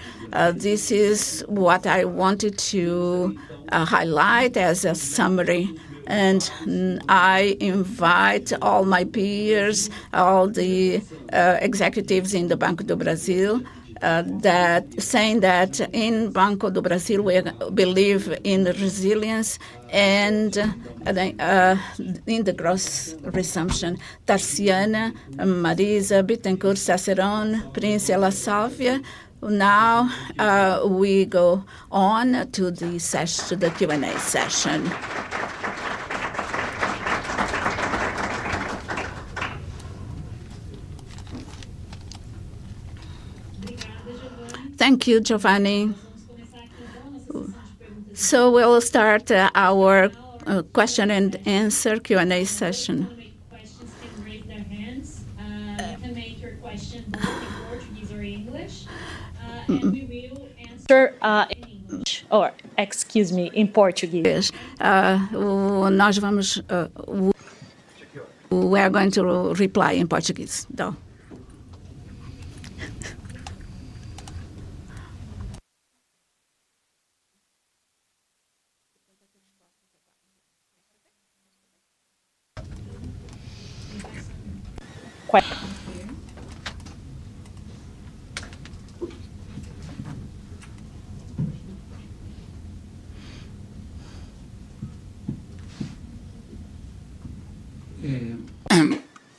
This is what I wanted to highlight as a summary. I invite all my peers, all the executives in Banco do Brasil, saying that in Banco do Brasil, we believe in the resilience and in the growth resumption. Tarciana, Marisa, Giovanni, Cicerone, Prince, Elasofia. Now, we go on to the Q&A session. Thank you, Giovanni. We'll start our question and answer Q&A session. Let's just take a break in advance. The major question in Portuguese or English. Can you answer in Portuguese or, excuse me, in Portuguese? We are going to reply in Portuguese, though.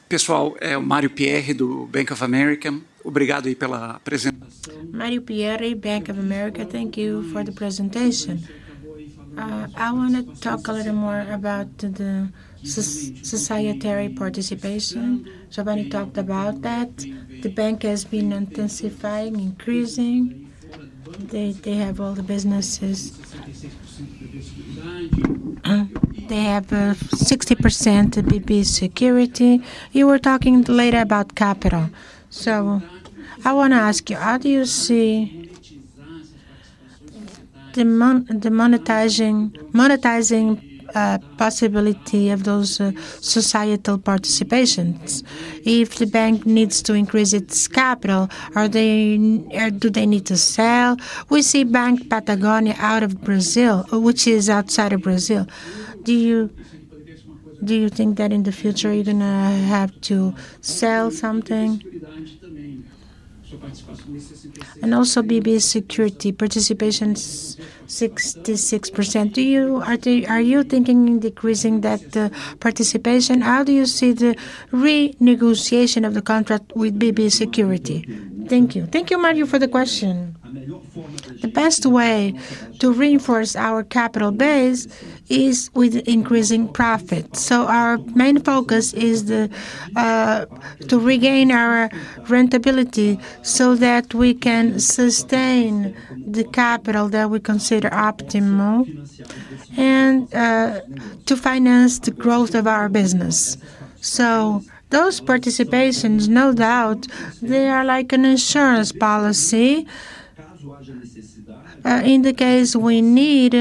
Pessoal, é o Mário Pierre do Bank of America. Obrigado aí pela apresentação. Mário Pierre, Bank of America, thank you for the presentation. I want to talk a little more about the societary participation. Giovanni talked about that. The bank has been intensifying, increasing. They have all the businesses. They have 60% BB Seguridade. You were talking later about capital. I want to ask you, how do you see the monetizing possibility of those societal participations? If the bank needs to increase its capital, do they need to sell? We see Bank Patagonia out of Brazil, which is outside of Brazil. Do you think that in the future you're going to have to sell something? Also, BB Seguridade participation is 66%. Are you thinking in decreasing that participation? How do you see the renegotiation of the contract with BB Seguridade? Thank you. Thank you, Mário, for the question. The best way to reinforce our capital base is with increasing profit. Our main focus is to regain our rentability so that we can sustain the capital that we consider optimal and to finance the growth of our business. Those participations, no doubt, they are like an insurance policy. In the case we need,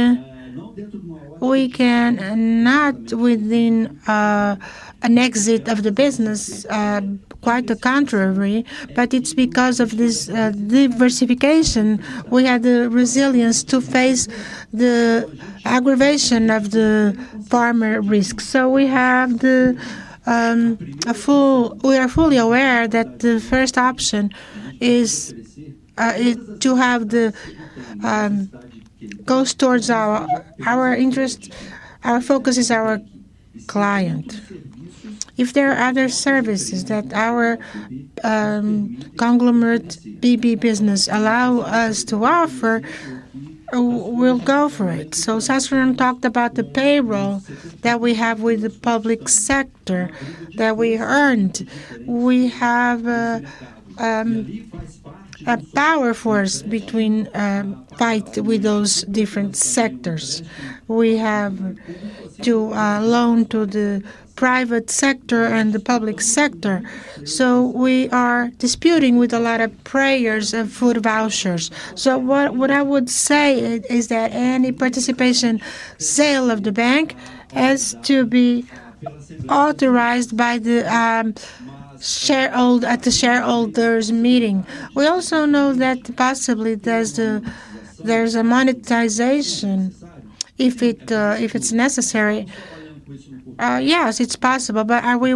we cannot within an exit of the business, quite the contrary, but it's because of this diversification. We have the resilience to face the aggravation of the farmer risks. We are fully aware that the first option is to have the goes towards our interests. Our focus is our client. If there are other services that our conglomerate BB business allows us to offer, we'll go for it. Cicerone talked about the payroll that we have with the public sector that we earned. We have a power force between those different sectors. We have to loan to the private sector and the public sector. We are disputing with a lot of players of food vouchers. What I would say is that any participation sale of the bank has to be authorized by the shareholders at the shareholders' meeting. We also know that possibly there's a monetization if it's necessary. Yes, it's possible. Are we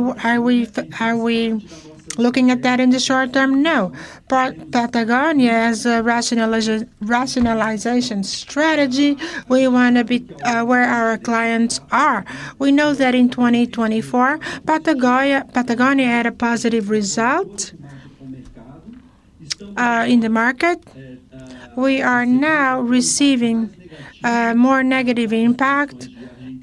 looking at that in the short term? No. Patagonia has a rationalization strategy. We want to be where our clients are. We know that in 2024, Patagonia had a positive result in the market. We are now receiving more negative impact,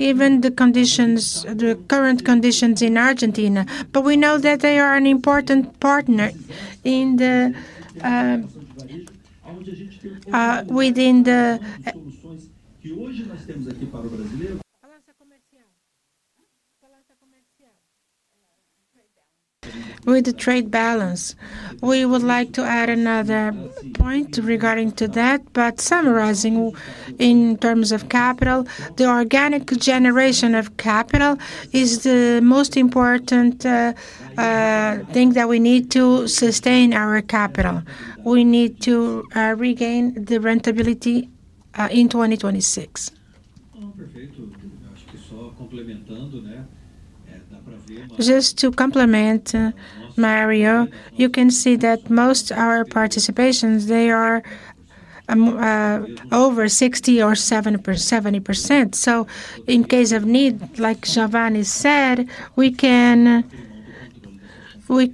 given the current conditions in Argentina. We know that they are an important partner within the trade balance. I would like to add another point regarding that. Summarizing in terms of capital, the organic generation of capital is the most important thing that we need to sustain our capital. We need to regain the rentability in 2026. Just to complement, Mario, you can see that most of our participations, they are over 60% or 70%. In case of need, like Giovanni said, we can let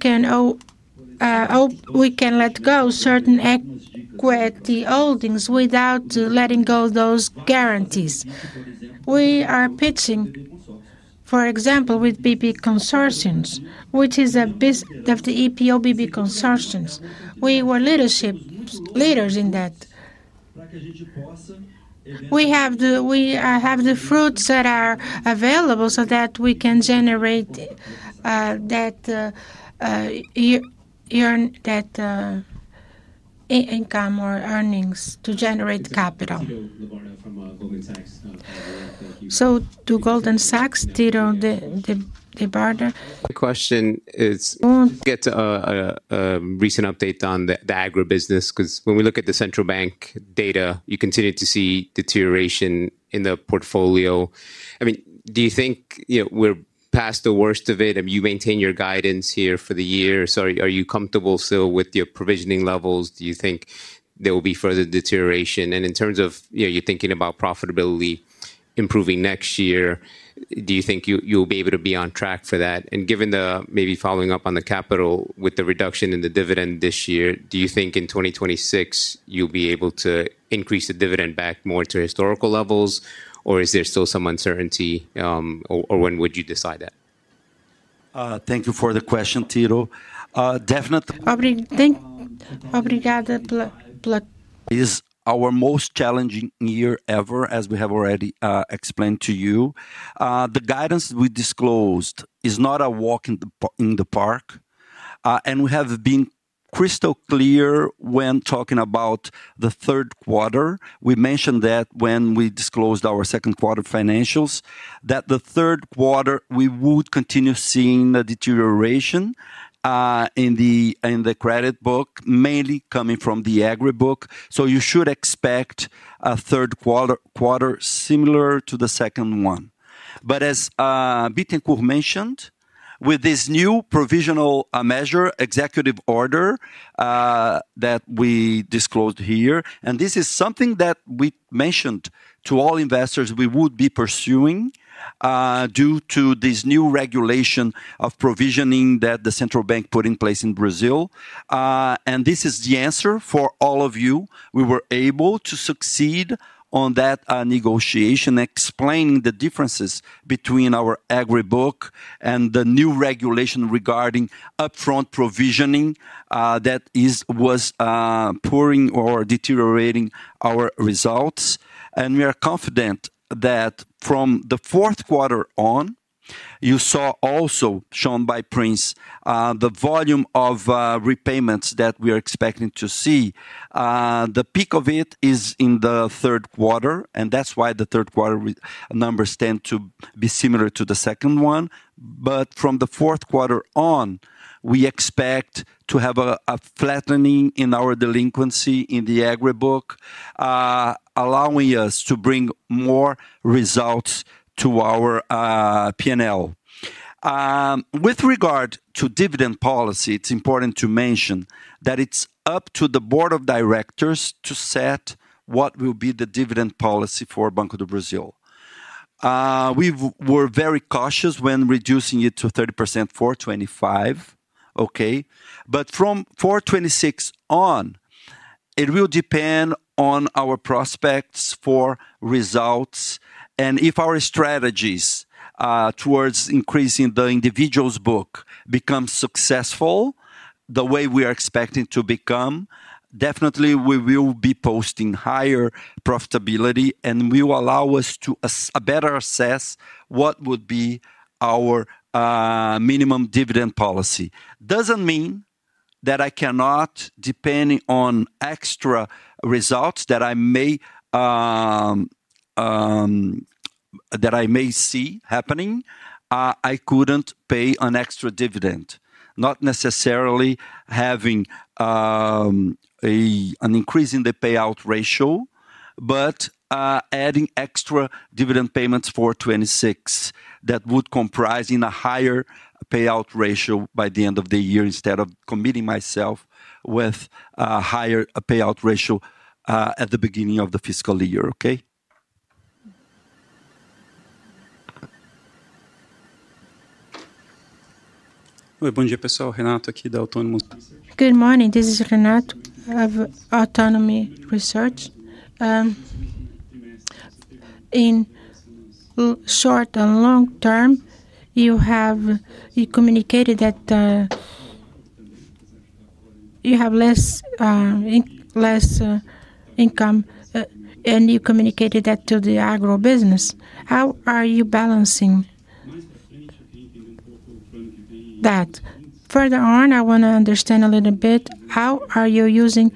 go certain equity holdings without letting go of those guarantees. We are pitching, for example, with BB Consortiums, which is a business of the BB Consortiums. We were leaders in that. We have the fruits that are available so that we can generate that income or earnings to generate capital. Do Goldman Sachs, did the barter? The question is, get to a recent update on the agribusiness because when we look at the Central Bank of Brazil data, you continue to see deterioration in the portfolio. Do you think we're past the worst of it? You maintain your guidance here for the year. Are you comfortable still with your provisioning levels? Do you think there will be further deterioration? In terms of you thinking about profitability improving next year, do you think you'll be able to be on track for that? Given the maybe following up on the capital with the reduction in the dividend this year, do you think in 2026 you'll be able to increase the dividend back more to historical levels, or is there still some uncertainty, or when would you decide that? Thank you for the question, Tito. It is our most challenging year ever, as we have already explained to you. The guidance we disclosed is not a walk in the park. We have been crystal clear when talking about the third quarter. We mentioned that when we disclosed our second quarter financials, that the third quarter we would continue seeing the deterioration in the credit book, mainly coming from the agri book. You should expect a third quarter similar to the second one. As Bittenkourt mentioned, with this new provisional measure executive order that we disclosed here, and this is something that we mentioned to all investors we would be pursuing due to this new regulation of provisioning that the Central Bank of Brazil put in place in Brazil. This is the answer for all of you. We were able to succeed on that negotiation, explaining the differences between our agri book and the new regulation regarding upfront provisioning that was pouring or deteriorating our results. We are confident that from the fourth quarter on, you saw also shown by Prince the volume of repayments that we are expecting to see. The peak of it is in the third quarter, and that's why the third quarter numbers tend to be similar to the second one. From the fourth quarter on, we expect to have a flattening in our delinquency in the agri book, allowing us to bring more results to our P&L. With regard to dividend policy, it's important to mention that it's up to the Board of Directors to set what will be the dividend policy for Banco do Brasil. We were very cautious when reducing it to 30% for 2025. From 2026 on, it will depend on our prospects for results. If our strategies towards increasing the individual's book become successful, the way we are expecting to become, definitely we will be posting higher profitability and will allow us to better assess what would be our minimum dividend policy. It doesn't mean that I cannot, depending on extra results that I may see happening, I couldn't pay an extra dividend, not necessarily having an increase in the payout ratio, but adding extra dividend payments for 2026 that would comprise a higher payout ratio by the end of the year instead of committing myself with a higher payout ratio at the beginning of the fiscal year. Good morning, everyone. Renato here from Autonomy. Good morning. This is Renato of Autonomy Research. In short and long term, you have communicated that you have less income, and you communicated that to the agribusiness. How are you balancing that? Further on, I want to understand a little bit how are you using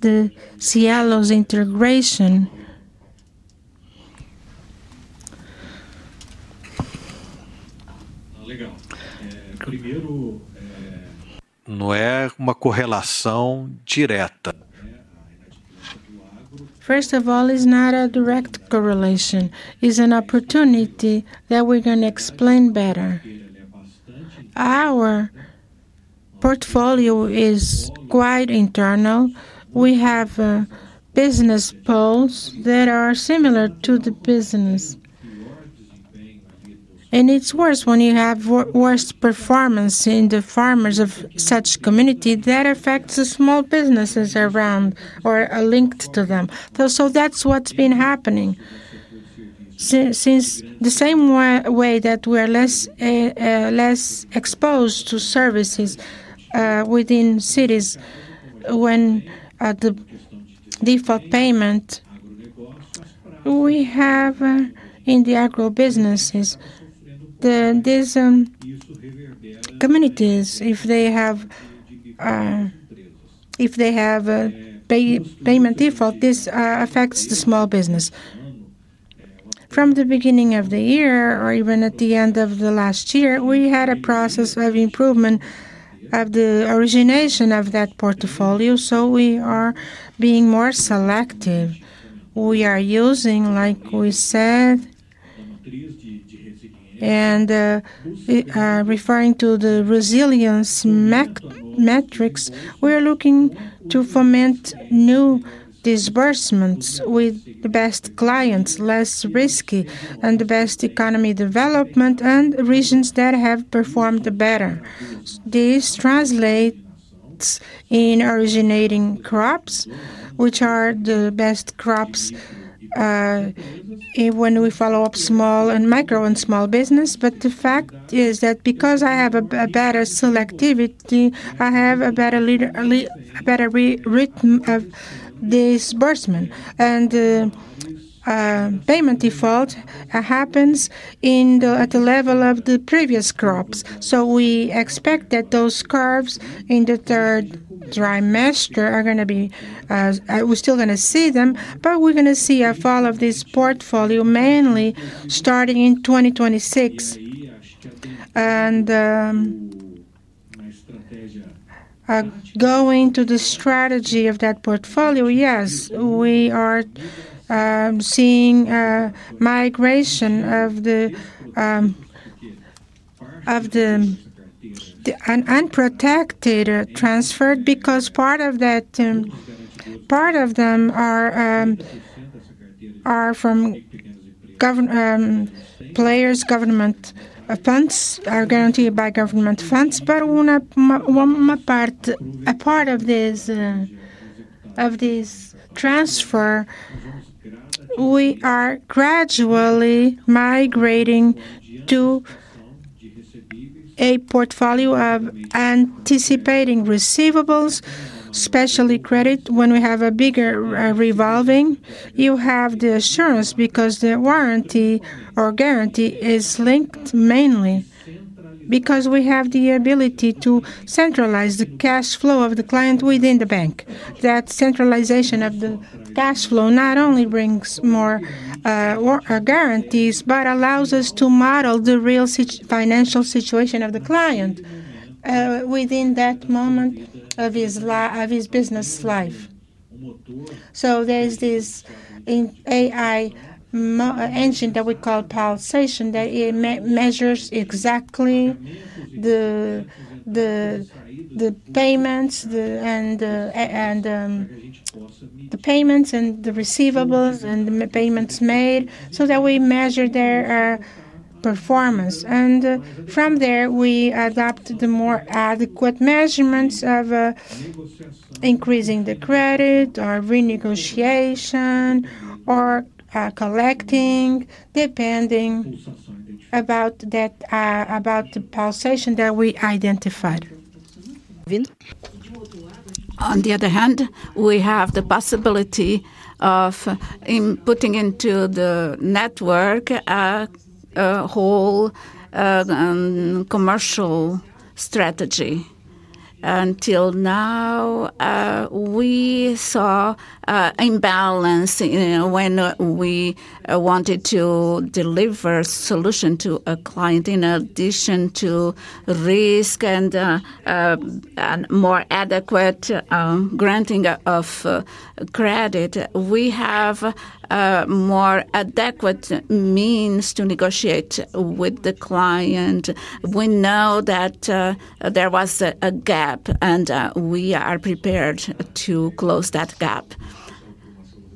the Cielo's integration? Legal. Primeiro, não é uma correlação direta. First of all, it's not a direct correlation. It's an opportunity that we're going to explain better. Our portfolio is quite internal. We have business poles that are similar to the business. It's worse when you have worst performance in the farmers of such community that affects the small businesses around or linked to them. That's what's been happening. Since the same way that we are less exposed to services within cities when the default payment we have in the agribusinesses, these communities, if they have a payment default, this affects the small business. From the beginning of the year or even at the end of the last year, we had a process of improvement of the origination of that portfolio. We are being more selective. We are using, like we said, and referring to the resilience metrics, we are looking to foment new disbursements with the best clients, less risky, and the best economy development and regions that have performed better. This translates in originating crops, which are the best crops when we follow up small and micro and small business. The fact is that because I have a better selectivity, I have a better rhythm of disbursement. The payment default happens at the level of the previous crops. We expect that those curves in the third trimester are going to be, we're still going to see them, but we're going to see a fall of this portfolio mainly starting in 2026. Going to the strategy of that portfolio, yes, we are seeing a migration of the unprotected transferred because part of that, part of them are from government funds guaranteed by government funds. A part of this transfer, we are gradually migrating to a portfolio of anticipating receivables, especially credit when we have a bigger revolving. You have the assurance because the warranty or guarantee is linked mainly because we have the ability to centralize the cash flow of the client within the bank. That centralization of the cash flow not only brings more guarantees, but allows us to model the real financial situation of the client within that moment of his business life. There's this AI engine that we call pulsation that measures exactly the payments and the receivables and the payments made so that we measure their performance. From there, we adopt the more adequate measurements of increasing the credit or renegotiation or collecting depending about the pulsation that we identified. On the other hand, we have the possibility of putting into the network a whole commercial strategy. Until now, we saw imbalance when we wanted to deliver a solution to a client in addition to risk and more adequate granting of credit. We have more adequate means to negotiate with the client. We know that there was a gap, and we are prepared to close that gap.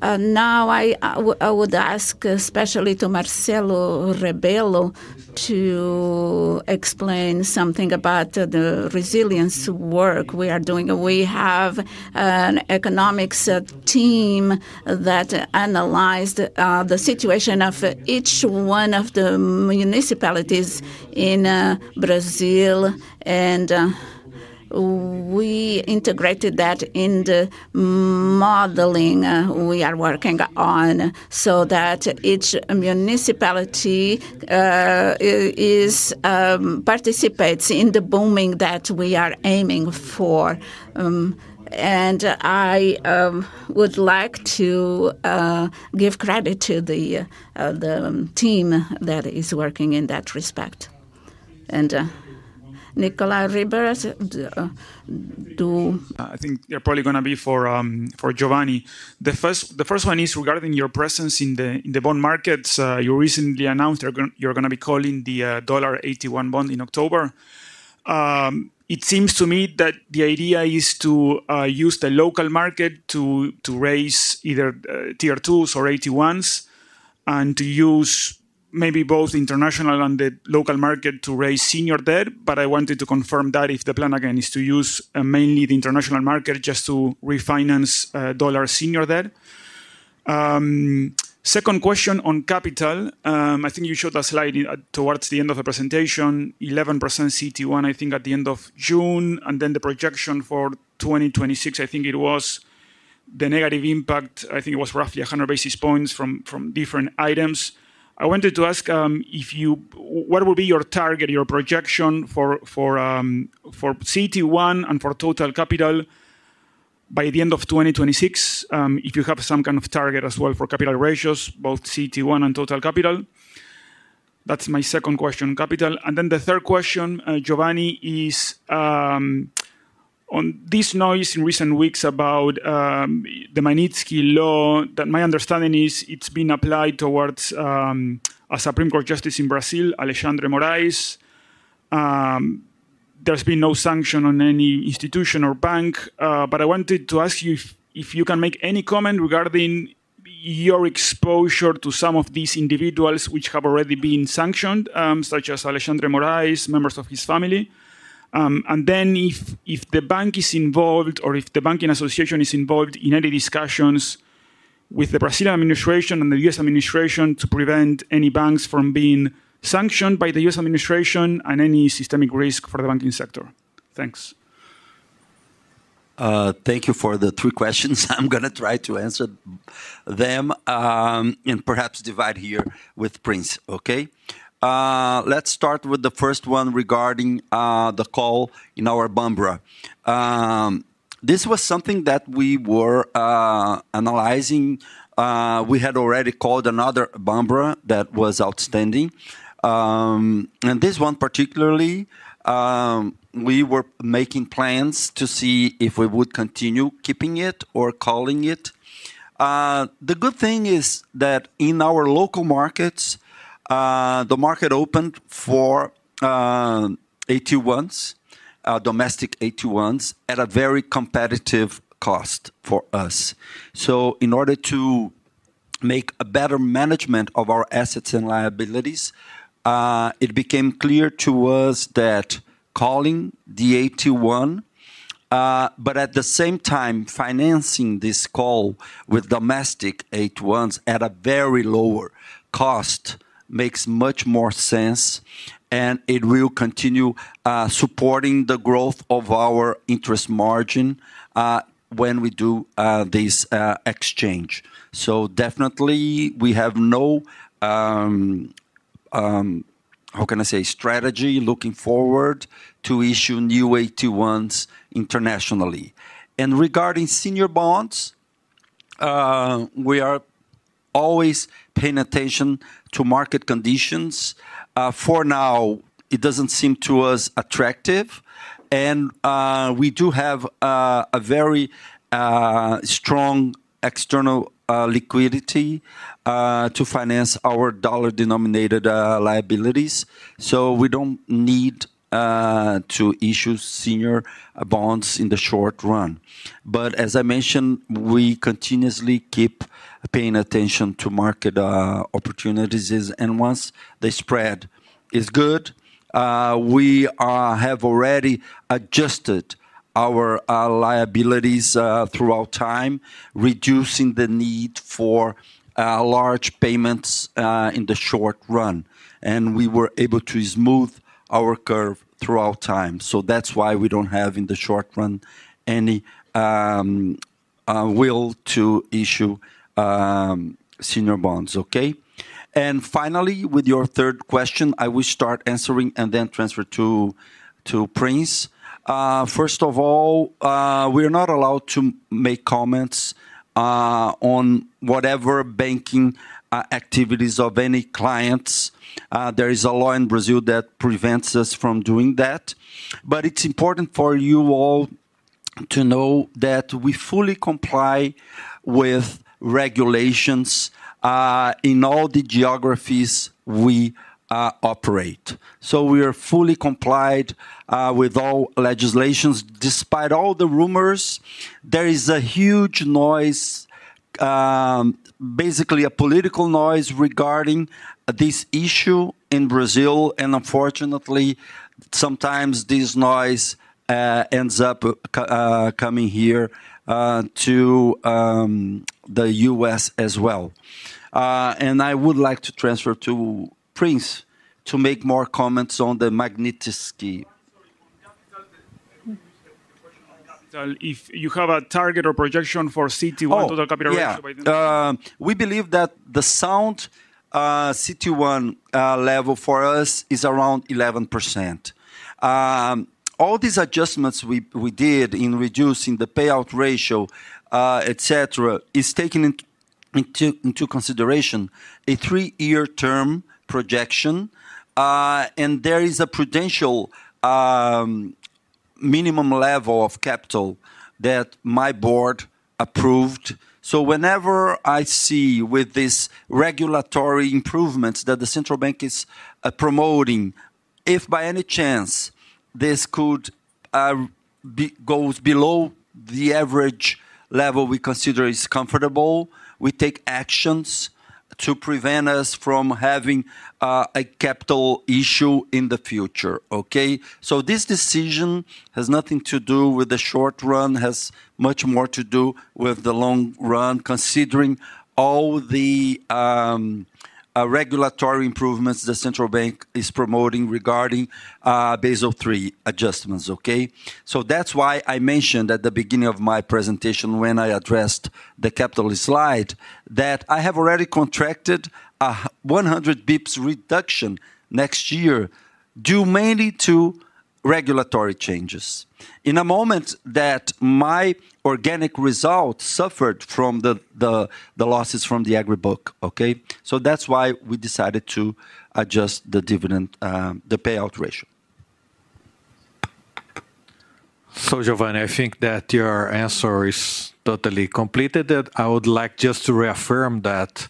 Now, I would ask especially to Marcelo Rebello to explain something about the resilience work we are doing. We have an economics team that analyzed the situation of each one of the municipalities in Brazil, and we integrated that in the modeling we are working on so that each municipality participates in the booming that we are aiming for. I would like to give credit to the team that is working in that respect. Nicola Rivers, do. I think they're probably going to be for Giovanni. The first one is regarding your presence in the bond markets. You recently announced you're going to be calling the $1.81 billion bond in October. It seems to me that the idea is to use the local market to raise either Tier 2s or AT1s and to use maybe both the international and the local market to raise senior debt. I wanted to confirm that if the plan again is to use mainly the international market just to refinance dollar senior debt. Second question on capital. I think you showed a slide towards the end of the presentation, 11% CET1, I think, at the end of June, and then the projection for 2026. I think it was the negative impact. I think it was roughly 100 basis points from different items. I wanted to ask if you, what would be your target, your projection for CET1 and for total capital by the end of 2026? If you have some kind of target as well for capital ratios, both CET1 and total capital. That's my second question, capital. The third question, Giovanni, is on this noise in recent weeks about the Mnitzky law that my understanding is it's been applied towards a Supreme Court justice in Brazil, Alexandre Moraes. There's been no sanction on any institution or bank. I wanted to ask you if you can make any comment regarding your exposure to some of these individuals which have already been sanctioned, such as Alexandre Moraes, members of his family. If the bank is involved or if the banking association is involved in any discussions with the Brazilian administration and the U.S. administration to prevent any banks from being sanctioned by the U.S. administration and any systemic risk for the banking sector. Thanks. Thank you for the three questions. I'm going to try to answer them and perhaps divide here with Prince. Okay. Let's start with the first one regarding the call in our Bambura. This was something that we were analyzing. We had already called another Bambura that was outstanding. This one particularly, we were making plans to see if we would continue keeping it or calling it. The good thing is that in our local markets, the market opened for 81s, domestic 81s, at a very competitive cost for us. In order to make a better management of our assets and liabilities, it became clear to us that calling the 81, but at the same time, financing this call with domestic 81s at a very lower cost makes much more sense. It will continue supporting the growth of our interest margin when we do this exchange. Definitely, we have no, how can I say, strategy looking forward to issue new 81s internationally. Regarding senior bonds, we are always paying attention to market conditions. For now, it doesn't seem to us attractive. We do have a very strong external liquidity to finance our dollar-denominated liabilities. We don't need to issue senior bonds in the short run. As I mentioned, we continuously keep paying attention to market opportunities. Once they spread, it's good. We have already adjusted our liabilities throughout time, reducing the need for large payments in the short run. We were able to smooth our curve throughout time. That's why we don't have in the short run any will to issue senior bonds. Finally, with your third question, I will start answering and then transfer to Prince. First of all, we are not allowed to make comments on whatever banking activities of any clients. There is a law in Brazil that prevents us from doing that. It's important for you all to know that we fully comply with regulations in all the geographies we operate. We are fully complied with all legislations. Despite all the rumors, there is a huge noise, basically a political noise regarding this issue in Brazil. Unfortunately, sometimes this noise ends up coming here to the U.S. as well. I would like to transfer to Prince to make more comments on the Mnitzki. Do you have a target or projection for CET1, total capital ratio by the end of the year? We believe that the sound CET1 level for us is around 11%. All these adjustments we did in reducing the payout ratio, etc., is taken into consideration a three-year term projection. There is a prudential minimum level of capital that my board approved. Whenever I see with these regulatory improvements that the Central Bank of Brazil is promoting, if by any chance this goes below the average level we consider is comfortable, we take actions to prevent us from having a capital issue in the future. This decision has nothing to do with the short run, has much more to do with the long run, considering all the regulatory improvements the Central Bank of Brazil is promoting regarding Basel III adjustments. That's why I mentioned at the beginning of my presentation when I addressed the capital slide that I have already contracted a 100 bps reduction next year, due mainly to regulatory changes. In a moment that my organic result suffered from the losses from the agri book. That's why we decided to adjust the payout ratio. Giovanni, I think that your answer is totally completed. I would like just to reaffirm that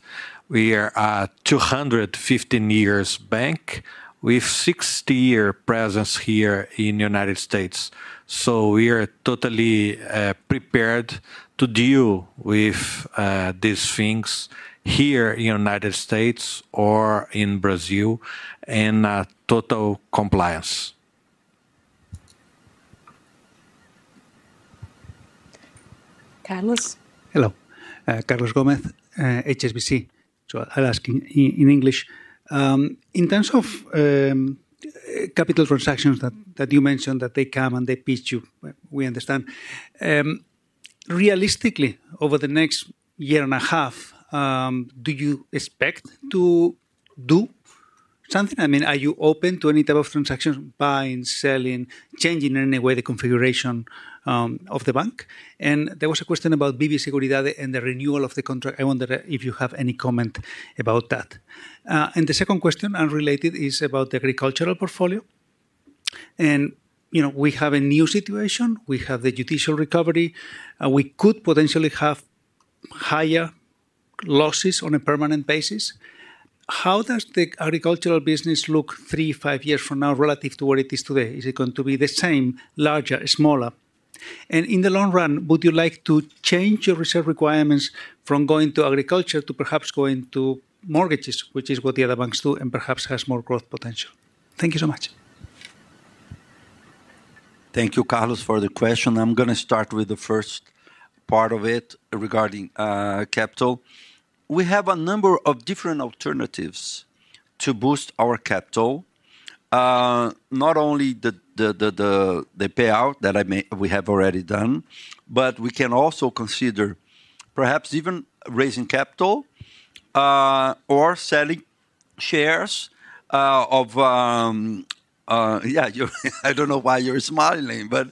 we are a 215-year bank with a 60-year presence here in the U.S. We are totally prepared to deal with these things here in the U.S. or in Brazil in total compliance. Carlos. Hello. Carlos Gomez, HSBC. I'll ask in English. In terms of capital transactions that you mentioned that they come and they pitch you, we understand. Realistically, over the next year and a half, do you expect to do something? I mean, are you open to any type of transactions, buying, selling, changing in any way the configuration of the bank? There was a question about BB Seguridade and the renewal of the contract. I wonder if you have any comment about that. The second question, unrelated, is about the agricultural portfolio. We have a new situation. We have the judicial recovery. We could potentially have higher losses on a permanent basis. How does the agricultural business look three, five years from now relative to what it is today? Is it going to be the same, larger, smaller? In the long run, would you like to change your reserve requirements from going to agriculture to perhaps going to mortgages, which is what the other banks do and perhaps has more growth potential? Thank you so much. Thank you, Carlos, for the question. I'm going to start with the first part of it regarding capital. We have a number of different alternatives to boost our capital, not only the payout that we have already done, but we can also consider perhaps even raising capital or selling shares of, yeah, I don't know why you're smiling, but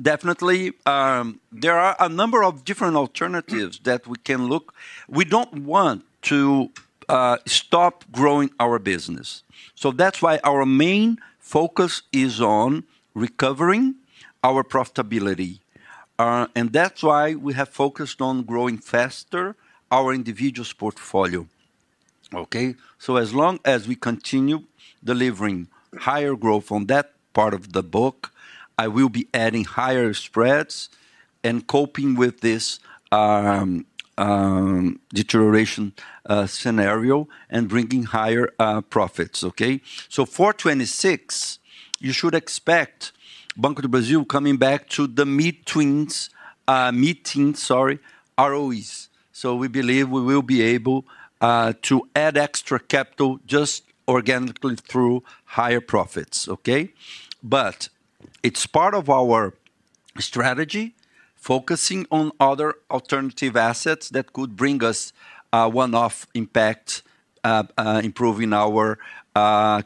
definitely, there are a number of different alternatives that we can look. We don't want to stop growing our business. That's why our main focus is on recovering our profitability. That's why we have focused on growing faster our individual's portfolio. As long as we continue delivering higher growth on that part of the book, I will be adding higher spreads and coping with this deterioration scenario and bringing higher profits. For 2026, you should expect Banco do Brasil coming back to the mid-twins meetings, sorry, ROEs. We believe we will be able to add extra capital just organically through higher profits. It's part of our strategy, focusing on other alternative assets that could bring us one-off impact, improving our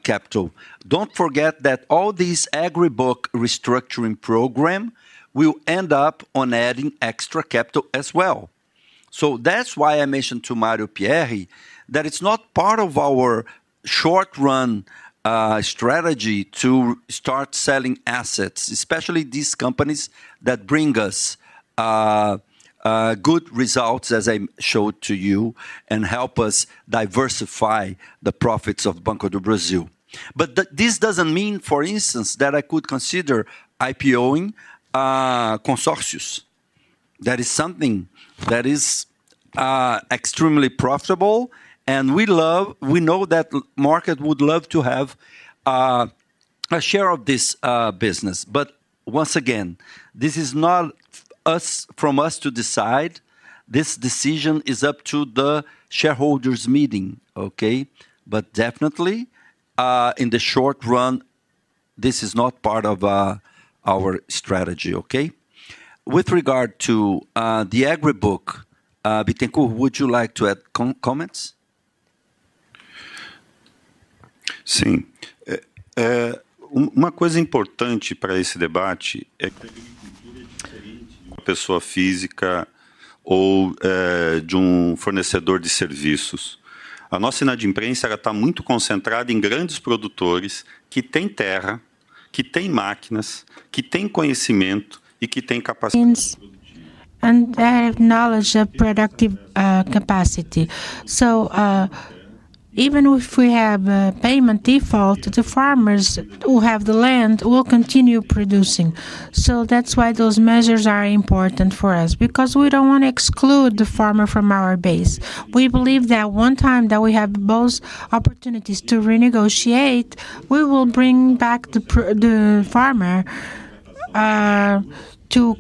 capital. Don't forget that all these agri book restructuring programs will end up on adding extra capital as well. That's why I mentioned to Mario Pierre that it's not part of our short-run strategy to start selling assets, especially these companies that bring us good results, as I showed to you, and help us diversify the profits of Banco do Brasil. This doesn't mean, for instance, that I could consider IPO-ing consorcios. That is something that is extremely profitable. We know that the market would love to have a share of this business. Once again, this is not us from us to decide. This decision is up to the shareholders' meeting. Definitely, in the short run, this is not part of our strategy. With regard to the agri book, Bittenkourt, would you like to add comments? Sim. Uma coisa importante para esse debate é a pessoa física ou de fornecedor de serviços. A nossa inadimplência está muito concentrada em grandes produtores que têm terra, que têm máquinas, que têm conhecimento e que têm capacidade. Means and acknowledge a productive capacity. Even if we have a payment default, the farmers who have the land will continue producing. That's why those measures are important for us, because we don't want to exclude the farmer from our base. We believe that one time that we have both opportunities to renegotiate, we will bring back the farmer to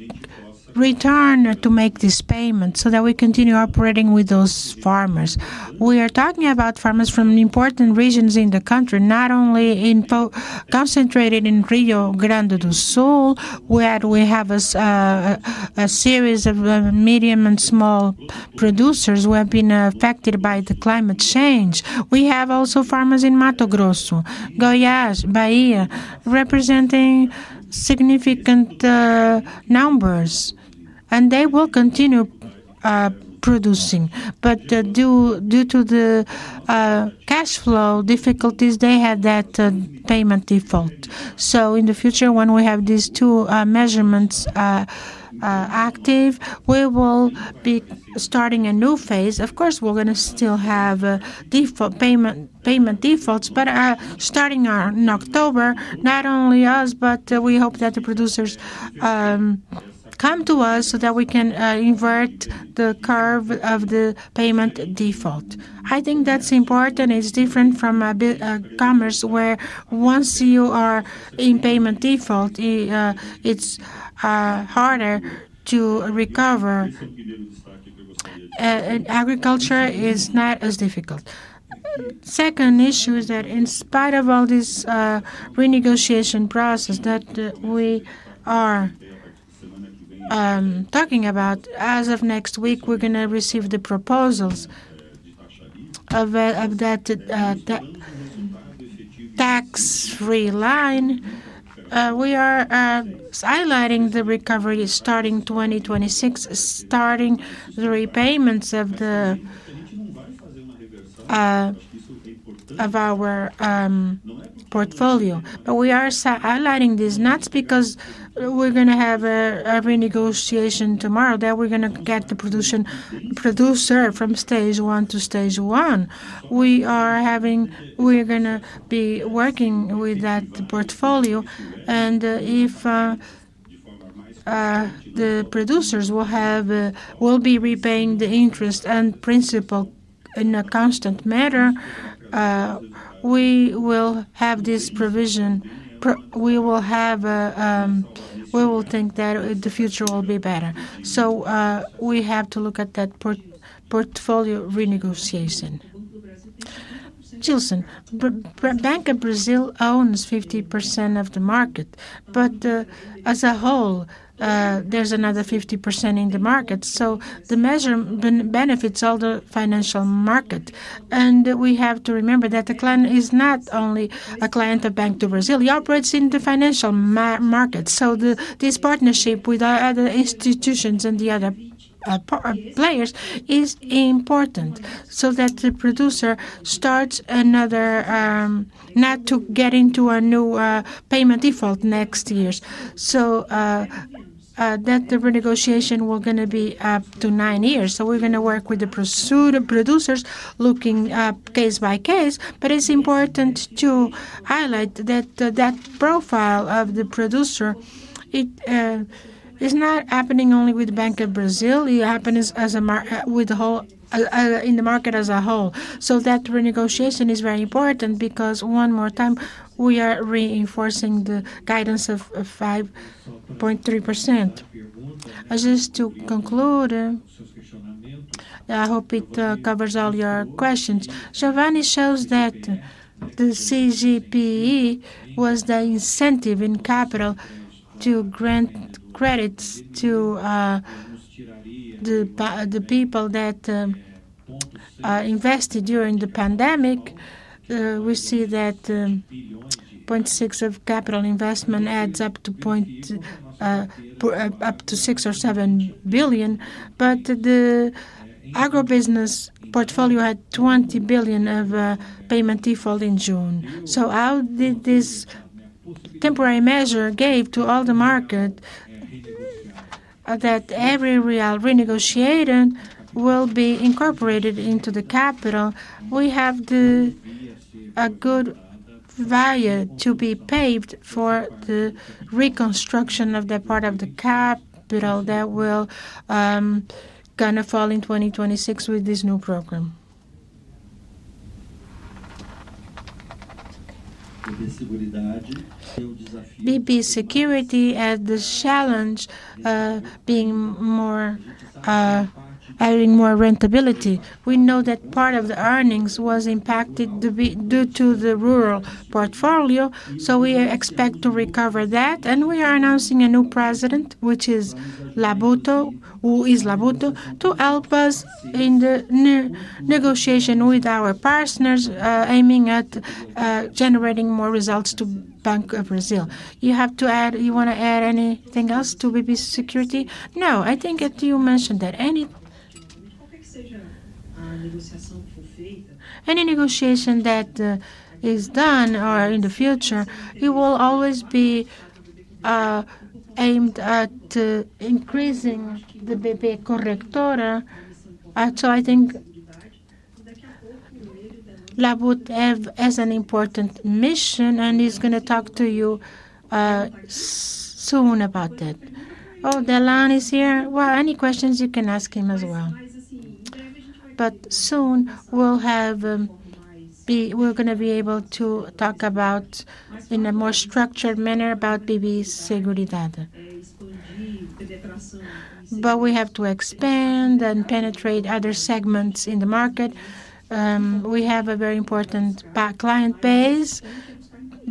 return to make this payment so that we continue operating with those farmers. We are talking about farmers from important regions in the country, not only concentrated in Rio Grande do Sul, where we have a series of medium and small producers who have been affected by the climate change. We have also farmers in Mato Grosso, Goiás, Bahia, representing significant numbers, and they will continue producing. Due to the cash flow difficulties, they had that payment default. In the future, when we have these two measurements active, we will be starting a new phase. Of course, we're going to still have payment defaults, but starting in October, not only us, but we hope that the producers come to us so that we can invert the curve of the payment default. I think that's important. It's different from a bit of commerce where once you are in payment default, it's harder to recover. Agriculture is not as difficult. Second issue is that in spite of all this renegotiation process that we are talking about, as of next week, we're going to receive the proposals of that tax-free line. We are highlighting the recovery starting 2026, starting the repayments of our portfolio. We are highlighting these notes because we're going to have a renegotiation tomorrow that we're going to get the producer from stage one to stage one. We are having, we're going to be working with that portfolio. If the producers will be repaying the interest and principal in a constant manner, we will have this provision. We will think that the future will be better. We have to look at that portfolio renegotiation. Jilson, Banco do Brasil owns 50% of the market. As a whole, there's another 50% in the market. The measure benefits all the financial market. We have to remember that the client is not only a client of Banco do Brasil. He operates in the financial market. This partnership with other institutions and the other players is important so that the producer starts another, not to get into a new payment default next year. The renegotiation will going to be up to nine years. We are going to work with the producers looking case by case. It is important to highlight that the profile of the producer is not happening only with Banco do Brasil. It happens in the market as a whole. That renegotiation is very important because, one more time, we are reinforcing the guidance of 5.3%. As is to conclude, I hope it covers all your questions. Giovanni shows that the CGPE was the incentive in capital to grant credits to the people that invested during the pandemic. We see that $0.6 billion of capital investment adds up to $6 or $7 billion. The agribusiness portfolio had $20 billion of payment default in June. How did this temporary measure give to all the market that every real renegotiation will be incorporated into the capital? We have a good value to be paved for the reconstruction of the part of the capital that will kind of fall in 2026 with this new program. BB Seguridade has the challenge of adding more rentability. We know that part of the earnings was impacted due to the rural portfolio. We expect to recover that. We are announcing a new president, who is Labuto, to help us in the new negotiation with our partners, aiming at generating more results to Banco do Brasil. You have to add, you want to add anything else to BB Seguridade? No, I think that you mentioned that any negotiation that is done in the future, it will always be aimed at increasing the BB Corretora. I think Labuto has an important mission and is going to talk to you soon about that. Delano is here. Any questions, you can ask him as well. Soon, we are going to be able to talk about in a more structured manner about BB Seguridade. We have to expand and penetrate other segments in the market. We have a very important client base,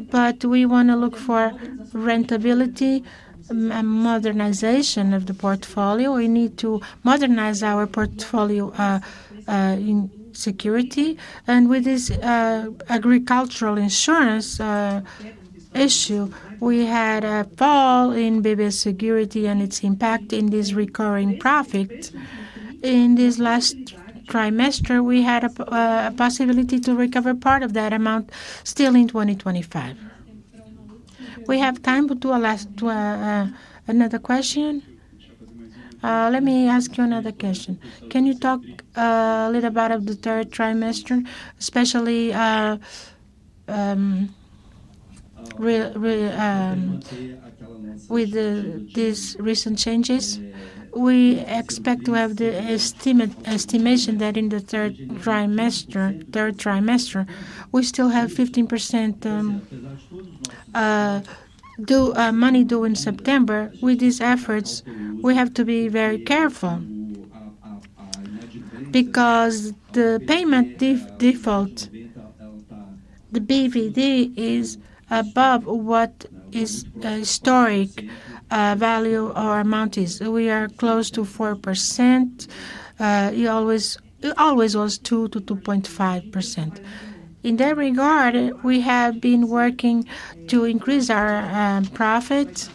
but we want to look for rentability and modernization of the portfolio. We need to modernize our portfolio in security. With this agricultural insurance issue, we had a fall in BB Seguridade and its impact in this recurring profit. In this last trimester, we had a possibility to recover part of that amount still in 2025. We have time to ask another question. Let me ask you another question. Can you talk a little about the third trimester, especially with these recent changes? We expect to have the estimation that in the third trimester, we still have 15% money due in September. With these efforts, we have to be very careful because the payment default, the BVD, is above what the historic value or amount is. We are close to 4%. It always was 2% to 2.5%. In that regard, we have been working to increase our profits.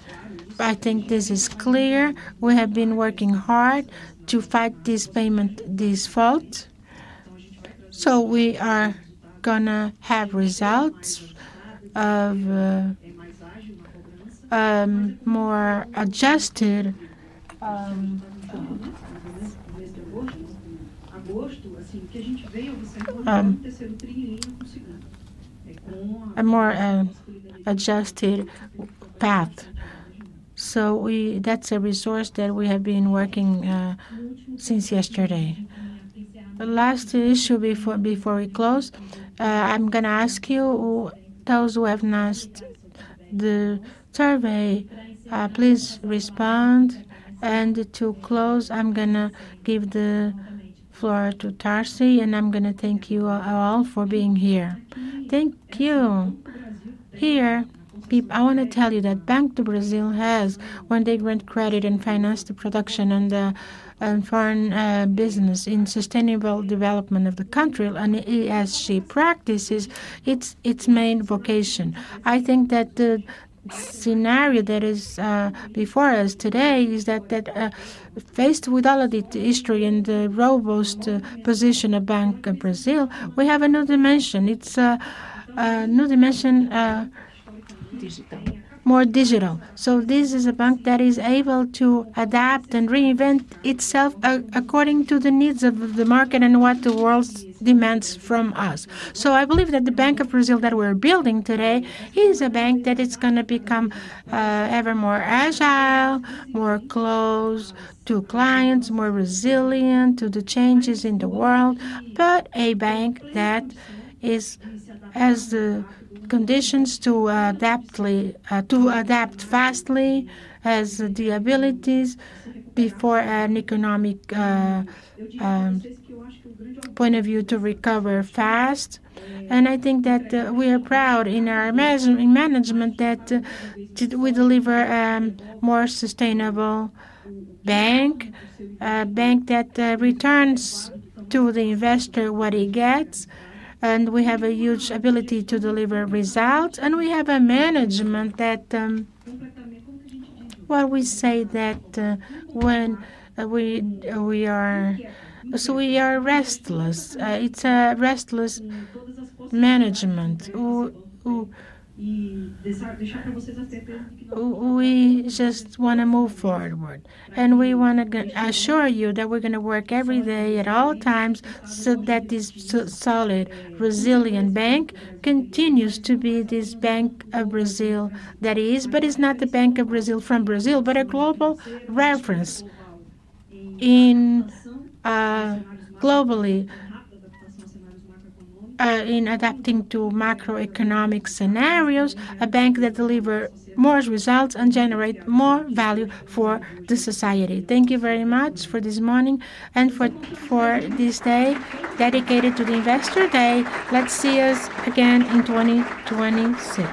I think this is clear. We have been working hard to fight this payment default. We are going to have results of more adjusted path. That's a resource that we have been working since yesterday. The last issue before we close, I'm going to ask you, those who have asked the survey, please respond. To close, I'm going to give the floor to Tarci, and I'm going to thank you all for being here. Thank you. Here, I want to tell you that Banco do Brasil has, when they grant credit and finance the production and the foreign business in sustainable development of the country on ESG practices, it's its main vocation. I think that the scenario that is before us today is that, faced with all of the history and the robust position of Banco do Brasil, we have a new dimension. It's a new dimension, more digital. This is a bank that is able to adapt and reinvent itself according to the needs of the market and what the world demands from us. I believe that the Banco do Brasil that we're building today is a bank that is going to become ever more agile, more close to clients, more resilient to the changes in the world, but a bank that has the conditions to adapt fastly, has the abilities before an economic point of view to recover fast. I think that we are proud in our management that we deliver a more sustainable bank, a bank that returns to the investor what he gets. We have a huge ability to deliver results. We have a management that, we say that when we are, we are restless. It's a restless management. We just want to move forward. We want to assure you that we're going to work every day at all times so that this solid, resilient bank continues to be this Banco do Brasil that is, but it's not the Banco do Brasil from Brazil, but a global reference globally in adapting to macroeconomic scenarios, a bank that delivers more results and generates more value for the society. Thank you very much for this morning and for this day dedicated to the investor day. Let's see us again in 2026.